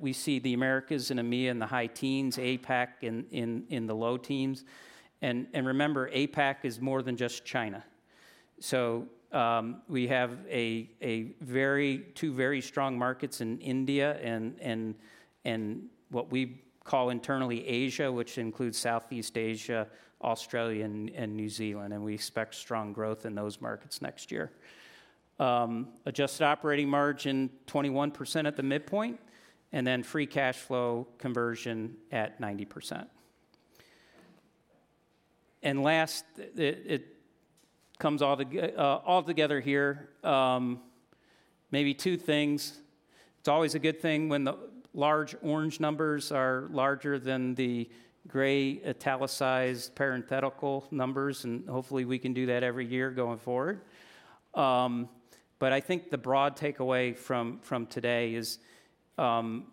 we see the Americas in the high teens, APAC in the low teens, and remember, APAC is more than just China. So, we have two very strong markets in India and what we call internally Asia, which includes Southeast Asia, Australia, and New Zealand. And we expect strong growth in those markets next year. Adjusted operating margin, 21% at the midpoint. And then free cash flow conversion at 90%. And last, it comes all together here. Maybe two things. It's always a good thing when the large orange numbers are larger than the gray italicized parenthetical numbers. And hopefully, we can do that every year going forward. But I think the broad takeaway from today is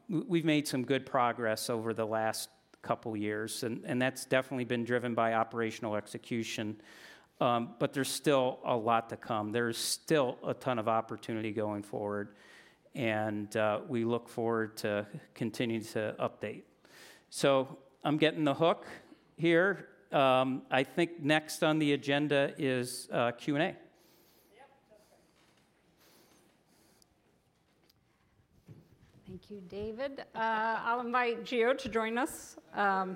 we've made some good progress over the last couple of years. And that's definitely been driven by operational execution. But there's still a lot to come. There's still a ton of opportunity going forward. And we look forward to continuing to update. So, I'm getting the hook here. I think next on the agenda is Q&A. Yep. That's right. Thank you, David. I'll invite Gio to join us. All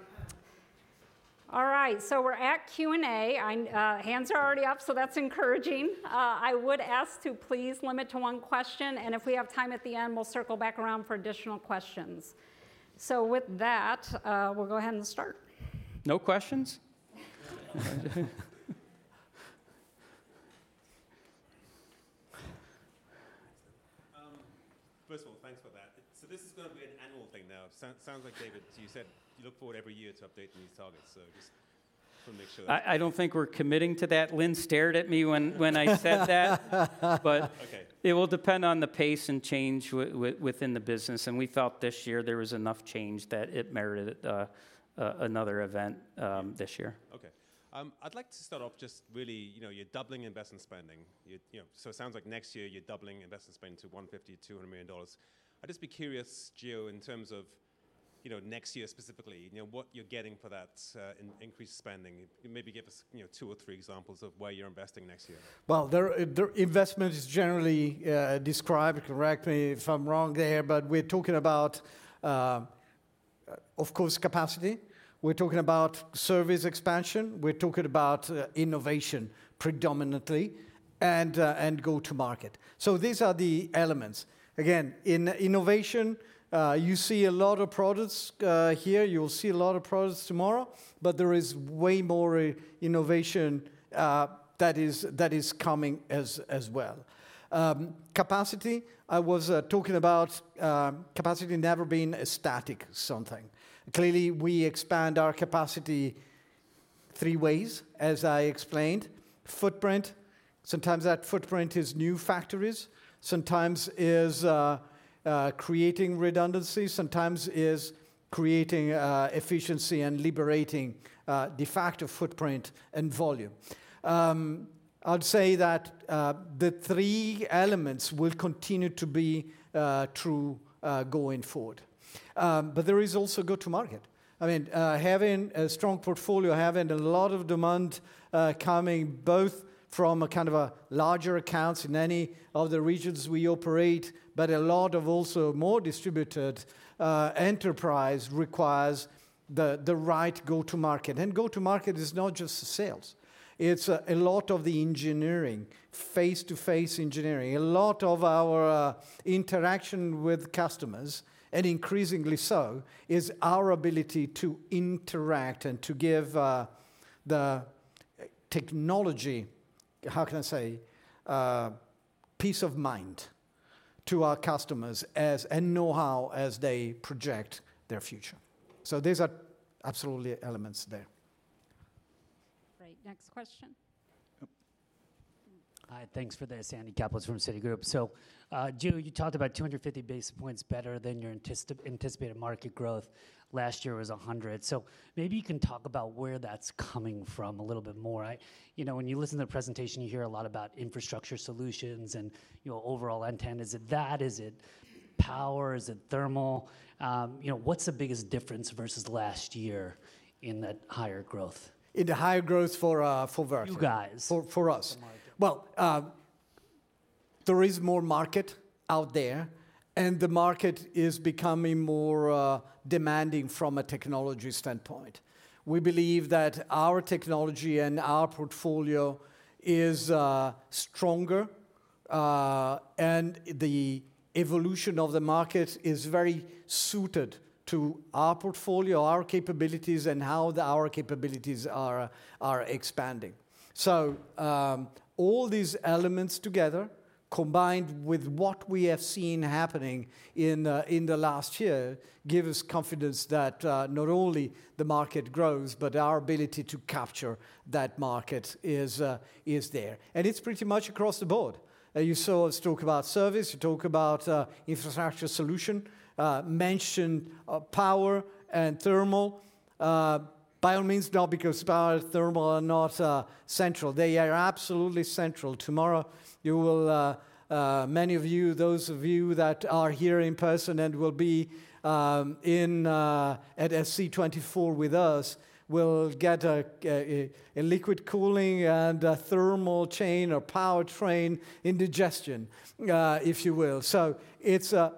right. So, we're at Q&A. Hands are already up. So, that's encouraging. I would ask to please limit to one question. And if we have time at the end, we'll circle back around for additional questions. So, with that, we'll go ahead and start. No questions? First of all, thanks for that. So, this is going to be an annual thing now. Sounds like, David, you said you look forward every year to updating these targets. So, just want to make sure. I don't think we're committing to that. Lynne stared at me when I said that. But it will depend on the pace and change within the business. And we felt this year there was enough change that it merited another event this year. Okay. I'd like to start off just really, you're doubling investment spending. So, it sounds like next year you're doubling investment spending to $150-$200 million. I'd just be curious, Gio, in terms of next year specifically, what you're getting for that increased spending. Maybe give us two or three examples of where you're investing next year. Well, investment is generally described. Correct me if I'm wrong there. But we're talking about, of course, capacity. We're talking about service expansion. We're talking about innovation predominantly and go-to-market. So, these are the elements. Again, in innovation, you see a lot of products here. You'll see a lot of products tomorrow. But there is way more innovation that is coming as well. Capacity. I was talking about capacity never being a static something. Clearly, we expand our capacity three ways, as I explained. Footprint. Sometimes that footprint is new factories. Sometimes it's creating redundancies. Sometimes it's creating efficiency and liberating de facto footprint and volume. I'd say that the three elements will continue to be true going forward, but there is also go-to-market. I mean, having a strong portfolio, having a lot of demand coming both from kind of larger accounts in any of the regions we operate, but a lot of also more distributed enterprise requires the right go-to-market, and go-to-market is not just sales. It's a lot of the engineering, face-to-face engineering. A lot of our interaction with customers, and increasingly so, is our ability to interact and to give the technology, how can I say, peace of mind to our customers and know-how as they project their future, and these are absolutely elements there. Great. Next question. Hi. Thanks for this. Andy Kaplowitz from Citigroup. So, Gio, you talked about 250 basis points better than your anticipated market growth. Last year was 100. So, maybe you can talk about where that's coming from a little bit more. When you listen to the presentation, you hear a lot about infrastructure solutions and overall intent. Is it that? Is it power? Is it thermal? What's the biggest difference versus last year in that higher growth? In the higher growth for Vertiv? You guys. For us. Well, there is more market out there. And the market is becoming more demanding from a technology standpoint. We believe that our technology and our portfolio is stronger. And the evolution of the market is very suited to our portfolio, our capabilities, and how our capabilities are expanding. So, all these elements together, combined with what we have seen happening in the last year, give us confidence that not only the market grows, but our ability to capture that market is there. And it's pretty much across the board. You saw us talk about service. You talk about infrastructure solution. Mentioned power and thermal. By all means, not because power and thermal are not central. They are absolutely central. Tomorrow, many of you, those of you that are here in person and will be at SC24 with us, will get a liquid cooling and a thermal chain or power train indigestion, if you will. So,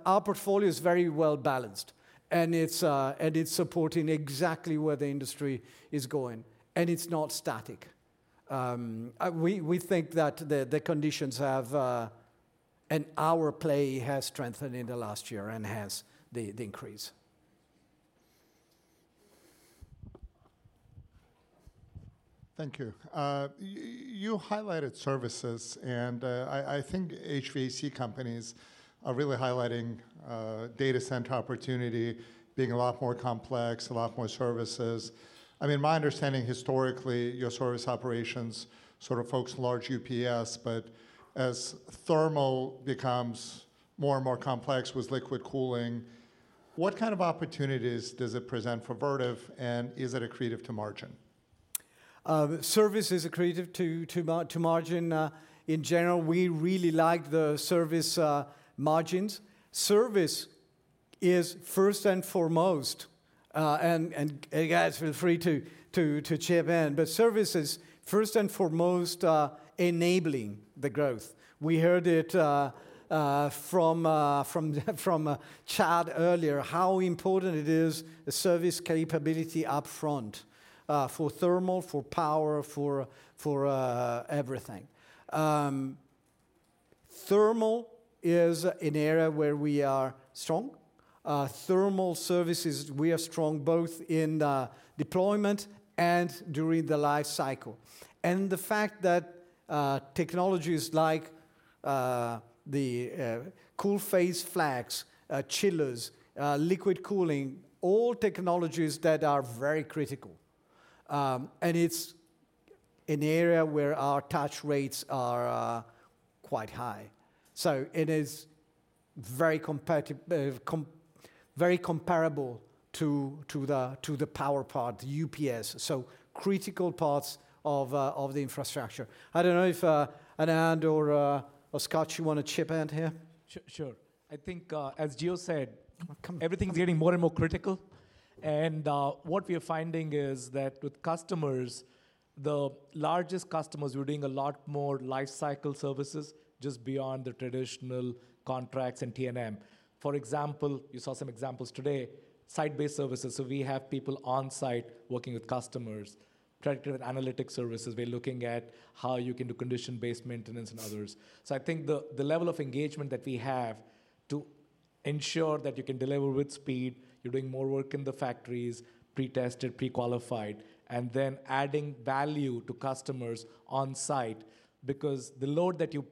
our portfolio is very well balanced. And it's supporting exactly where the industry is going. And it's not static. We think that the conditions and our play has strengthened in the last year and has the increase. Thank you. You highlighted services. I think HVAC companies are really highlighting data center opportunity being a lot more complex, a lot more services. I mean, my understanding historically, your service operations sort of focused on large UPS. But as thermal becomes more and more complex with liquid cooling, what kind of opportunities does it present for Vertiv? And is it accretive to margin? Service is accretive to margin. In general, we really like the service margins. Service is first and foremost. And you guys feel free to chip in. But service is first and foremost enabling the growth. We heard it from Chad earlier, how important it is the service capability upfront for thermal, for power, for everything. Thermal is an area where we are strong. Thermal services, we are strong both in deployment and during the life cycle. The fact that technologies like the CoolPhase Flex, chillers, liquid cooling, all technologies that are very critical. It's an area where our touch rates are quite high. It is very comparable to the power part, the UPS. Critical parts of the infrastructure. I don't know if Anand or Scott, you want to chip in here? Sure. I think, as Gio said, everything's getting more and more critical. What we are finding is that with customers, the largest customers were doing a lot more life cycle services just beyond the traditional contracts and T&M. For example, you saw some examples today, site-based services. We have people on site working with customers. Predictive and analytic services, we're looking at how you can do condition-based maintenance and others. So, I think the level of engagement that we have to ensure that you can deliver with speed. You're doing more work in the factories, pre-tested, pre-qualified, and then adding value to customers on site. Because the load that you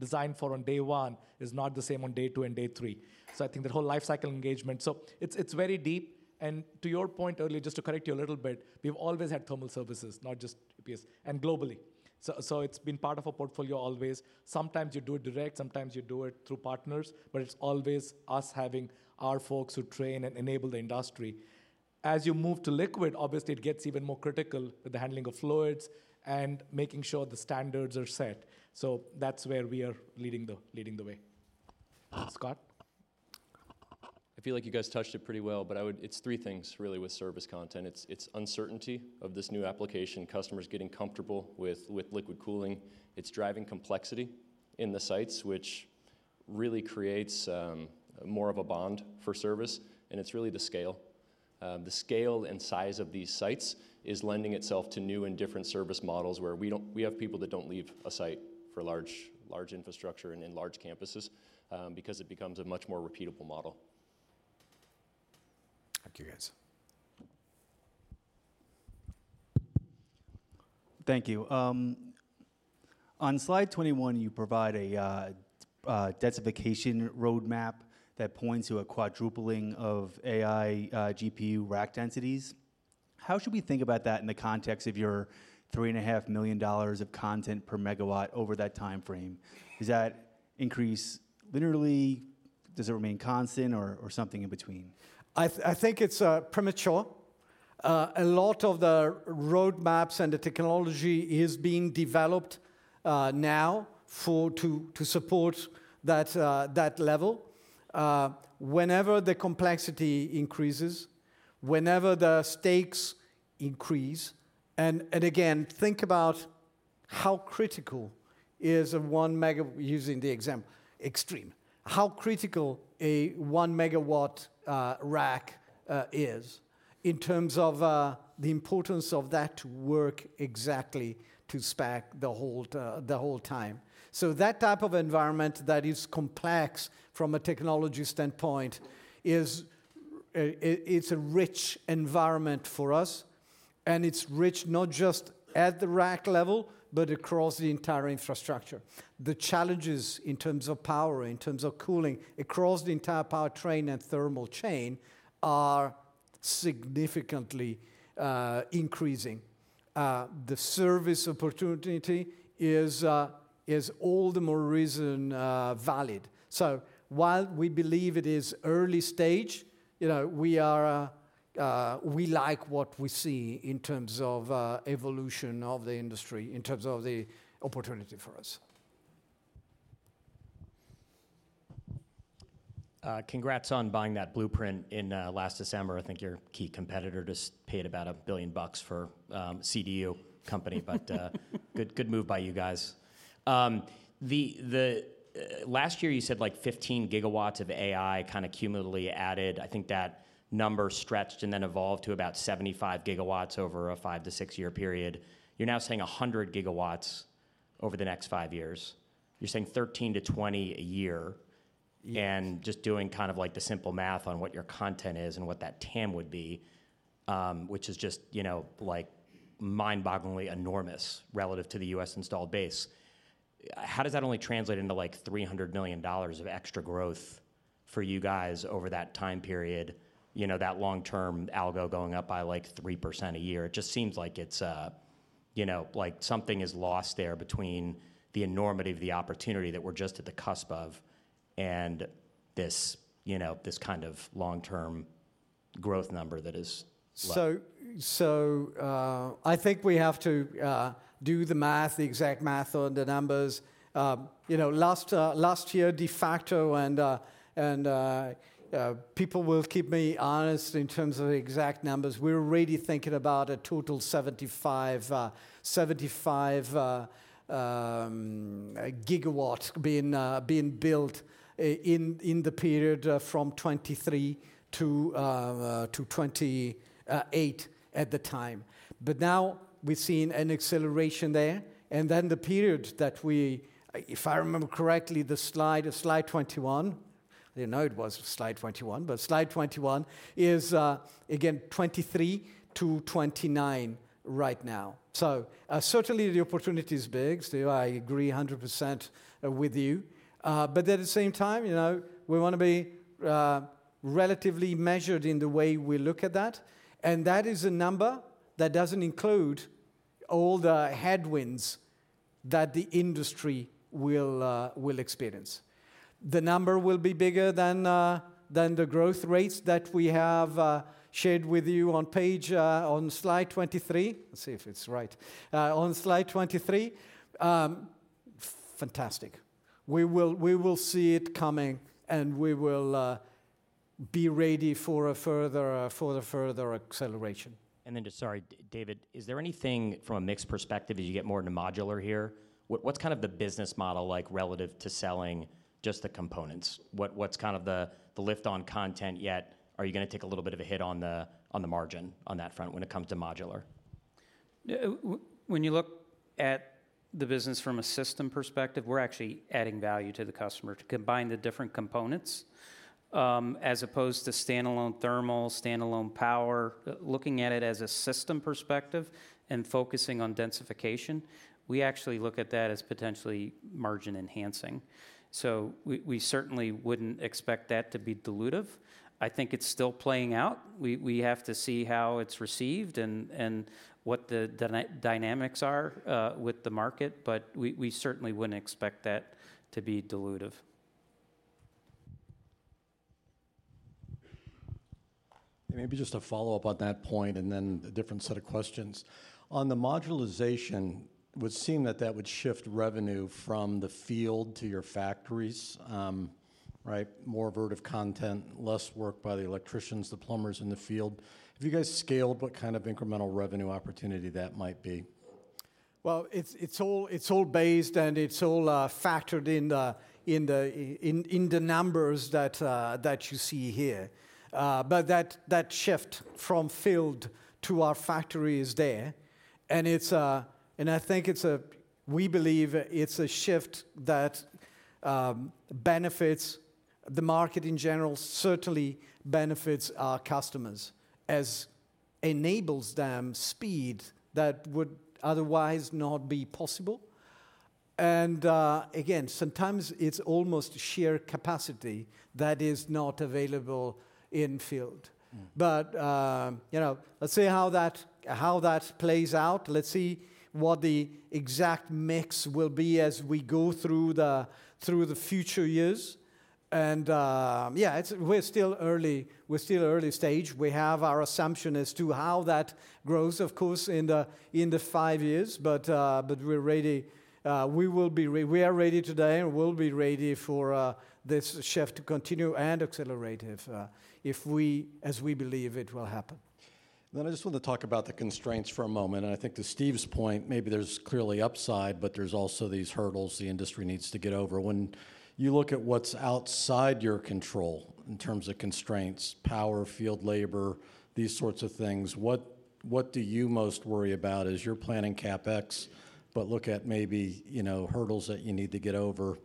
design for on day one is not the same on day two and day three. So, I think the whole life cycle engagement. So, it's very deep. And to your point earlier, just to correct you a little bit, we've always had thermal services, not just UPS, and globally. So, it's been part of our portfolio always. Sometimes you do it direct. Sometimes you do it through partners. But it's always us having our folks who train and enable the industry. As you move to liquid, obviously, it gets even more critical with the handling of fluids and making sure the standards are set. So, that's where we are leading the way. Scott? I feel like you guys touched it pretty well. But it's three things, really, with service content. It's uncertainty of this new application, customers getting comfortable with liquid cooling. It's driving complexity in the sites, which really creates more of a bond for service. And it's really the scale. The scale and size of these sites is lending itself to new and different service models where we have people that don't leave a site for large infrastructure and large campuses because it becomes a much more repeatable model. Thank you, guys. Thank you. On slide 21, you provide a dissipation roadmap that points to a quadrupling of AI GPU rack densities. How should we think about that in the context of your $3.5 million of content per megawatt over that time frame? Does that increase linearly? Does it remain constant or something in between? I think it's premature. A lot of the roadmaps and the technology is being developed now to support that level. Whenever the complexity increases, whenever the stakes increase, and again, think about how critical is a one megawatt, using the example, extreme. How critical a one megawatt rack is in terms of the importance of that work exactly to spec the whole time. So, that type of environment that is complex from a technology standpoint, it's a rich environment for us. And it's rich not just at the rack level, but across the entire infrastructure. The challenges in terms of power, in terms of cooling, across the entire power train and thermal chain are significantly increasing. The service opportunity is all the more reason valid. So, while we believe it is early stage, we like what we see in terms of evolution of the industry, in terms of the opportunity for us. Congrats on buying that blueprint in last December. I think your key competitor just paid about $1 billion for CDU company. But good move by you guys. Last year, you said like 15 gigawatts of AI kind of cumulatively added. I think that number stretched and then evolved to about 75 gigawatts over a five to six-year period. You're now saying 100 gigawatts over the next five years. You're saying 13 to 20 a year, and just doing kind of like the simple math on what your content is and what that TAM would be, which is just mind-bogglingly enormous relative to the U.S. installed base. How does that only translate into like $300 million of extra growth for you guys over that time period, that long-term algo going up by like 3% a year? It just seems like something is lost there between the enormity of the opportunity that we're just at the cusp of and this kind of long-term growth number that is left. So, I think we have to do the math, the exact math on the numbers. Last year, de facto, and people will keep me honest in terms of exact numbers, we're really thinking about a total 75 gigawatts being built in the period from 2023 to 2028 at the time. But now we've seen an acceleration there. And then the period that we, if I remember correctly, the slide, slide 21, I didn't know it was slide 21. But slide 21 is, again, 2023 to 2029 right now. So, certainly, the opportunity is big. So, I agree 100% with you. But at the same time, we want to be relatively measured in the way we look at that. And that is a number that doesn't include all the headwinds that the industry will experience. The number will be bigger than the growth rates that we have shared with you on page on slide 23. Let's see if it's right. On slide 23. Fantastic. We will see it coming. And we will be ready for a further acceleration. And then, sorry, David, is there anything from a mixed perspective as you get more into modular here? What's kind of the business model like relative to selling just the components? What's kind of the lift on content yet? Are you going to take a little bit of a hit on the margin on that front when it comes to modular? When you look at the business from a system perspective, we're actually adding value to the customer to combine the different components as opposed to standalone thermal, standalone power. Looking at it as a system perspective and focusing on densification, we actually look at that as potentially margin enhancing. So, we certainly wouldn't expect that to be dilutive. I think it's still playing out. We have to see how it's received and what the dynamics are with the market. But we certainly wouldn't expect that to be dilutive. And maybe just a follow-up on that point and then a different set of questions. On the modularization, it would seem that that would shift revenue from the field to your factories, right? More Vertiv content, less work by the electricians, the plumbers in the field. If you guys scaled, what kind of incremental revenue opportunity that might be? Well, it's all based and it's all factored in the numbers that you see here. But that shift from field to our factory is there. And I think we believe it's a shift that benefits the market in general, certainly benefits our customers as enables them speed that would otherwise not be possible. And again, sometimes it's almost sheer capacity that is not available in field. But let's see how that plays out. Let's see what the exact mix will be as we go through the future years. And yeah, we're still early stage. We have our assumption as to how that grows, of course, in the five years. But we will be ready today and we'll be ready for this shift to continue and accelerate if we, as we believe, it will happen. Then I just want to talk about the constraints for a moment. And I think to Steve's point, maybe there's clearly upside, but there's also these hurdles the industry needs to get over. When you look at what's outside your control in terms of constraints, power, field labor, these sorts of things, what do you most worry about as you're planning CapEx, but look at maybe hurdles that you need to get over?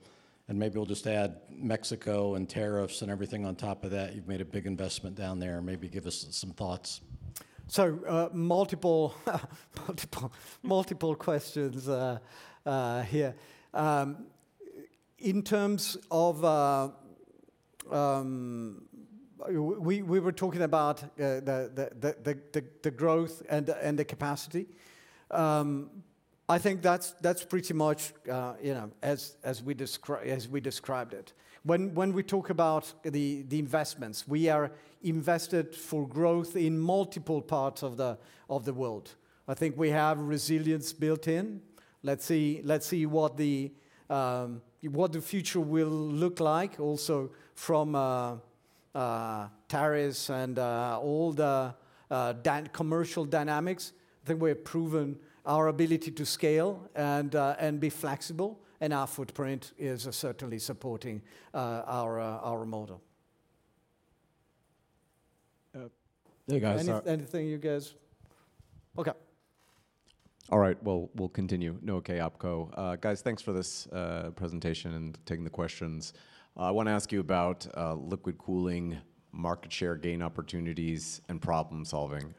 And maybe we'll just add Mexico and tariffs and everything on top of that. You've made a big investment down there. Maybe give us some thoughts. So, multiple questions here. In terms of we were talking about the growth and the capacity. I think that's pretty much as we described it. When we talk about the investments, we are invested for growth in multiple parts of the world. I think we have resilience built in. Let's see what the future will look like also from tariffs and all the commercial dynamics. I think we have proven our ability to scale and be flexible. And our footprint is certainly supporting our model. Hey, guys. Anything you guys? OK. All right. Well, we'll continue. Noah Kaye, OpCo. Guys, thanks for this presentation and taking the questions. I want to ask you about liquid cooling market share gain opportunities and problem solving.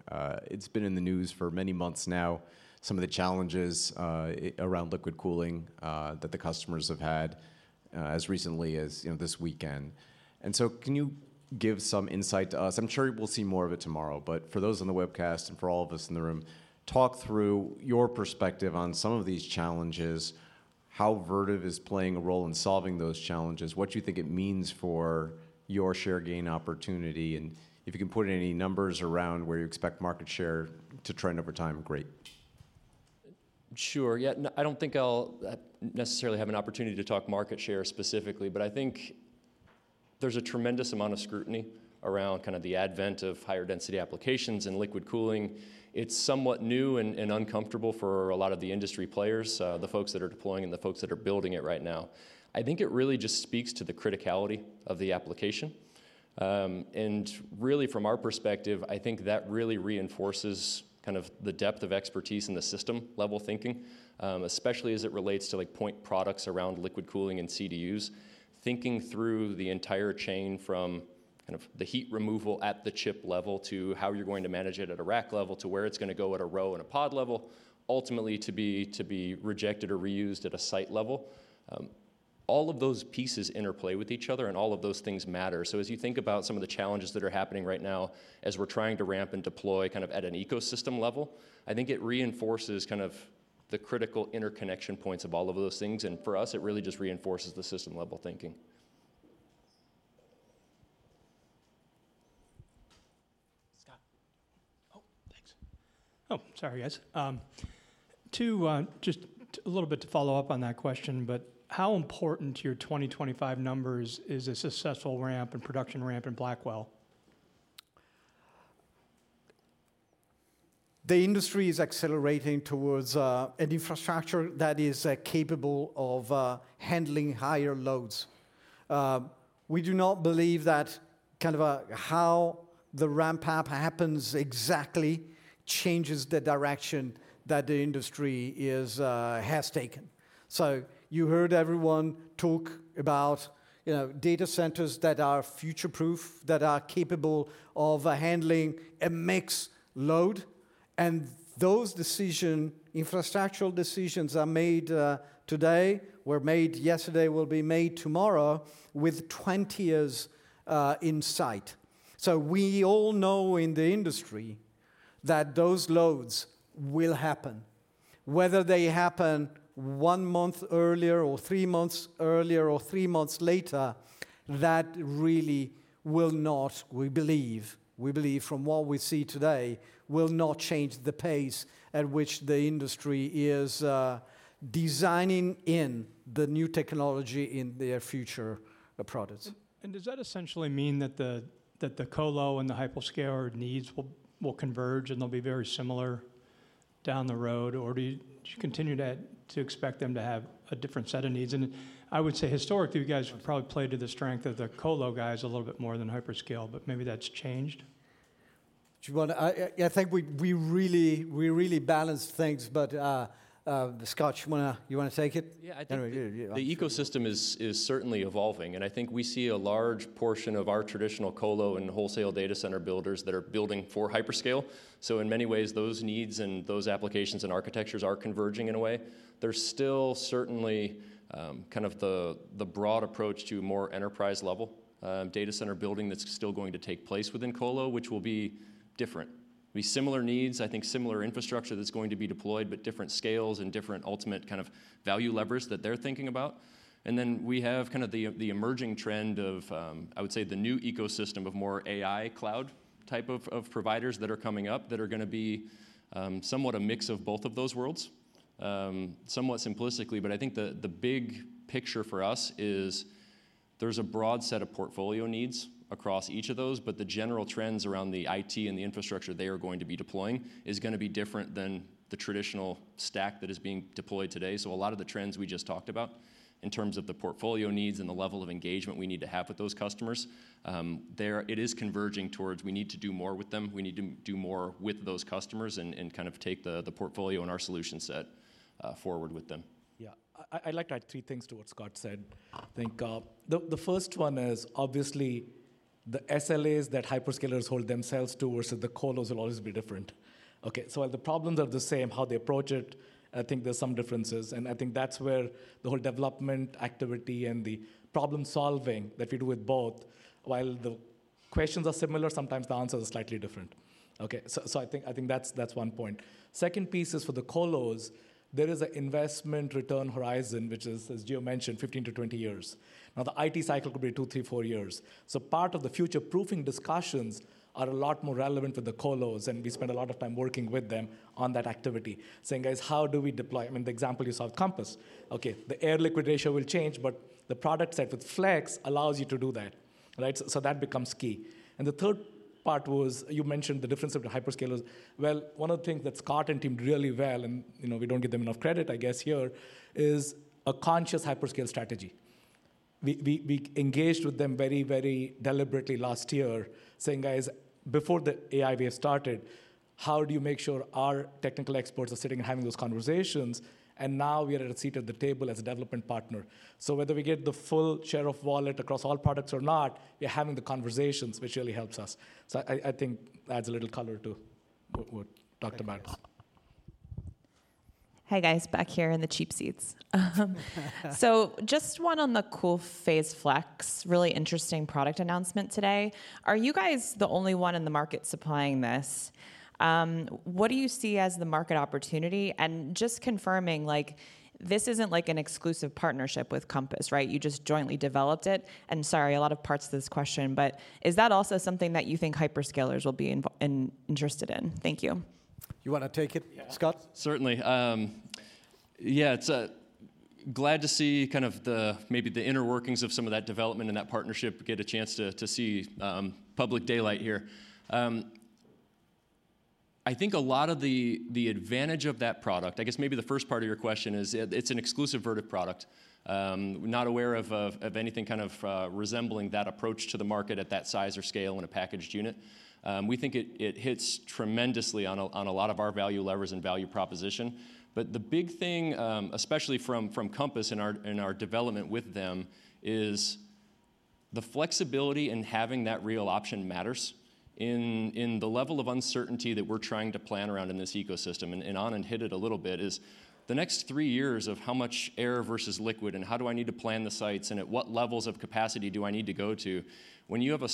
It's been in the news for many months now, some of the challenges around liquid cooling that the customers have had as recently as this weekend. And so, can you give some insight to us? I'm sure we'll see more of it tomorrow. But for those on the webcast and for all of us in the room, talk through your perspective on some of these challenges. How Vertiv is playing a role in solving those challenges? What do you think it means for your share gain opportunity, and if you can put in any numbers around where you expect market share to trend over time, great. Sure. Yeah, I don't think I'll necessarily have an opportunity to talk market share specifically, but I think there's a tremendous amount of scrutiny around kind of the advent of higher density applications and liquid cooling. It's somewhat new and uncomfortable for a lot of the industry players, the folks that are deploying and the folks that are building it right now. I think it really just speaks to the criticality of the application, and really, from our perspective, I think that really reinforces kind of the depth of expertise in the system level thinking, especially as it relates to point products around liquid cooling and CDUs. Thinking through the entire chain from kind of the heat removal at the chip level to how you're going to manage it at a rack level to where it's going to go at a row and a pod level, ultimately to be rejected or reused at a site level. All of those pieces interplay with each other, and all of those things matter, so, as you think about some of the challenges that are happening right now as we're trying to ramp and deploy kind of at an ecosystem level, I think it reinforces kind of the critical interconnection points of all of those things. And for us, it really just reinforces the system level thinking. Scott. Oh, thanks. Oh, sorry, guys. Just a little bit to follow up on that question, but how important to your 2025 numbers is a successful ramp and production ramp in Blackwell? The industry is accelerating towards an infrastructure that is capable of handling higher loads. We do not believe that kind of how the ramp-up happens exactly changes the direction that the industry has taken. So, you heard everyone talk about data centers that are future-proof, that are capable of handling a mixed load, and those decisions, infrastructural decisions are made today, were made yesterday, will be made tomorrow with 20 years in sight, so we all know in the industry that those loads will happen. Whether they happen one month earlier or three months earlier or three months later, that really will not, we believe, from what we see today, will not change the pace at which the industry is designing in the new technology in their future products. And does that essentially mean that the colo and the hyperscaler needs will converge and they'll be very similar down the road? Or do you continue to expect them to have a different set of needs? And I would say historically, you guys have probably played to the strength of the colo guys a little bit more than hyperscale. But maybe that's changed. I think we really balance things. But Scott, you want to take it? Yeah, I think the ecosystem is certainly evolving. And I think we see a large portion of our traditional colo and wholesale data center builders that are building for hyperscale. So, in many ways, those needs and those applications and architectures are converging in a way. There's still certainly kind of the broad approach to more enterprise-level data center building that's still going to take place within colo, which will be different. It'll be similar needs, I think, similar infrastructure that's going to be deployed, but different scales and different ultimate kind of value levers that they're thinking about. And then we have kind of the emerging trend of, I would say, the new ecosystem of more AI cloud type of providers that are coming up that are going to be somewhat a mix of both of those worlds, somewhat simplistically. But I think the big picture for us is there's a broad set of portfolio needs across each of those. But the general trends around the IT and the infrastructure they are going to be deploying is going to be different than the traditional stack that is being deployed today. So, a lot of the trends we just talked about in terms of the portfolio needs and the level of engagement we need to have with those customers, it is converging towards we need to do more with them. We need to do more with those customers and kind of take the portfolio and our solution set forward with them. Yeah, I'd like to add three things to what Scott said. I think the first one is, obviously, the SLAs that hyperscalers hold themselves to versus the colos will always be different. Ok, so while the problems are the same, how they approach it, I think there's some differences. And I think that's where the whole development activity and the problem solving that we do with both, while the questions are similar, sometimes the answer is slightly different. Ok, so I think that's one point. Second piece is for the colos. There is an investment return horizon, which is, as Gio mentioned, 15-20 years. Now, the IT cycle could be two, three, four years. So, part of the future-proofing discussions are a lot more relevant with the colos, and we spend a lot of time working with them on that activity, saying, guys, how do we deploy? I mean, the example you saw with Compass. OK, the air-liquid ratio will change, but the product set with Flex allows you to do that. Right? So, that becomes key, and the third part was you mentioned the difference of the hyperscalers. Well, one of the things that Scott and team did really well, and we don't give them enough credit, I guess. Here is a conscious hyperscale strategy. We engaged with them very, very deliberately last year, saying, guys, before the AI wave started, how do you make sure our technical experts are sitting and having those conversations? And now we are at a seat at the table as a development partner. Whether we get the full share of wallet across all products or not, we're having the conversations, which really helps us. I think that adds a little color to what we talked about. Hey, guys, back here in the cheap seats. Just one on the CoolPhase Flex, really interesting product announcement today. Are you guys the only one in the market supplying this? What do you see as the market opportunity? Just confirming, this isn't like an exclusive partnership with Compass, right? You just jointly developed it. Sorry, a lot of parts of this question. But is that also something that you think hyperscalers will be interested in? Thank you. You want to take it, Scott? Certainly. Yeah, glad to see kind of maybe the inner workings of some of that development and that partnership, get a chance to see public daylight here. I think a lot of the advantage of that product, I guess maybe the first part of your question is it's an exclusive Vertiv product. We're not aware of anything kind of resembling that approach to the market at that size or scale in a packaged unit. We think it hits tremendously on a lot of our value levers and value proposition. But the big thing, especially from Compass and our development with them, is the flexibility in having that real option matters. One level of uncertainty that we're trying to plan around in this ecosystem, one area that we hit a little bit, is the next three years of how much air versus liquid and how do I need to plan the sites and at what levels of capacity do I need to go to. When you have a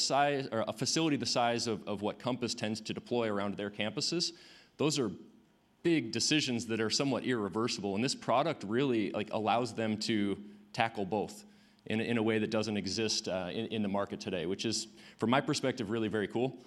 facility the size of what Compass tends to deploy around their campuses, those are big decisions that are somewhat irreversible. And this product really allows them to tackle both in a way that doesn't exist in the market today, which is, from my perspective, really very cool.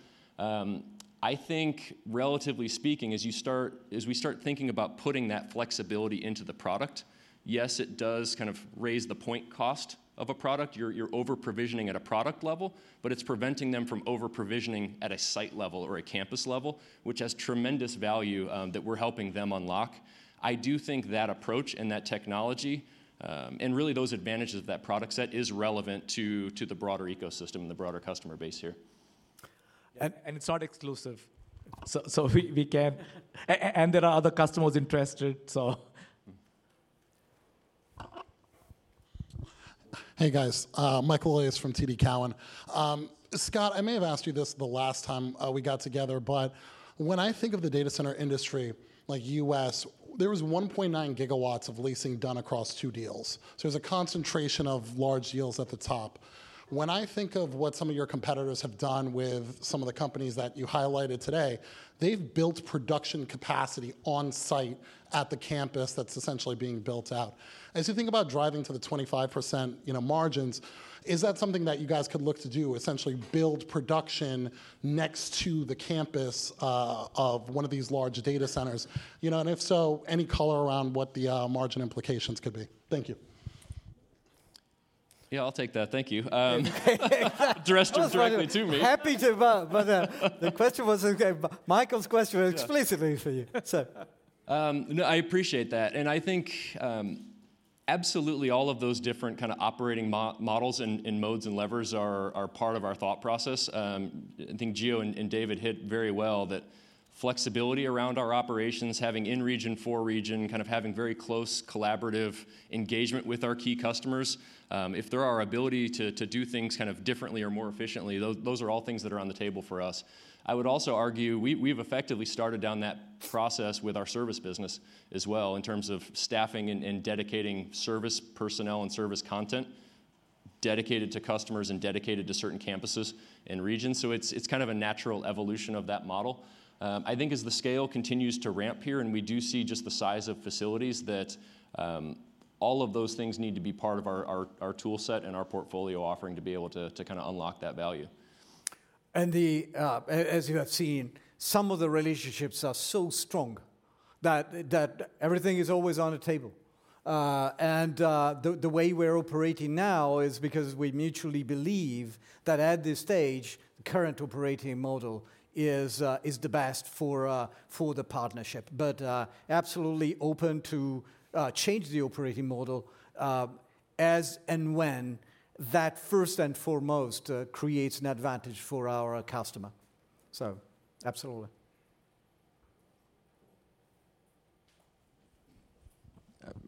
I think, relatively speaking, as we start thinking about putting that flexibility into the product, yes, it does kind of raise the upfront cost of a product. You're over-provisioning at a product level. But it's preventing them from over-provisioning at a site level or a campus level, which has tremendous value that we're helping them unlock. I do think that approach and that technology and really those advantages of that product set is relevant to the broader ecosystem and the broader customer base here. And it's not exclusive. So, we can. And there are other customers interested, so. Hey, guys. Michael Elias from TD Cowen. Scott, I may have asked you this the last time we got together. But when I think of the data center industry, like U.S., there was 1.9 gigawatts of leasing done across two deals. So, there's a concentration of large deals at the top. When I think of what some of your competitors have done with some of the companies that you highlighted today, they've built production capacity on site at the campus that's essentially being built out. As you think about driving to the 25% margins, is that something that you guys could look to do, essentially build production next to the campus of one of these large data centers? And if so, any color around what the margin implications could be? Thank you. Yeah, I'll take that. Thank you. Direct it directly to me. Happy to. But the question was Michael's question explicitly for you. So. I appreciate that. And I think absolutely all of those different kind of operating models and modes and levers are part of our thought process. I think Gio and David hit very well that flexibility around our operations, having in-region, for-region, kind of having very close collaborative engagement with our key customers, if there are ability to do things kind of differently or more efficiently, those are all things that are on the table for us. I would also argue we've effectively started down that process with our service business as well in terms of staffing and dedicating service personnel and service content dedicated to customers and dedicated to certain campuses and regions, so it's kind of a natural evolution of that model. I think as the scale continues to ramp here and we do see just the size of facilities, that all of those things need to be part of our tool set and our portfolio offering to be able to kind of unlock that value, and as you have seen, some of the relationships are so strong that everything is always on the table, and the way we're operating now is because we mutually believe that at this stage, the current operating model is the best for the partnership. But absolutely open to change the operating model as and when that first and foremost creates an advantage for our customer. So, absolutely.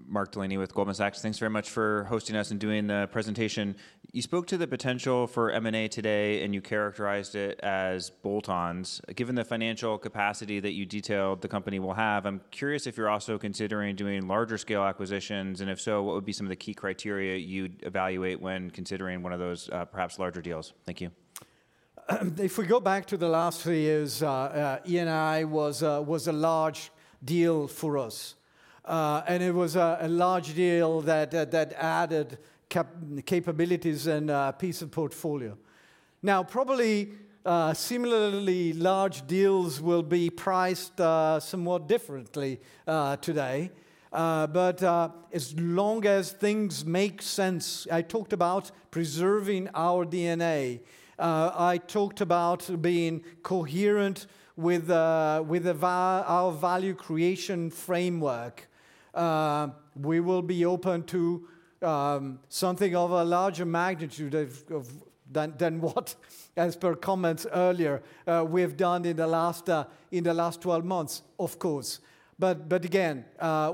Mark Delaney with Goldman Sachs, thanks very much for hosting us and doing the presentation. You spoke to the potential for M&A today, and you characterized it as bolt-ons. Given the financial capacity that you detailed, the company will have. I'm curious if you're also considering doing larger scale acquisitions. And if so, what would be some of the key criteria you'd evaluate when considering one of those perhaps larger deals? Thank you. If we go back to the last three years, E&I was a large deal for us. And it was a large deal that added capabilities and a piece of portfolio. Now, probably similarly large deals will be priced somewhat differently today. But as long as things make sense, I talked about preserving our DNA. I talked about being coherent with our value creation framework. We will be open to something of a larger magnitude than what, as per comments earlier, we've done in the last 12 months, of course. But again,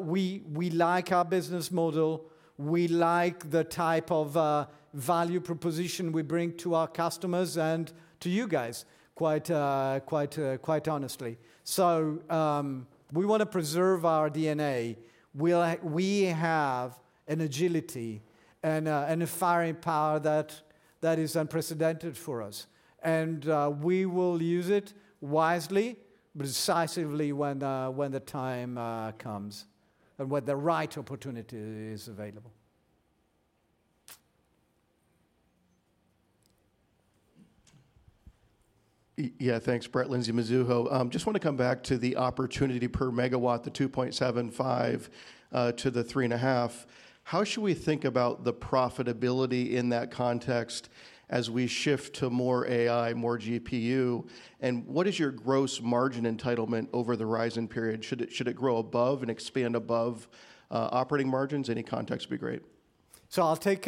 we like our business model. We like the type of value proposition we bring to our customers and to you guys, quite honestly. So, we want to preserve our DNA. We have an agility and a firing power that is unprecedented for us. And we will use it wisely, decisively when the time comes and when the right opportunity is available. Yeah, thanks, Brett Linzey, Mizuho. Just want to come back to the opportunity per megawatt, the $2.75-$3.5. How should we think about the profitability in that context as we shift to more AI, more GPU? And what is your gross margin entitlement over the horizon period? Should it grow above and expand above operating margins? Any context would be great. So, I'll take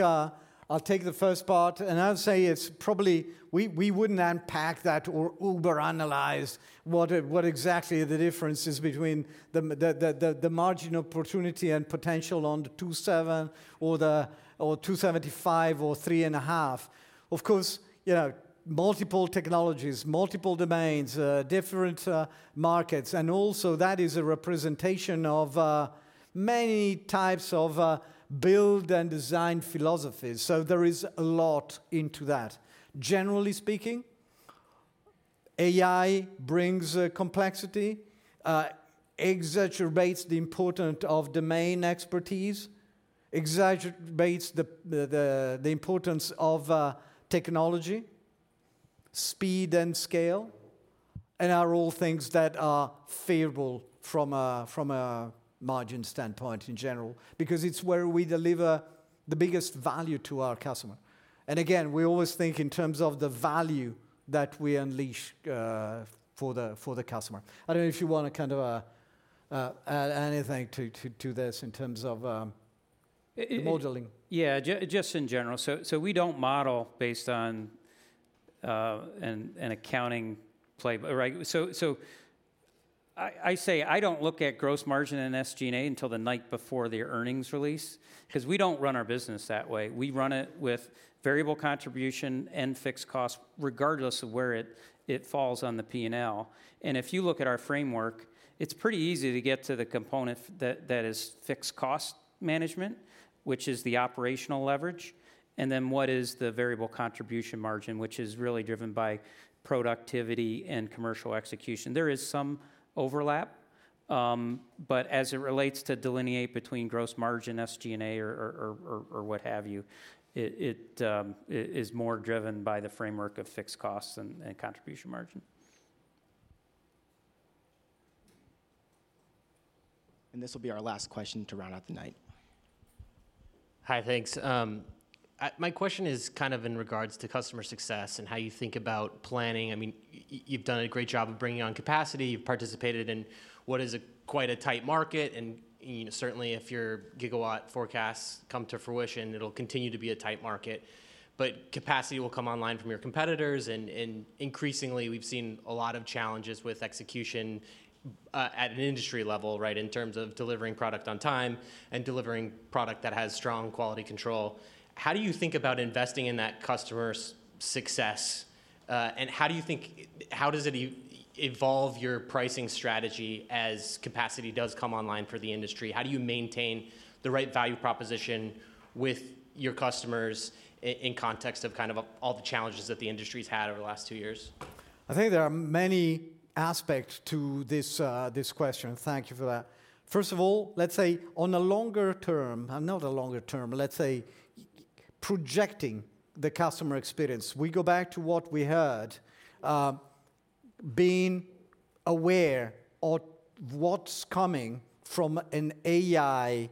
the first part, and I'll say it's probably we wouldn't unpack that or over-analyze what exactly the difference is between the margin opportunity and potential on the 2.7 or the 2.75 or 3.5. Of course, multiple technologies, multiple domains, different markets, and also, that is a representation of many types of build and design philosophies, so there is a lot into that. Generally speaking, AI brings complexity, exaggerates the importance of domain expertise, exaggerates the importance of technology, speed, and scale, and are all things that are favorable from a margin standpoint in general, because it's where we deliver the biggest value to our customer, and again, we always think in terms of the value that we unleash for the customer. I don't know if you want to kind of add anything to this in terms of modeling. Yeah, just in general. So, we don't model based on an accounting play. So, I say I don't look at gross margin and SG&A until the night before the earnings release, because we don't run our business that way. We run it with variable contribution and fixed cost, regardless of where it falls on the P&L. And if you look at our framework, it's pretty easy to get to the component that is fixed cost management, which is the operational leverage. And then what is the variable contribution margin, which is really driven by productivity and commercial execution. There is some overlap. But as it relates to delineate between gross margin, SG&A, or what have you, it is more driven by the framework of fixed costs and contribution margin. And this will be our last question to round out the night. Hi, thanks. My question is kind of in regards to customer success and how you think about planning. I mean, you've done a great job of bringing on capacity. You've participated in what is quite a tight market. And certainly, if your gigawatt forecasts come to fruition, it'll continue to be a tight market. But capacity will come online from your competitors. And increasingly, we've seen a lot of challenges with execution at an industry level, right, in terms of delivering product on time and delivering product that has strong quality control. How do you think about investing in that customer's success? And how do you think, how does it evolve your pricing strategy as capacity does come online for the industry? How do you maintain the right value proposition with your customers in context of kind of all the challenges that the industry's had over the last two years? I think there are many aspects to this question. Thank you for that. First of all, let's say on a longer term, not a longer term, let's say projecting the customer experience. We go back to what we heard, being aware of what's coming from an AI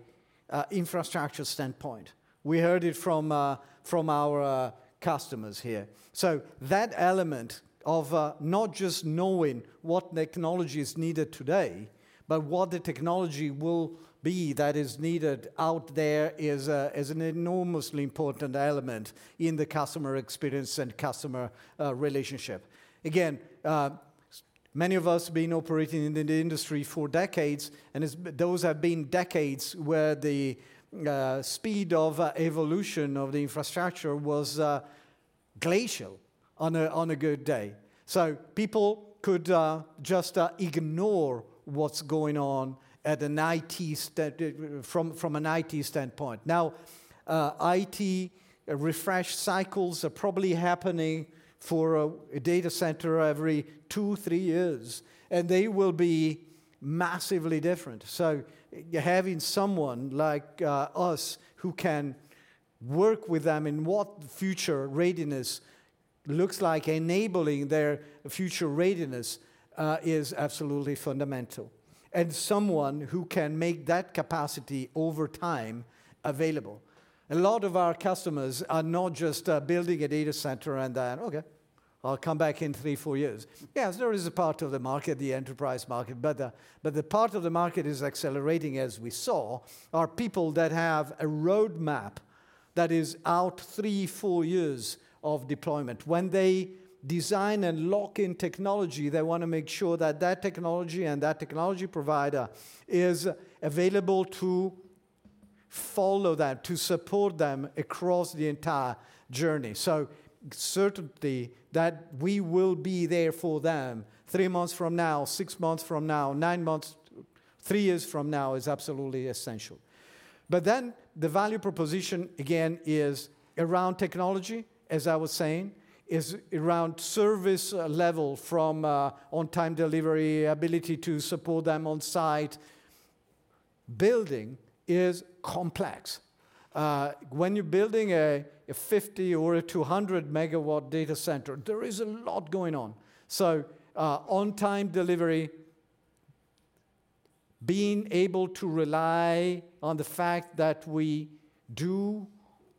infrastructure standpoint. We heard it from our customers here. So, that element of not just knowing what technology is needed today, but what the technology will be that is needed out there is an enormously important element in the customer experience and customer relationship. Again, many of us have been operating in the industry for decades. And those have been decades where the speed of evolution of the infrastructure was glacial on a good day. So, people could just ignore what's going on from an IT standpoint. Now, IT refresh cycles are probably happening for a data center every two, three years. And they will be massively different. So, having someone like us who can work with them in what future readiness looks like, enabling their future readiness is absolutely fundamental. And someone who can make that capacity over time available. A lot of our customers are not just building a data center and then, OK, I'll come back in three, four years. Yes, there is a part of the market, the enterprise market. But the part of the market is accelerating, as we saw, are people that have a roadmap that is out three, four years of deployment. When they design and lock in technology, they want to make sure that that technology and that technology provider is available to follow that, to support them across the entire journey. Certainty that we will be there for them three months from now, six months from now, nine months, three years from now is absolutely essential. Then the value proposition, again, is around technology, as I was saying, is around service level from on-time delivery, ability to support them on site. Building is complex. When you're building a 50- or 200-megawatt data center, there is a lot going on. On-time delivery, being able to rely on the fact that we do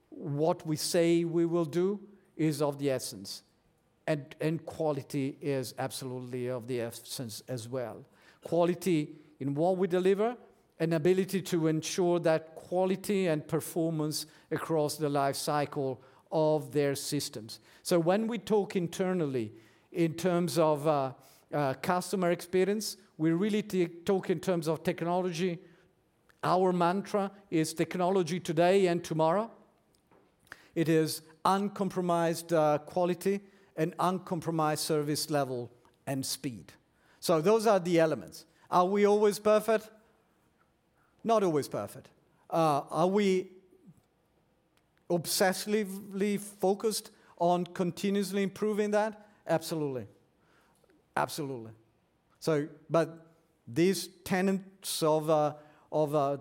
what we say we will do is of the essence. Quality is absolutely of the essence as well. Quality in what we deliver and ability to ensure that quality and performance across the life cycle of their systems. So, when we talk internally in terms of customer experience, we really talk in terms of technology. Our mantra is technology today and tomorrow. It is uncompromised quality and uncompromised service level and speed. So, those are the elements. Are we always perfect? Not always perfect. Are we obsessively focused on continuously improving that? Absolutely. Absolutely. So, but these tenets of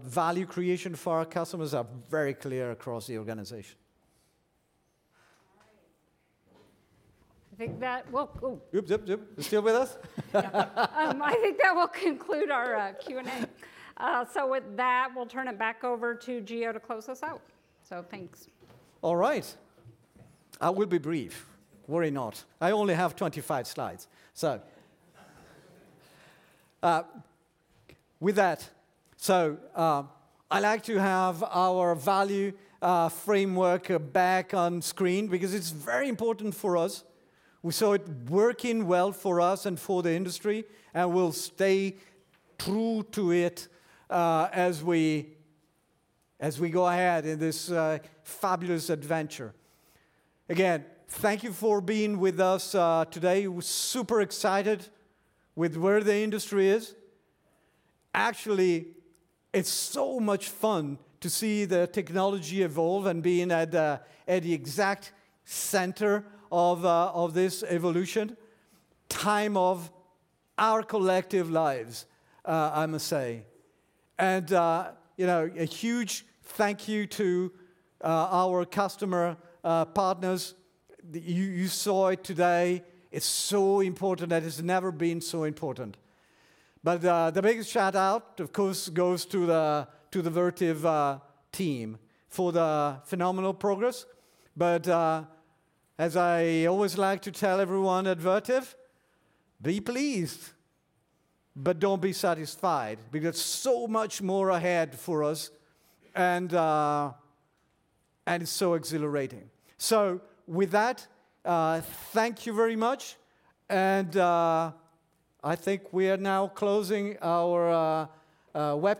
value creation for our customers are very clear across the organization. I think that will conclude our Q&A. So, with that, we'll turn it back over to Gio to close us out. So, thanks. All right. I will be brief. Worry not. I only have 25 slides. So, with that, I'd like to have our value framework back on screen because it's very important for us. We saw it working well for us and for the industry. And we'll stay true to it as we go ahead in this fabulous adventure. Again, thank you for being with us today. We're super excited with where the industry is. Actually, it's so much fun to see the technology evolve and being at the exact center of this evolution, time of our collective lives, I must say. And a huge thank you to our customer partners. You saw it today. It's so important. That has never been so important. But the biggest shout-out, of course, goes to the Vertiv team for the phenomenal progress. But as I always like to tell everyone at Vertiv, be pleased, but don't be satisfied because there's so much more ahead for us. And it's so exhilarating. So, with that, thank you very much. And I think we are now closing our webinar.